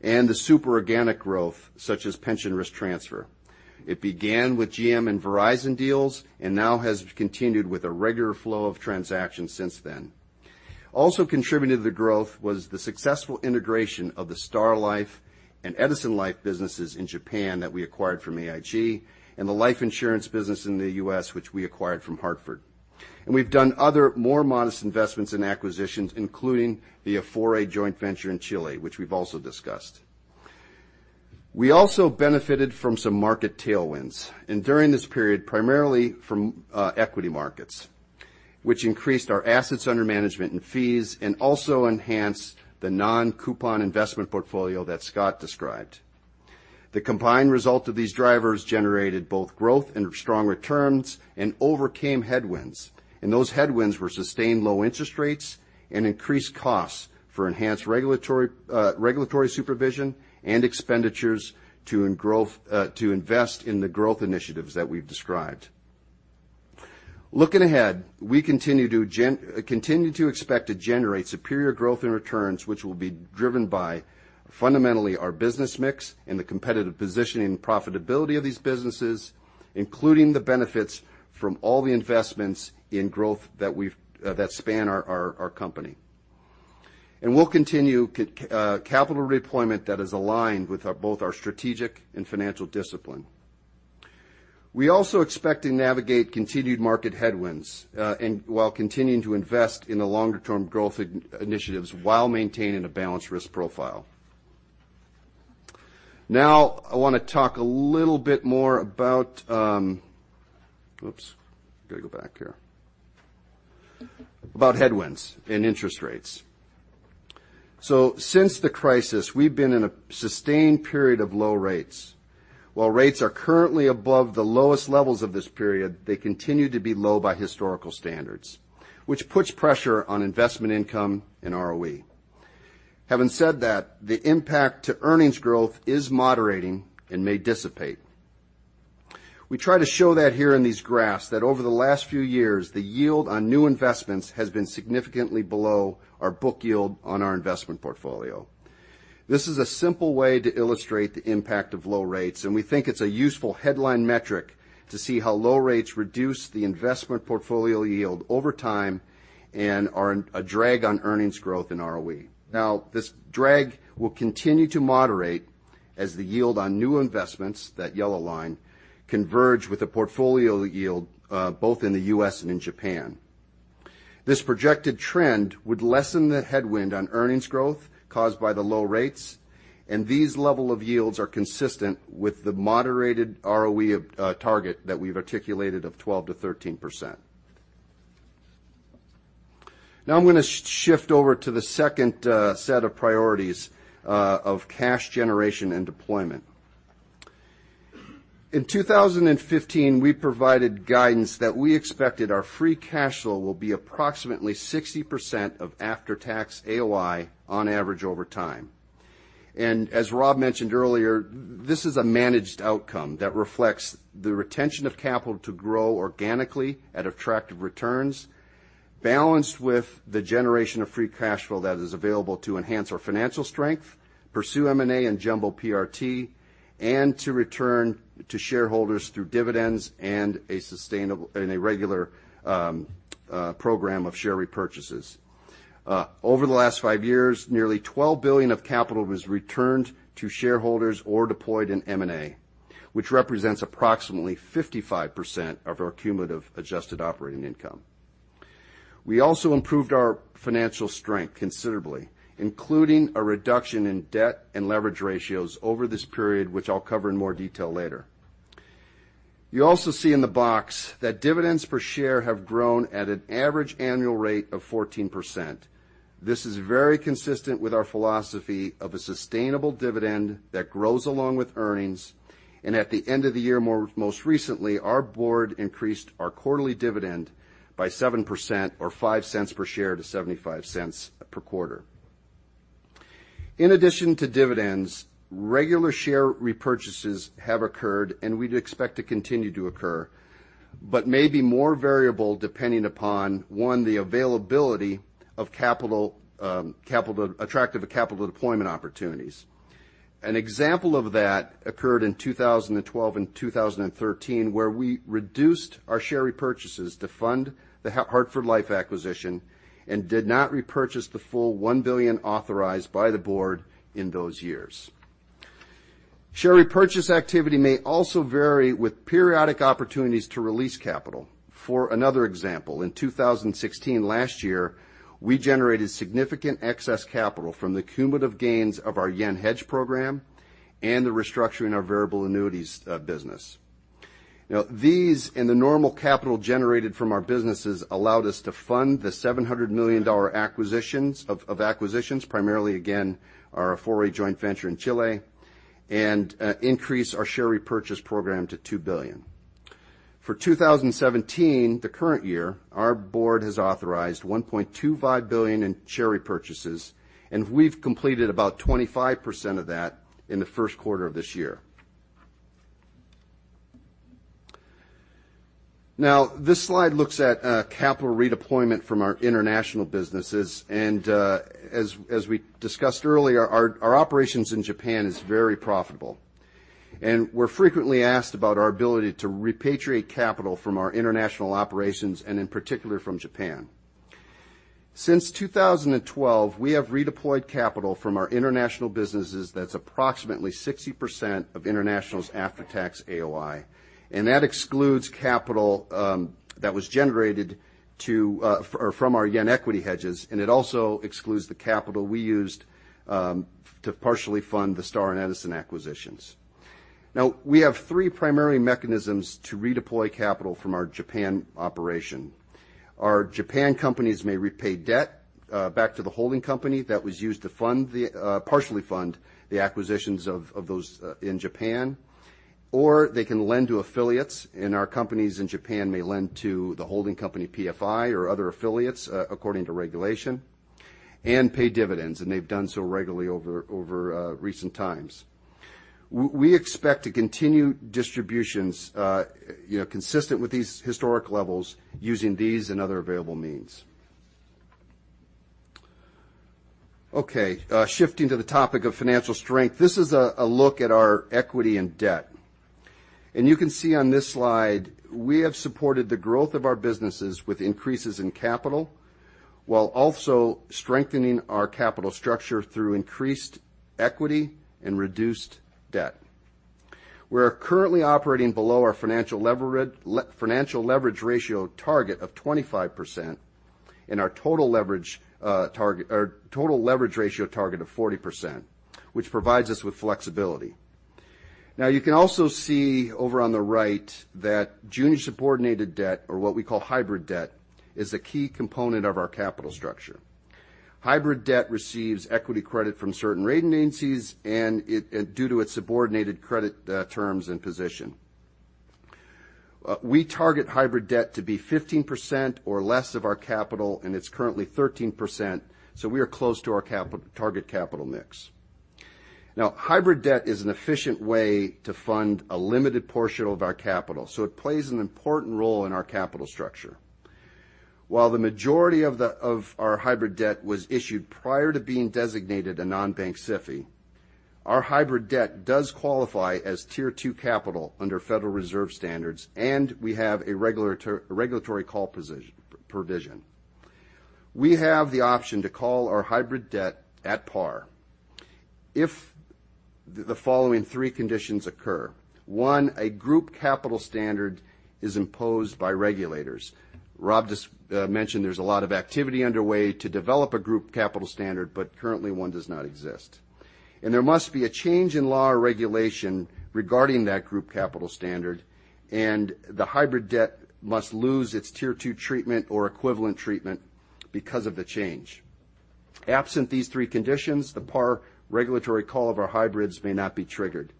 and the super organic growth such as pension risk transfer. It began with GM and Verizon deals and now has continued with a regular flow of transactions since then. Also contributing to the growth was the successful integration of the Star Life and Edison Life businesses in Japan that we acquired from AIG, and the life insurance business in the U.S., which we acquired from Hartford. We've done other more modest investments in acquisitions, including the Afore joint venture in Chile, which we've also discussed. We also benefited from some market tailwinds, and during this period, primarily from equity markets, which increased our assets under management and fees and also enhanced the non-coupon investment portfolio that Scott described. The combined result of these drivers generated both growth and strong returns and overcame headwinds, and those headwinds were sustained low interest rates and increased costs for enhanced regulatory supervision and expenditures to invest in the growth initiatives that we've described. Looking ahead, we continue to expect to generate superior growth in returns, which will be driven by fundamentally our business mix and the competitive positioning and profitability of these businesses, including the benefits from all the investments in growth that span our company. We'll continue capital deployment that is aligned with both our strategic and financial discipline. We also expect to navigate continued market headwinds while continuing to invest in the longer term growth initiatives while maintaining a balanced risk profile. I want to talk a little bit more about headwinds and interest rates. Since the crisis, we've been in a sustained period of low rates. While rates are currently above the lowest levels of this period, they continue to be low by historical standards, which puts pressure on investment income and ROE. Having said that, the impact to earnings growth is moderating and may dissipate. We try to show that here in these graphs that over the last few years, the yield on new investments has been significantly below our book yield on our investment portfolio. This is a simple way to illustrate the impact of low rates, and we think it's a useful headline metric to see how low rates reduce the investment portfolio yield over time and are a drag on earnings growth in ROE. This drag will continue to moderate as the yield on new investments, that yellow line, converge with the portfolio yield, both in the U.S. and in Japan. This projected trend would lessen the headwind on earnings growth caused by the low rates, and these level of yields are consistent with the moderated ROE target that we've articulated of 12%-13%. I'm going to shift over to the second set of priorities of cash generation and deployment. In 2015, we provided guidance that we expected our free cash flow will be approximately 60% of after-tax AOI on average over time. As Rob mentioned earlier, this is a managed outcome that reflects the retention of capital to grow organically at attractive returns, balanced with the generation of free cash flow that is available to enhance our financial strength, pursue M&A and jumbo PRT, and to return to shareholders through dividends and a regular program of share repurchases. Over the last five years, nearly $12 billion of capital was returned to shareholders or deployed in M&A, which represents approximately 55% of our cumulative adjusted operating income. We also improved our financial strength considerably, including a reduction in debt and leverage ratios over this period, which I'll cover in more detail later. You also see in the box that dividends per share have grown at an average annual rate of 14%. This is very consistent with our philosophy of a sustainable dividend that grows along with earnings. At the end of the year, most recently, our board increased our quarterly dividend by 7% or $0.05 per share to $0.75 per quarter. In addition to dividends, regular share repurchases have occurred and we'd expect to continue to occur, but may be more variable depending upon, one, the availability of attractive capital deployment opportunities. An example of that occurred in 2012 and 2013, where we reduced our share repurchases to fund the Hartford Life acquisition and did not repurchase the full $1 billion authorized by the board in those years. Share repurchase activity may also vary with periodic opportunities to release capital. For another example, in 2016, last year, we generated significant excess capital from the cumulative gains of our JPY hedge program and the restructuring of variable annuities business. These, and the normal capital generated from our businesses, allowed us to fund the $700 million of acquisitions, primarily again, our 40 joint venture in Chile, and increase our share repurchase program to $2 billion. For 2017, the current year, our board has authorized $1.25 billion in share repurchases, we've completed about 25% of that in the first quarter of this year. This slide looks at capital redeployment from our international businesses. As we discussed earlier, our operations in Japan is very profitable. We're frequently asked about our ability to repatriate capital from our international operations, in particular from Japan. Since 2012, we have redeployed capital from our international businesses that's approximately 60% of international's after-tax AOI, that excludes capital that was generated from our JPY equity hedges, it also excludes the capital we used to partially fund the Star and Edison acquisitions. We have three primary mechanisms to redeploy capital from our Japan operation. Our Japan companies may repay debt back to the holding company that was used to partially fund the acquisitions of those in Japan. They can lend to affiliates, our companies in Japan may lend to the holding company, PFI or other affiliates, according to regulation, pay dividends, they've done so regularly over recent times. We expect to continue distributions consistent with these historic levels using these and other available means. Shifting to the topic of financial strength. This is a look at our equity and debt. You can see on this slide, we have supported the growth of our businesses with increases in capital while also strengthening our capital structure through increased equity and reduced debt. We are currently operating below our financial leverage ratio target of 25% and our total leverage ratio target of 40%, which provides us with flexibility. You can also see over on the right that junior subordinated debt, or what we call hybrid debt, is a key component of our capital structure. Hybrid debt receives equity credit from certain rating agencies due to its subordinated credit terms and position. We target hybrid debt to be 15% or less of our capital, it's currently 13%, so we are close to our target capital mix. Hybrid debt is an efficient way to fund a limited portion of our capital, it plays an important role in our capital structure. While the majority of our hybrid debt was issued prior to being designated a non-bank SIFI, our hybrid debt does qualify as Tier 2 capital under Federal Reserve standards, we have a regulatory call provision. We have the option to call our hybrid debt at par if the following three conditions occur. 1, a group capital standard is imposed by regulators. Rob just mentioned there's a lot of activity underway to develop a group capital standard, but currently one does not exist. There must be a change in law or regulation regarding that group capital standard, the hybrid debt must lose its Tier 2 treatment or equivalent treatment because of the change. Absent these three conditions, the par regulatory call of our hybrids may not be triggered.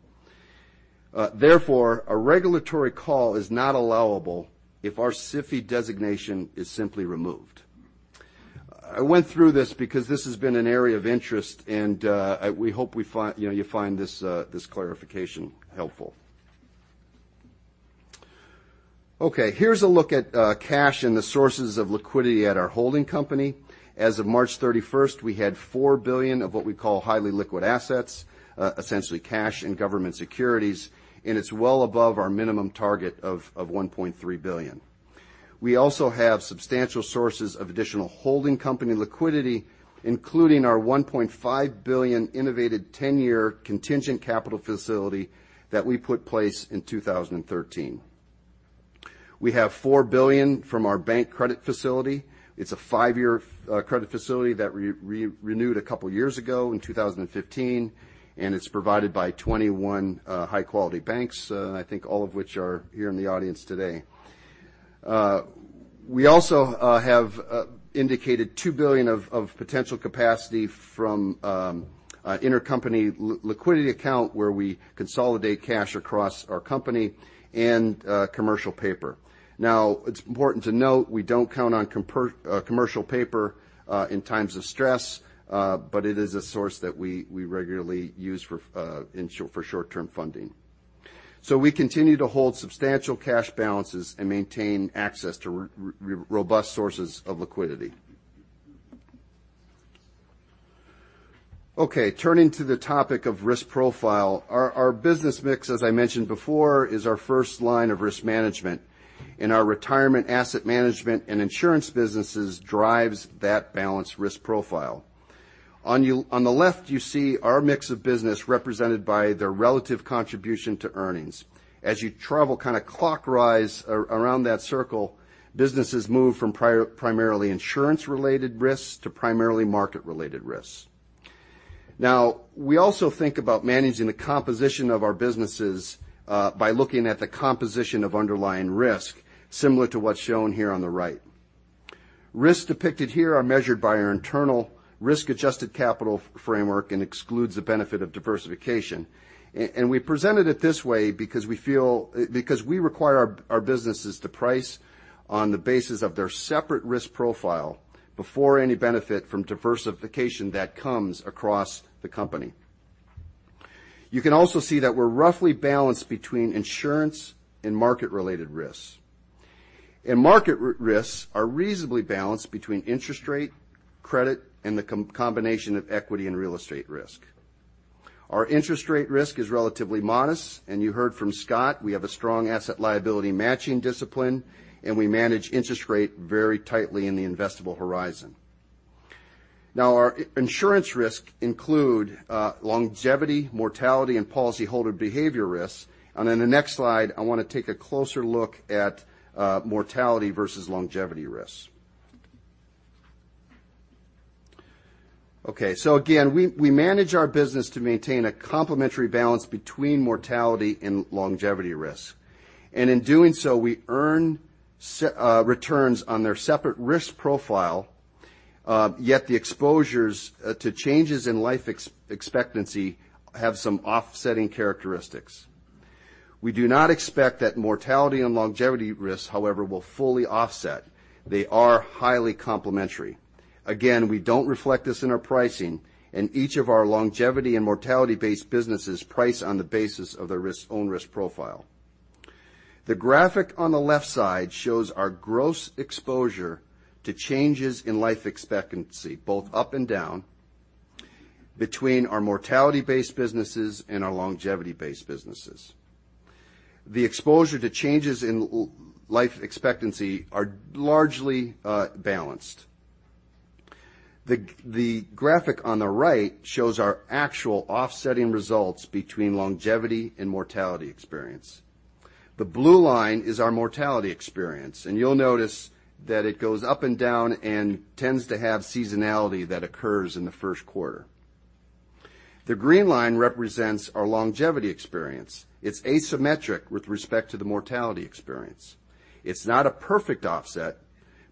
Therefore, a regulatory call is not allowable if our SIFI designation is simply removed. I went through this because this has been an area of interest, and we hope you find this clarification helpful. Here's a look at cash and the sources of liquidity at our holding company. As of March 31st, we had $4 billion of what we call highly liquid assets, essentially cash and government securities, and it's well above our minimum target of $1.3 billion. We also have substantial sources of additional holding company liquidity, including our $1.5 billion innovative 10-year contingent capital facility that we put place in 2013. We have $4 billion from our bank credit facility. It's a five-year credit facility that we renewed a couple of years ago in 2015. It's provided by 21 high-quality banks. I think all of which are here in the audience today. We also have indicated $2 billion of potential capacity from an intercompany liquidity account where we consolidate cash across our company and commercial paper. It's important to note we don't count on commercial paper in times of stress, but it is a source that we regularly use for short-term funding. We continue to hold substantial cash balances and maintain access to robust sources of liquidity. Turning to the topic of risk profile. Our business mix, as I mentioned before, is our first line of risk management. Our retirement asset management and insurance businesses drives that balanced risk profile. On the left, you see our mix of business represented by their relative contribution to earnings. As you travel kind of clockwise around that circle, businesses move from primarily insurance-related risks to primarily market-related risks. We also think about managing the composition of our businesses by looking at the composition of underlying risk, similar to what's shown here on the right. Risks depicted here are measured by our internal risk-adjusted capital framework and excludes the benefit of diversification. We presented it this way because we require our businesses to price on the basis of their separate risk profile before any benefit from diversification that comes across the company. You can also see that we're roughly balanced between insurance and market-related risks. Market risks are reasonably balanced between interest rate, credit, and the combination of equity and real estate risk. Our interest rate risk is relatively modest. You heard from Scott, we have a strong asset liability matching discipline, and we manage interest rate very tightly in the investable horizon. Our insurance risks include longevity, mortality, and policyholder behavior risks. In the next slide, I want to take a closer look at mortality versus longevity risks. Again, we manage our business to maintain a complementary balance between mortality and longevity risk. In doing so, we earn returns on their separate risk profile, yet the exposures to changes in life expectancy have some offsetting characteristics. We do not expect that mortality and longevity risks, however, will fully offset. They are highly complementary. Again, we don't reflect this in our pricing. Each of our longevity and mortality-based businesses price on the basis of their own risk profile. The graphic on the left side shows our gross exposure to changes in life expectancy, both up and down, between our mortality-based businesses and our longevity-based businesses. The exposure to changes in life expectancy are largely balanced. The graphic on the right shows our actual offsetting results between longevity and mortality experience. The blue line is our mortality experience. You'll notice that it goes up and down and tends to have seasonality that occurs in the first quarter. The green line represents our longevity experience. It's asymmetric with respect to the mortality experience. It's not a perfect offset,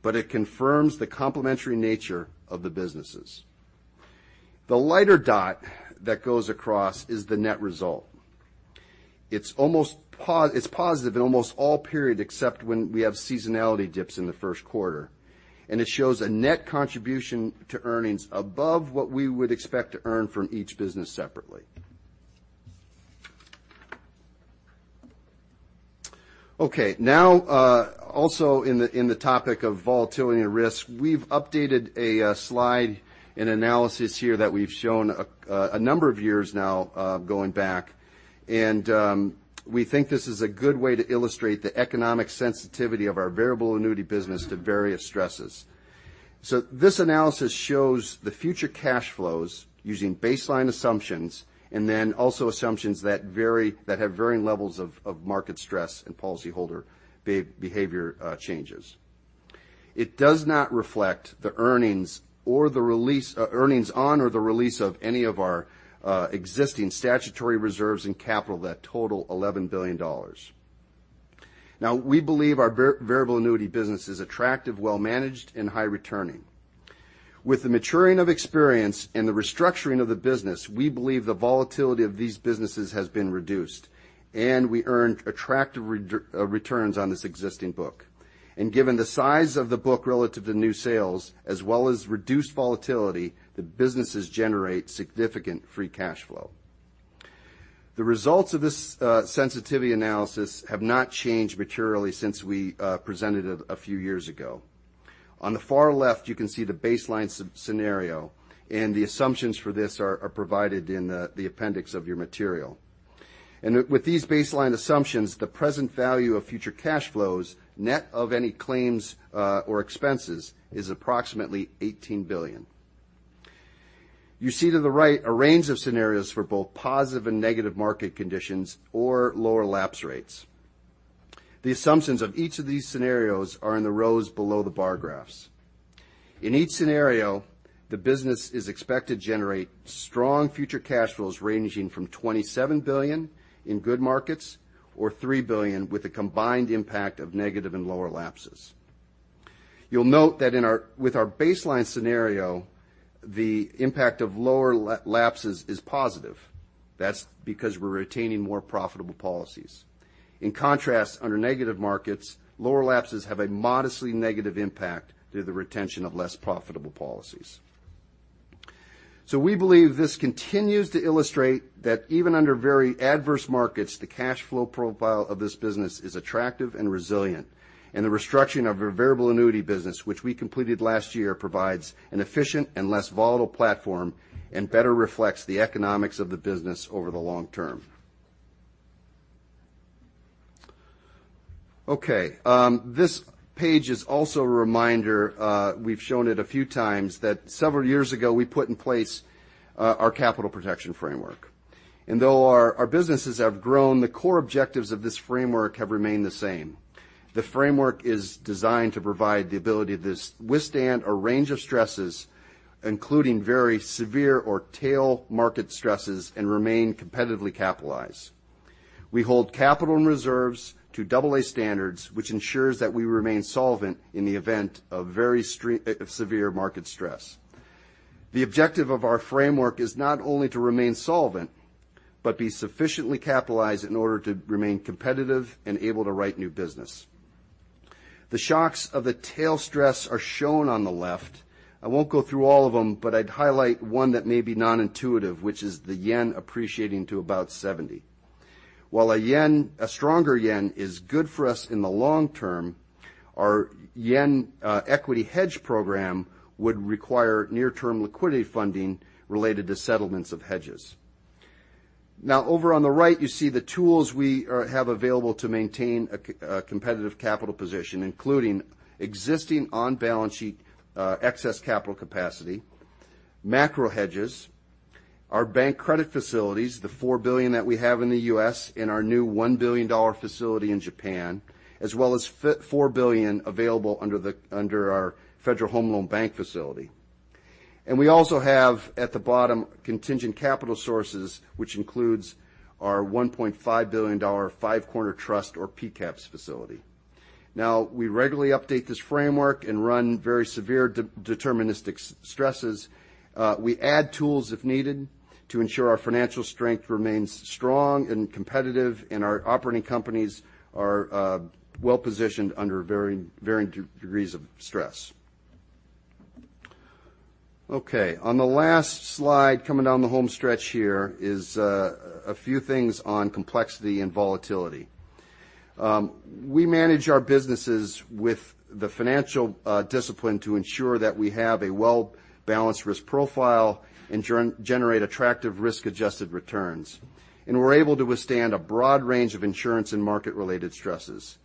but it confirms the complementary nature of the businesses. The lighter dot that goes across is the net result. It's positive in almost all periods except when we have seasonality dips in the first quarter. It shows a net contribution to earnings above what we would expect to earn from each business separately. Okay. Also in the topic of volatility and risk, we've updated a slide and analysis here that we've shown a number of years now going back. We think this is a good way to illustrate the economic sensitivity of our variable annuity business to various stresses. This analysis shows the future cash flows using baseline assumptions and then also assumptions that have varying levels of market stress and policyholder behavior changes. It does not reflect the earnings on or the release of any of our existing statutory reserves and capital that total $11 billion. We believe our variable annuity business is attractive, well-managed, and high returning. With the maturing of experience and the restructuring of the business, we believe the volatility of these businesses has been reduced, and we earned attractive returns on this existing book. Given the size of the book relative to new sales, as well as reduced volatility, the businesses generate significant free cash flow. The results of this sensitivity analysis have not changed materially since we presented it a few years ago. On the far left, you can see the baseline scenario. The assumptions for this are provided in the appendix of your material. With these baseline assumptions, the present value of future cash flows, net of any claims or expenses, is approximately $18 billion. You see to the right a range of scenarios for both positive and negative market conditions or lower lapse rates. The assumptions of each of these scenarios are in the rows below the bar graphs. In each scenario, the business is expected to generate strong future cash flows ranging from $27 billion in good markets or $3 billion with the combined impact of negative and lower lapses. You'll note that with our baseline scenario, the impact of lower lapses is positive. That's because we're retaining more profitable policies. In contrast, under negative markets, lower lapses have a modestly negative impact due to the retention of less profitable policies. We believe this continues to illustrate that even under very adverse markets, the cash flow profile of this business is attractive and resilient. The restructuring of our variable annuity business, which we completed last year, provides an efficient and less volatile platform and better reflects the economics of the business over the long term. Okay. This page is also a reminder, we've shown it a few times, that several years ago we put in place our capital protection framework. Though our businesses have grown, the core objectives of this framework have remained the same. The framework is designed to provide the ability to withstand a range of stresses, including very severe or tail market stresses, and remain competitively capitalized. We hold capital and reserves to double-A standards, which ensures that we remain solvent in the event of very severe market stress. The objective of our framework is not only to remain solvent, but be sufficiently capitalized in order to remain competitive and able to write new business. The shocks of the tail stress are shown on the left. I won't go through all of them, but I'd highlight one that may be non-intuitive, which is the JPY appreciating to about 70. While a stronger JPY is good for us in the long term, our JPY equity hedge program would require near-term liquidity funding related to settlements of hedges. Over on the right, you see the tools we have available to maintain a competitive capital position, including existing on-balance sheet excess capital capacity, macro hedges, our bank credit facilities, the $4 billion that we have in the U.S. and our new $1 billion facility in Japan, as well as $4 billion available under our Federal Home Loan Bank facility. We also have, at the bottom, contingent capital sources, which includes our $1.5 billion Five Corners Trust or PCAPS facility. We regularly update this framework and run very severe deterministic stresses. We add tools if needed to ensure our financial strength remains strong and competitive and our operating companies are well-positioned under varying degrees of stress. Okay. On the last slide, coming down the home stretch here, is a few things on complexity and volatility. We manage our businesses with the financial discipline to ensure that we have a well-balanced risk profile and generate attractive risk-adjusted returns. We're able to withstand a broad range of insurance and market-related stresses.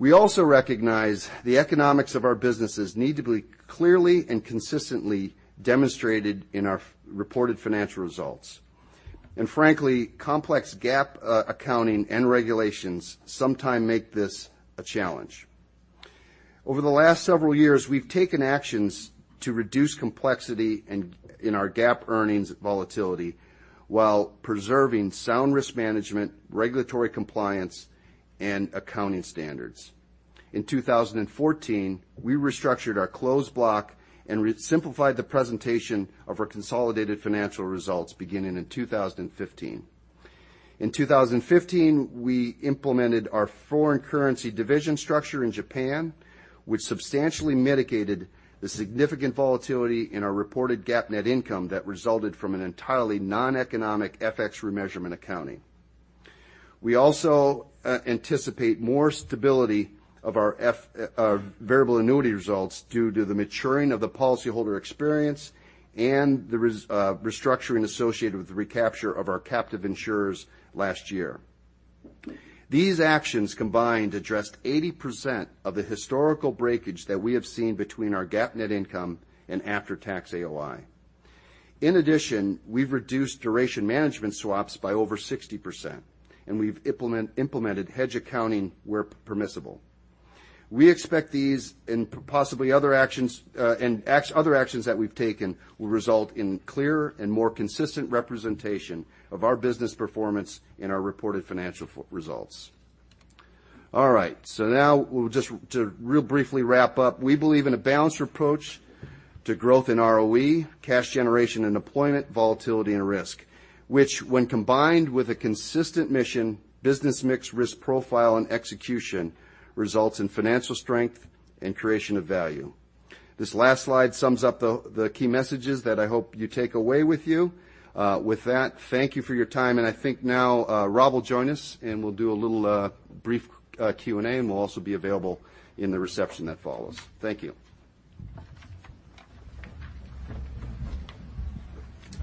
We also recognize the economics of our businesses need to be clearly and consistently demonstrated in our reported financial results. Frankly, complex GAAP accounting and regulations sometimes make this a challenge. Over the last several years, we've taken actions to reduce complexity in our GAAP earnings volatility while preserving sound risk management, regulatory compliance, and accounting standards. In 2014, we restructured our Closed Block and simplified the presentation of our consolidated financial results beginning in 2015. In 2015, we implemented our foreign currency division structure in Japan, which substantially mitigated the significant volatility in our reported GAAP net income that resulted from an entirely non-economic FX remeasurement accounting. We also anticipate more stability of our variable annuity results due to the maturing of the policyholder experience and the restructuring associated with the recapture of our captive insurers last year. These actions combined addressed 80% of the historical breakage that we have seen between our GAAP net income and after-tax AOI. In addition, we've reduced duration management swaps by over 60%, and we've implemented hedge accounting where permissible. We expect these and other actions that we've taken will result in clearer and more consistent representation of our business performance in our reported financial results. All right. now just to real briefly wrap up, we believe in a balanced approach to growth in ROE, cash generation and deployment, volatility and risk, which when combined with a consistent mission, business mix, risk profile and execution, results in financial strength and creation of value. This last slide sums up the key messages that I hope you take away with you. With that, thank you for your time. I think now Rob will join us we'll do a little brief Q&A, we'll also be available in the reception that follows. Thank you.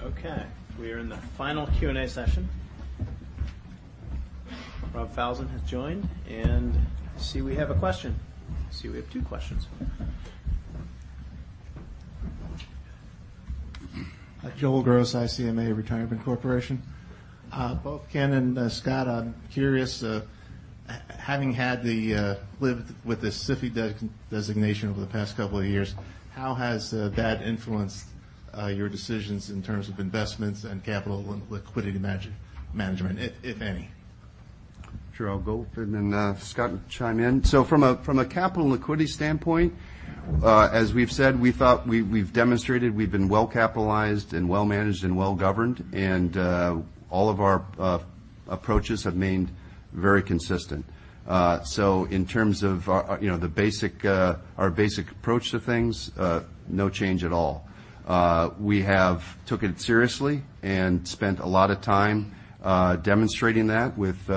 Okay, we are in the final Q&A session. Robert Falzon has joined, I see we have a question. I see we have two questions. Joel Gross, ICMA Retirement Corporation. Both Ken and Scott, I'm curious having had to live with the SIFI designation over the past couple of years, how has that influenced your decisions in terms of investments and capital liquidity management, if any? Sure. I'll go and then Scott can chime in. from a capital liquidity standpoint, as we've said, we thought we've demonstrated we've been well capitalized and well managed and well governed and all of our approaches have remained very consistent. in terms of our basic approach to things, no change at all. We have took it seriously and spent a lot of time demonstrating that with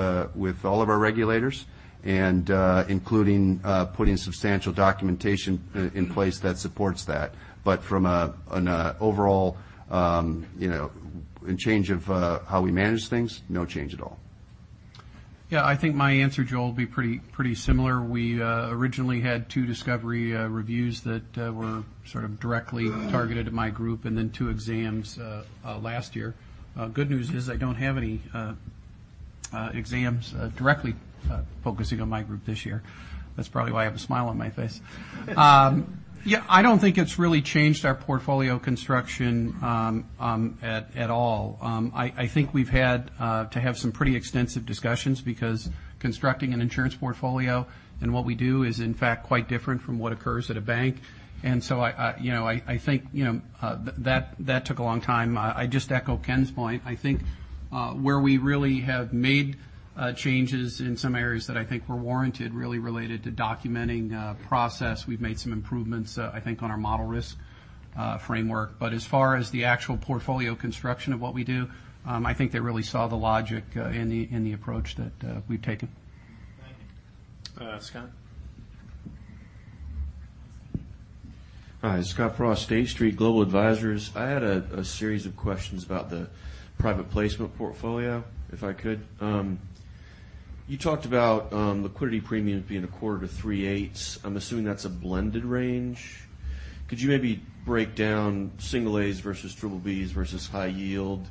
all of our regulators and including putting substantial documentation in place that supports that. from an overall change of how we manage things, no change at all. Yeah, I think my answer, Joel, will be pretty similar. We originally had two discovery reviews that were sort of directly targeted to my group and then two exams last year. Good news is I don't have any exams directly focusing on my group this year. That's probably why I have a smile on my face. I don't think it's really changed our portfolio construction at all. I think we've had to have some pretty extensive discussions because constructing an insurance portfolio and what we do is in fact quite different from what occurs at a bank. I think that took a long time. I just echo Ken's point. I think where we really have made changes in some areas that I think were warranted, really related to documenting process. We've made some improvements, I think, on our model risk framework. As far as the actual portfolio construction of what we do, I think they really saw the logic in the approach that we've taken. Thank you. Scott. Hi, Scott Frost, State Street Global Advisors. I had a series of questions about the private placement portfolio, if I could. You talked about liquidity premiums being a quarter to three eighths. I'm assuming that's a blended range. Could you maybe break down single A's versus triple B's versus high yield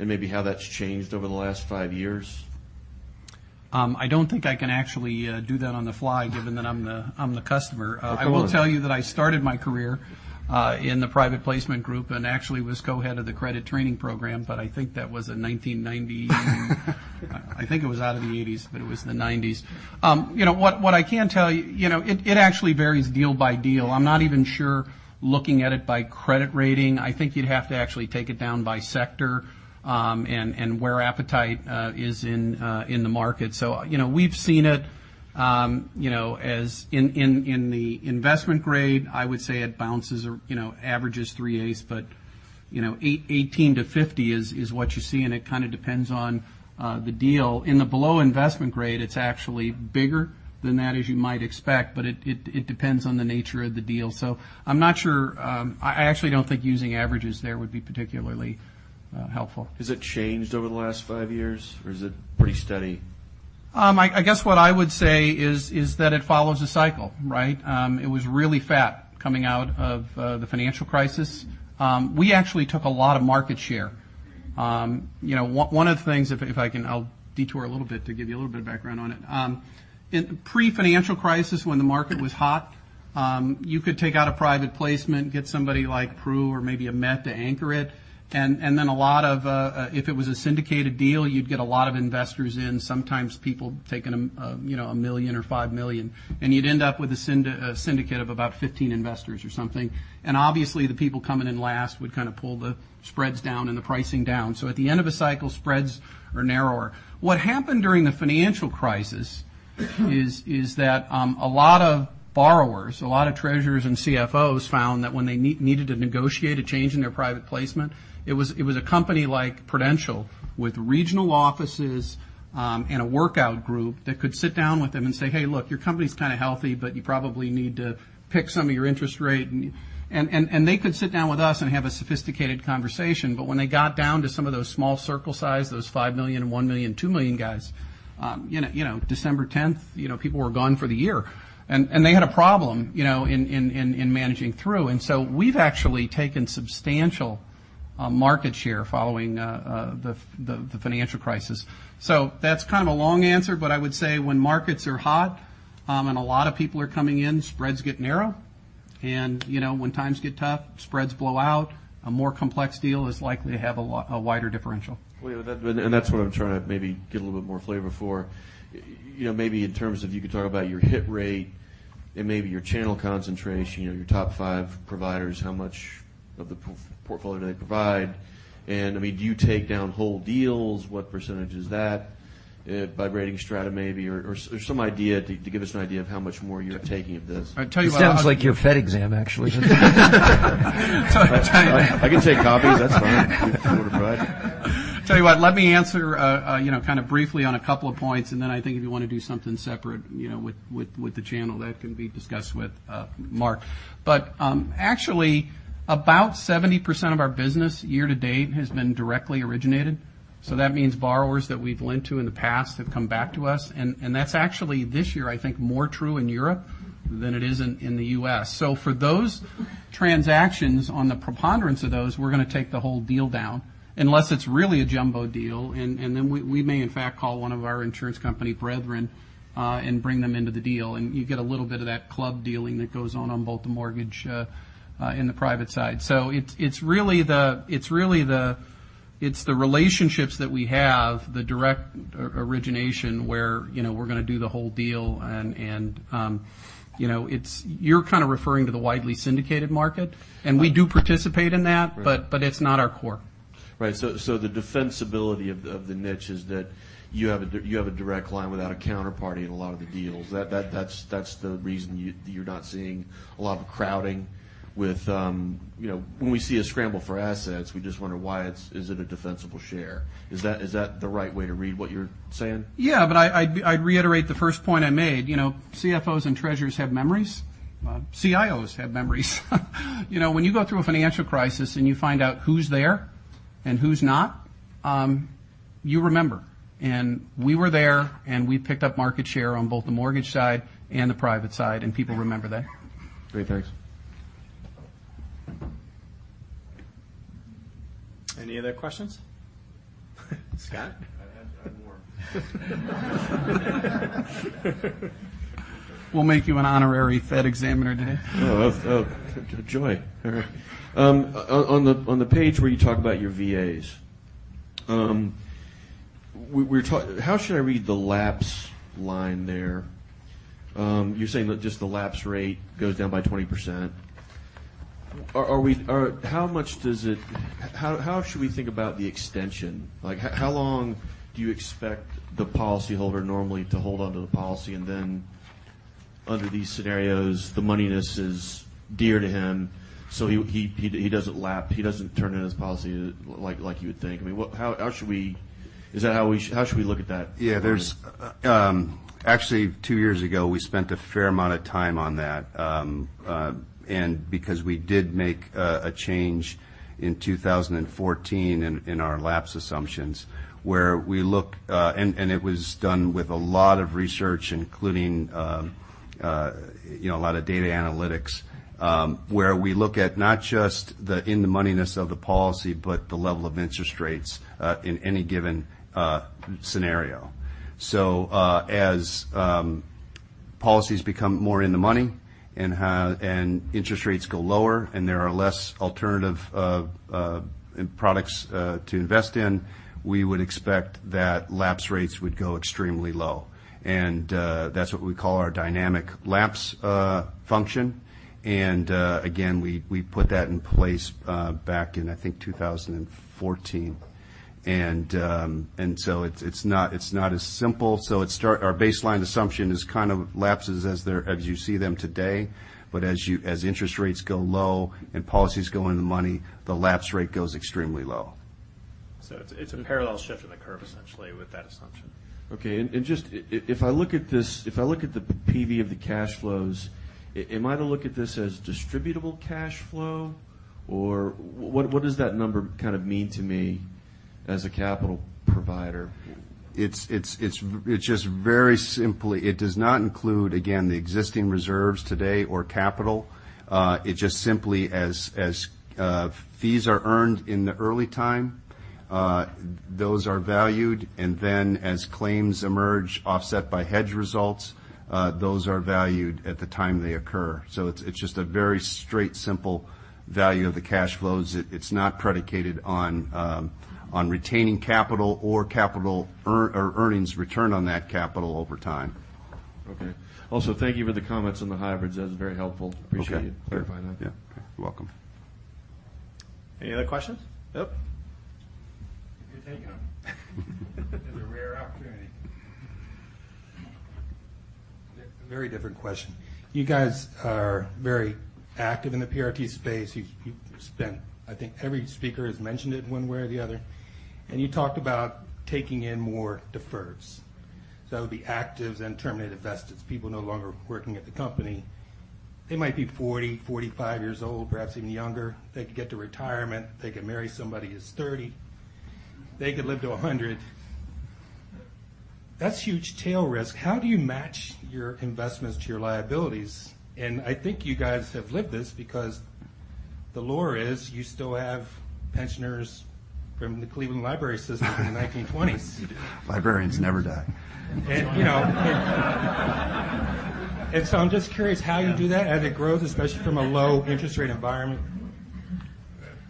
and maybe how that's changed over the last five years? I don't think I can actually do that on the fly given that I'm the customer. Of course. I will tell you that I started my career in the private placement group and actually was co-head of the credit training program, but I think that was in 1990. I think it was out of the '80s, but it was the '90s. What I can tell you, it actually varies deal by deal. I'm not even sure looking at it by credit rating. I think you'd have to actually take it down by sector and where appetite is in the market. We've seen it in the investment grade. I would say it bounces or averages three eighths but 18 to 50 is what you see, and it kind of depends on the deal. In the below investment grade, it's actually bigger than that as you might expect, but it depends on the nature of the deal. I'm not sure. I actually don't think using averages there would be particularly helpful. Has it changed over the last five years or is it pretty steady? I guess what I would say is that it follows a cycle, right? It was really fat coming out of the financial crisis. We actually took a lot of market share. One of the things, I'll detour a little bit to give you a little bit of background on it. Pre-financial crisis when the market was hot you could take out a private placement, get somebody like Pru or maybe a Met to anchor it, then if it was a syndicated deal, you'd get a lot of investors in. Sometimes people taking a million or 5 million, and you'd end up with a syndicate of about 15 investors or something. Obviously the people coming in last would kind of pull the spreads down and the pricing down. At the end of a cycle, spreads are narrower. What happened during the financial crisis is that a lot of borrowers, a lot of treasurers and CFOs found that when they needed to negotiate a change in their private placement, it was a company like Prudential with regional offices and a workout group that could sit down with them and say, "Hey, look, your company's kind of healthy, but you probably need to pick some of your interest rate." They could sit down with us and have a sophisticated conversation. When they got down to some of those small circle size, those 5 million, 1 million, 2 million guys, December 10th people were gone for the year. They had a problem in managing through. We've actually taken substantial market share following the financial crisis. That's kind of a long answer, but I would say when markets are hot, and a lot of people are coming in, spreads get narrow. When times get tough, spreads blow out, a more complex deal is likely to have a wider differential. That's what I'm trying to maybe get a little bit more flavor for. Maybe in terms of, you could talk about your hit rate and maybe your channel concentration, your top five providers, how much of the portfolio they provide. Do you take down whole deals? What percentage is that? By rating strata maybe, or some idea to give us an idea of how much more you're taking of this. I'll tell you what. Sounds like your Fed exam, actually. I can take copies. That's fine if you want to provide. Tell you what, let me answer kind of briefly on a couple of points, then I think if you want to do something separate with the channel, that can be discussed with Mark. Actually, about 70% of our business year to date has been directly originated. That means borrowers that we've lent to in the past have come back to us, and that's actually, this year, I think more true in Europe than it is in the U.S. For those transactions, on the preponderance of those, we're going to take the whole deal down unless it's really a jumbo deal, then we may in fact call one of our insurance company brethren, and bring them into the deal. You get a little bit of that club dealing that goes on on both the mortgage, in the private side. It's the relationships that we have, the direct origination where we're going to do the whole deal and you're kind of referring to the widely syndicated market, and we do participate in that. Right. It's not our core. Right. The defensibility of the niche is that you have a direct line without a counterparty in a lot of the deals. That's the reason you're not seeing a lot of crowding with. When we see a scramble for assets, we just wonder why. Is it a defensible share? Is that the right way to read what you're saying? Yeah. I'd reiterate the first point I made. CFOs and treasurers have memories. CIOs have memories. When you go through a financial crisis and you find out who's there and who's not, you remember. We were there, and we picked up market share on both the mortgage side and the private side, and people remember that. Great. Thanks. Any other questions? Scott? I have more. We'll make you an honorary Fed examiner today. Oh, joy. All right. On the page where you talk about your VAs, how should I read the lapse line there? You're saying that just the lapse rate goes down by 20%. How should we think about the extension? How long do you expect the policyholder normally to hold onto the policy and then under these scenarios, the moneyness is dear to him, so he doesn't lapse, he doesn't turn in his policy like you would think. How should we look at that? Yeah, actually two years ago, we spent a fair amount of time on that. Because we did make a change in 2014 in our lapse assumptions where we looked and it was done with a lot of research, including a lot of data analytics, where we look at not just the in-the-moneyness of the policy but the level of interest rates, in any given scenario. As policies become more in the money and interest rates go lower and there are less alternative products to invest in, we would expect that lapse rates would go extremely low. That's what we call our dynamic lapse function. Again, we put that in place back in, I think 2014. It's not as simple. Our baseline assumption is kind of lapses as you see them today. As interest rates go low and policies go in the money, the lapse rate goes extremely low. It's a parallel shift in the curve essentially with that assumption. Okay. If I look at the PV of the cash flows, am I to look at this as distributable cash flow? What does that number kind of mean to me as a capital provider? Just very simply, it does not include, again, the existing reserves today or capital. It just simply as fees are earned in the early time, those are valued and then as claims emerge offset by hedge results, those are valued at the time they occur. It's just a very straight simple value of the cash flows. It's not predicated on retaining capital or earnings return on that capital over time. Okay. Also, thank you for the comments on the hybrids. That was very helpful. Appreciate it. Okay. Clarifying that. Yeah. You're welcome. Any other questions? Nope. You're taking them. It's a rare opportunity. Very different question. You guys are very active in the PRT space. You've spent, I think every speaker has mentioned it one way or the other. You talked about taking in more defers. That would be actives and terminated vesteds. People no longer working at the company. They might be 40, 45 years old, perhaps even younger. They could get to retirement. They could marry somebody who's 30. They could live to 100. That's huge tail risk. How do you match your investments to your liabilities? I think you guys have lived this because the lore is you still have pensioners from the Cleveland Public Library from the 1920s. Librarians never die. I'm just curious how you do that as it grows, especially from a low interest rate environment.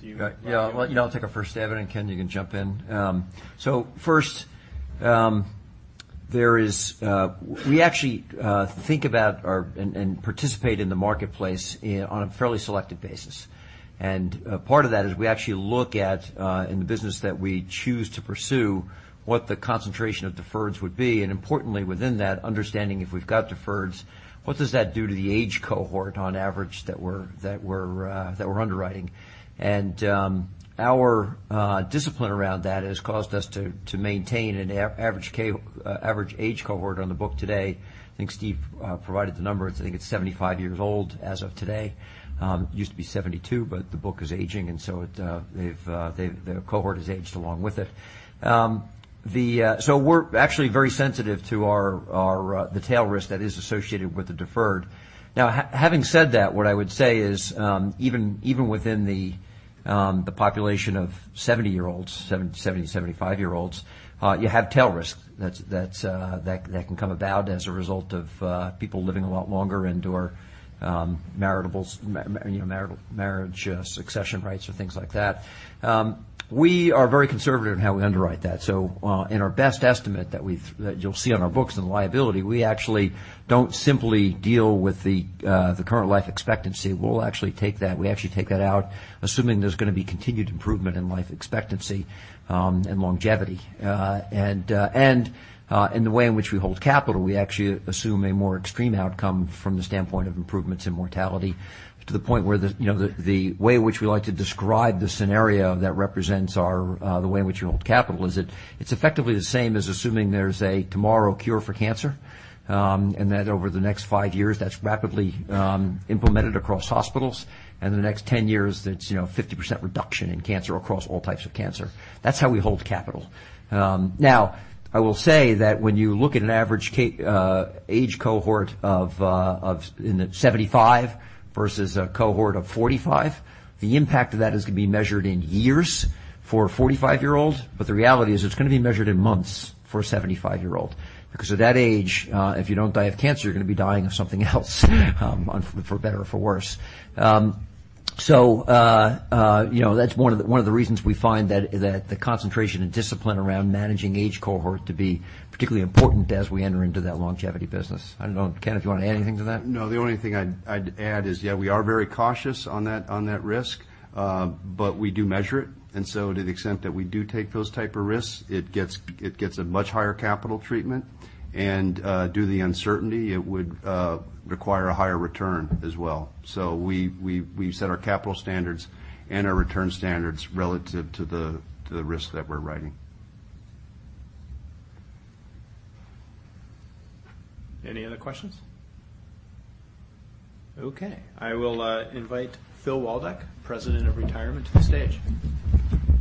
Yeah. I'll take a first stab at it, and Ken, you can jump in. First, we actually think about and participate in the marketplace on a fairly selective basis. Part of that is we actually look at, in the business that we choose to pursue, what the concentration of deferreds would be, and importantly, within that, understanding if we've got deferreds, what does that do to the age cohort on average that we're underwriting. Our discipline around that has caused us to maintain an average age cohort on the book today. I think Steve provided the number. I think it's 75 years old as of today. Used to be 72, but the book is aging, the cohort has aged along with it. We're actually very sensitive to the tail risk that is associated with the deferred. Now, having said that, what I would say is, even within the population of 70-year-olds, 70, 75-year-olds, you have tail risk that can come about as a result of people living a lot longer and/or marriage succession rights or things like that. We are very conservative in how we underwrite that. In our best estimate that you'll see on our books and liability, we actually don't simply deal with the current life expectancy. We'll actually take that out, assuming there's going to be continued improvement in life expectancy and longevity. In the way in which we hold capital, we actually assume a more extreme outcome from the standpoint of improvements in mortality to the point where the way in which we like to describe the scenario that represents the way in which we hold capital is it's effectively the same as assuming there's a tomorrow cure for cancer. That over the next 5 years, that's rapidly implemented across hospitals. In the next 10 years, that it's 50% reduction in cancer across all types of cancer. That's how we hold capital. Now, I will say that when you look at an average age cohort in the 75 versus a cohort of 45, the impact of that is going to be measured in years for a 45-year-old. The reality is it's going to be measured in months for a 75-year-old, because at that age, if you don't die of cancer, you're going to be dying of something else, for better or for worse. That's one of the reasons we find that the concentration and discipline around managing age cohort to be particularly important as we enter into that longevity business. I don't know, Ken, if you want to add anything to that? No, the only thing I'd add is, yeah, we are very cautious on that risk. We do measure it, and so to the extent that we do take those type of risks, it gets a much higher capital treatment. Due to the uncertainty, it would require a higher return as well. We set our capital standards and our return standards relative to the risk that we're writing. Any other questions? Okay, I will invite Phil Waldeck, President of Retirement, to the stage. Thank you,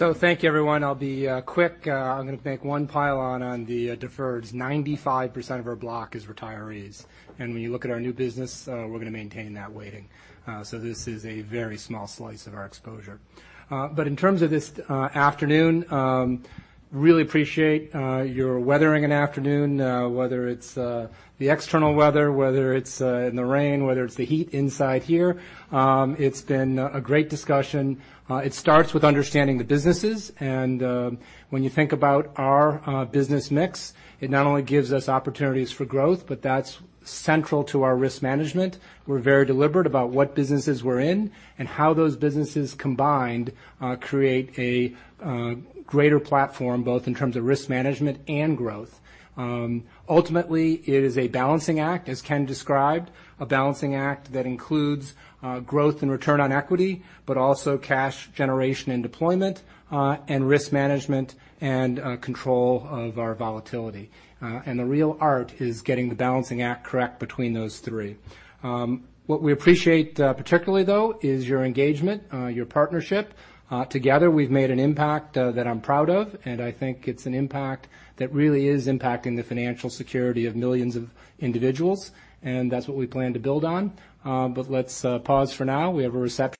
everyone. I'll be quick. I'm going to make one pile on the deferreds. 95% of our block is retirees. When you look at our new business, we're going to maintain that weighting. This is a very small slice of our exposure. In terms of this afternoon, really appreciate your weathering an afternoon, whether it's the external weather, whether it's in the rain, whether it's the heat inside here. It's been a great discussion. It starts with understanding the businesses, and when you think about our business mix, it not only gives us opportunities for growth, but that's central to our risk management. We're very deliberate about what businesses we're in and how those businesses combined create a greater platform, both in terms of risk management and growth. Ultimately, it is a balancing act, as Ken described. A balancing act that includes growth and return on equity, but also cash generation and deployment, and risk management and control of our volatility. The real art is getting the balancing act correct between those three. What we appreciate particularly, though, is your engagement, your partnership. Together, we've made an impact that I'm proud of, and I think it's an impact that really is impacting the financial security of millions of individuals, and that's what we plan to build on. Let's pause for now. We have a reception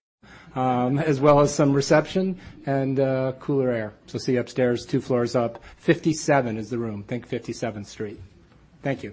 as well as some reception and cooler air. See you upstairs, two floors up. 57 is the room. Think 57th Street. Thank you.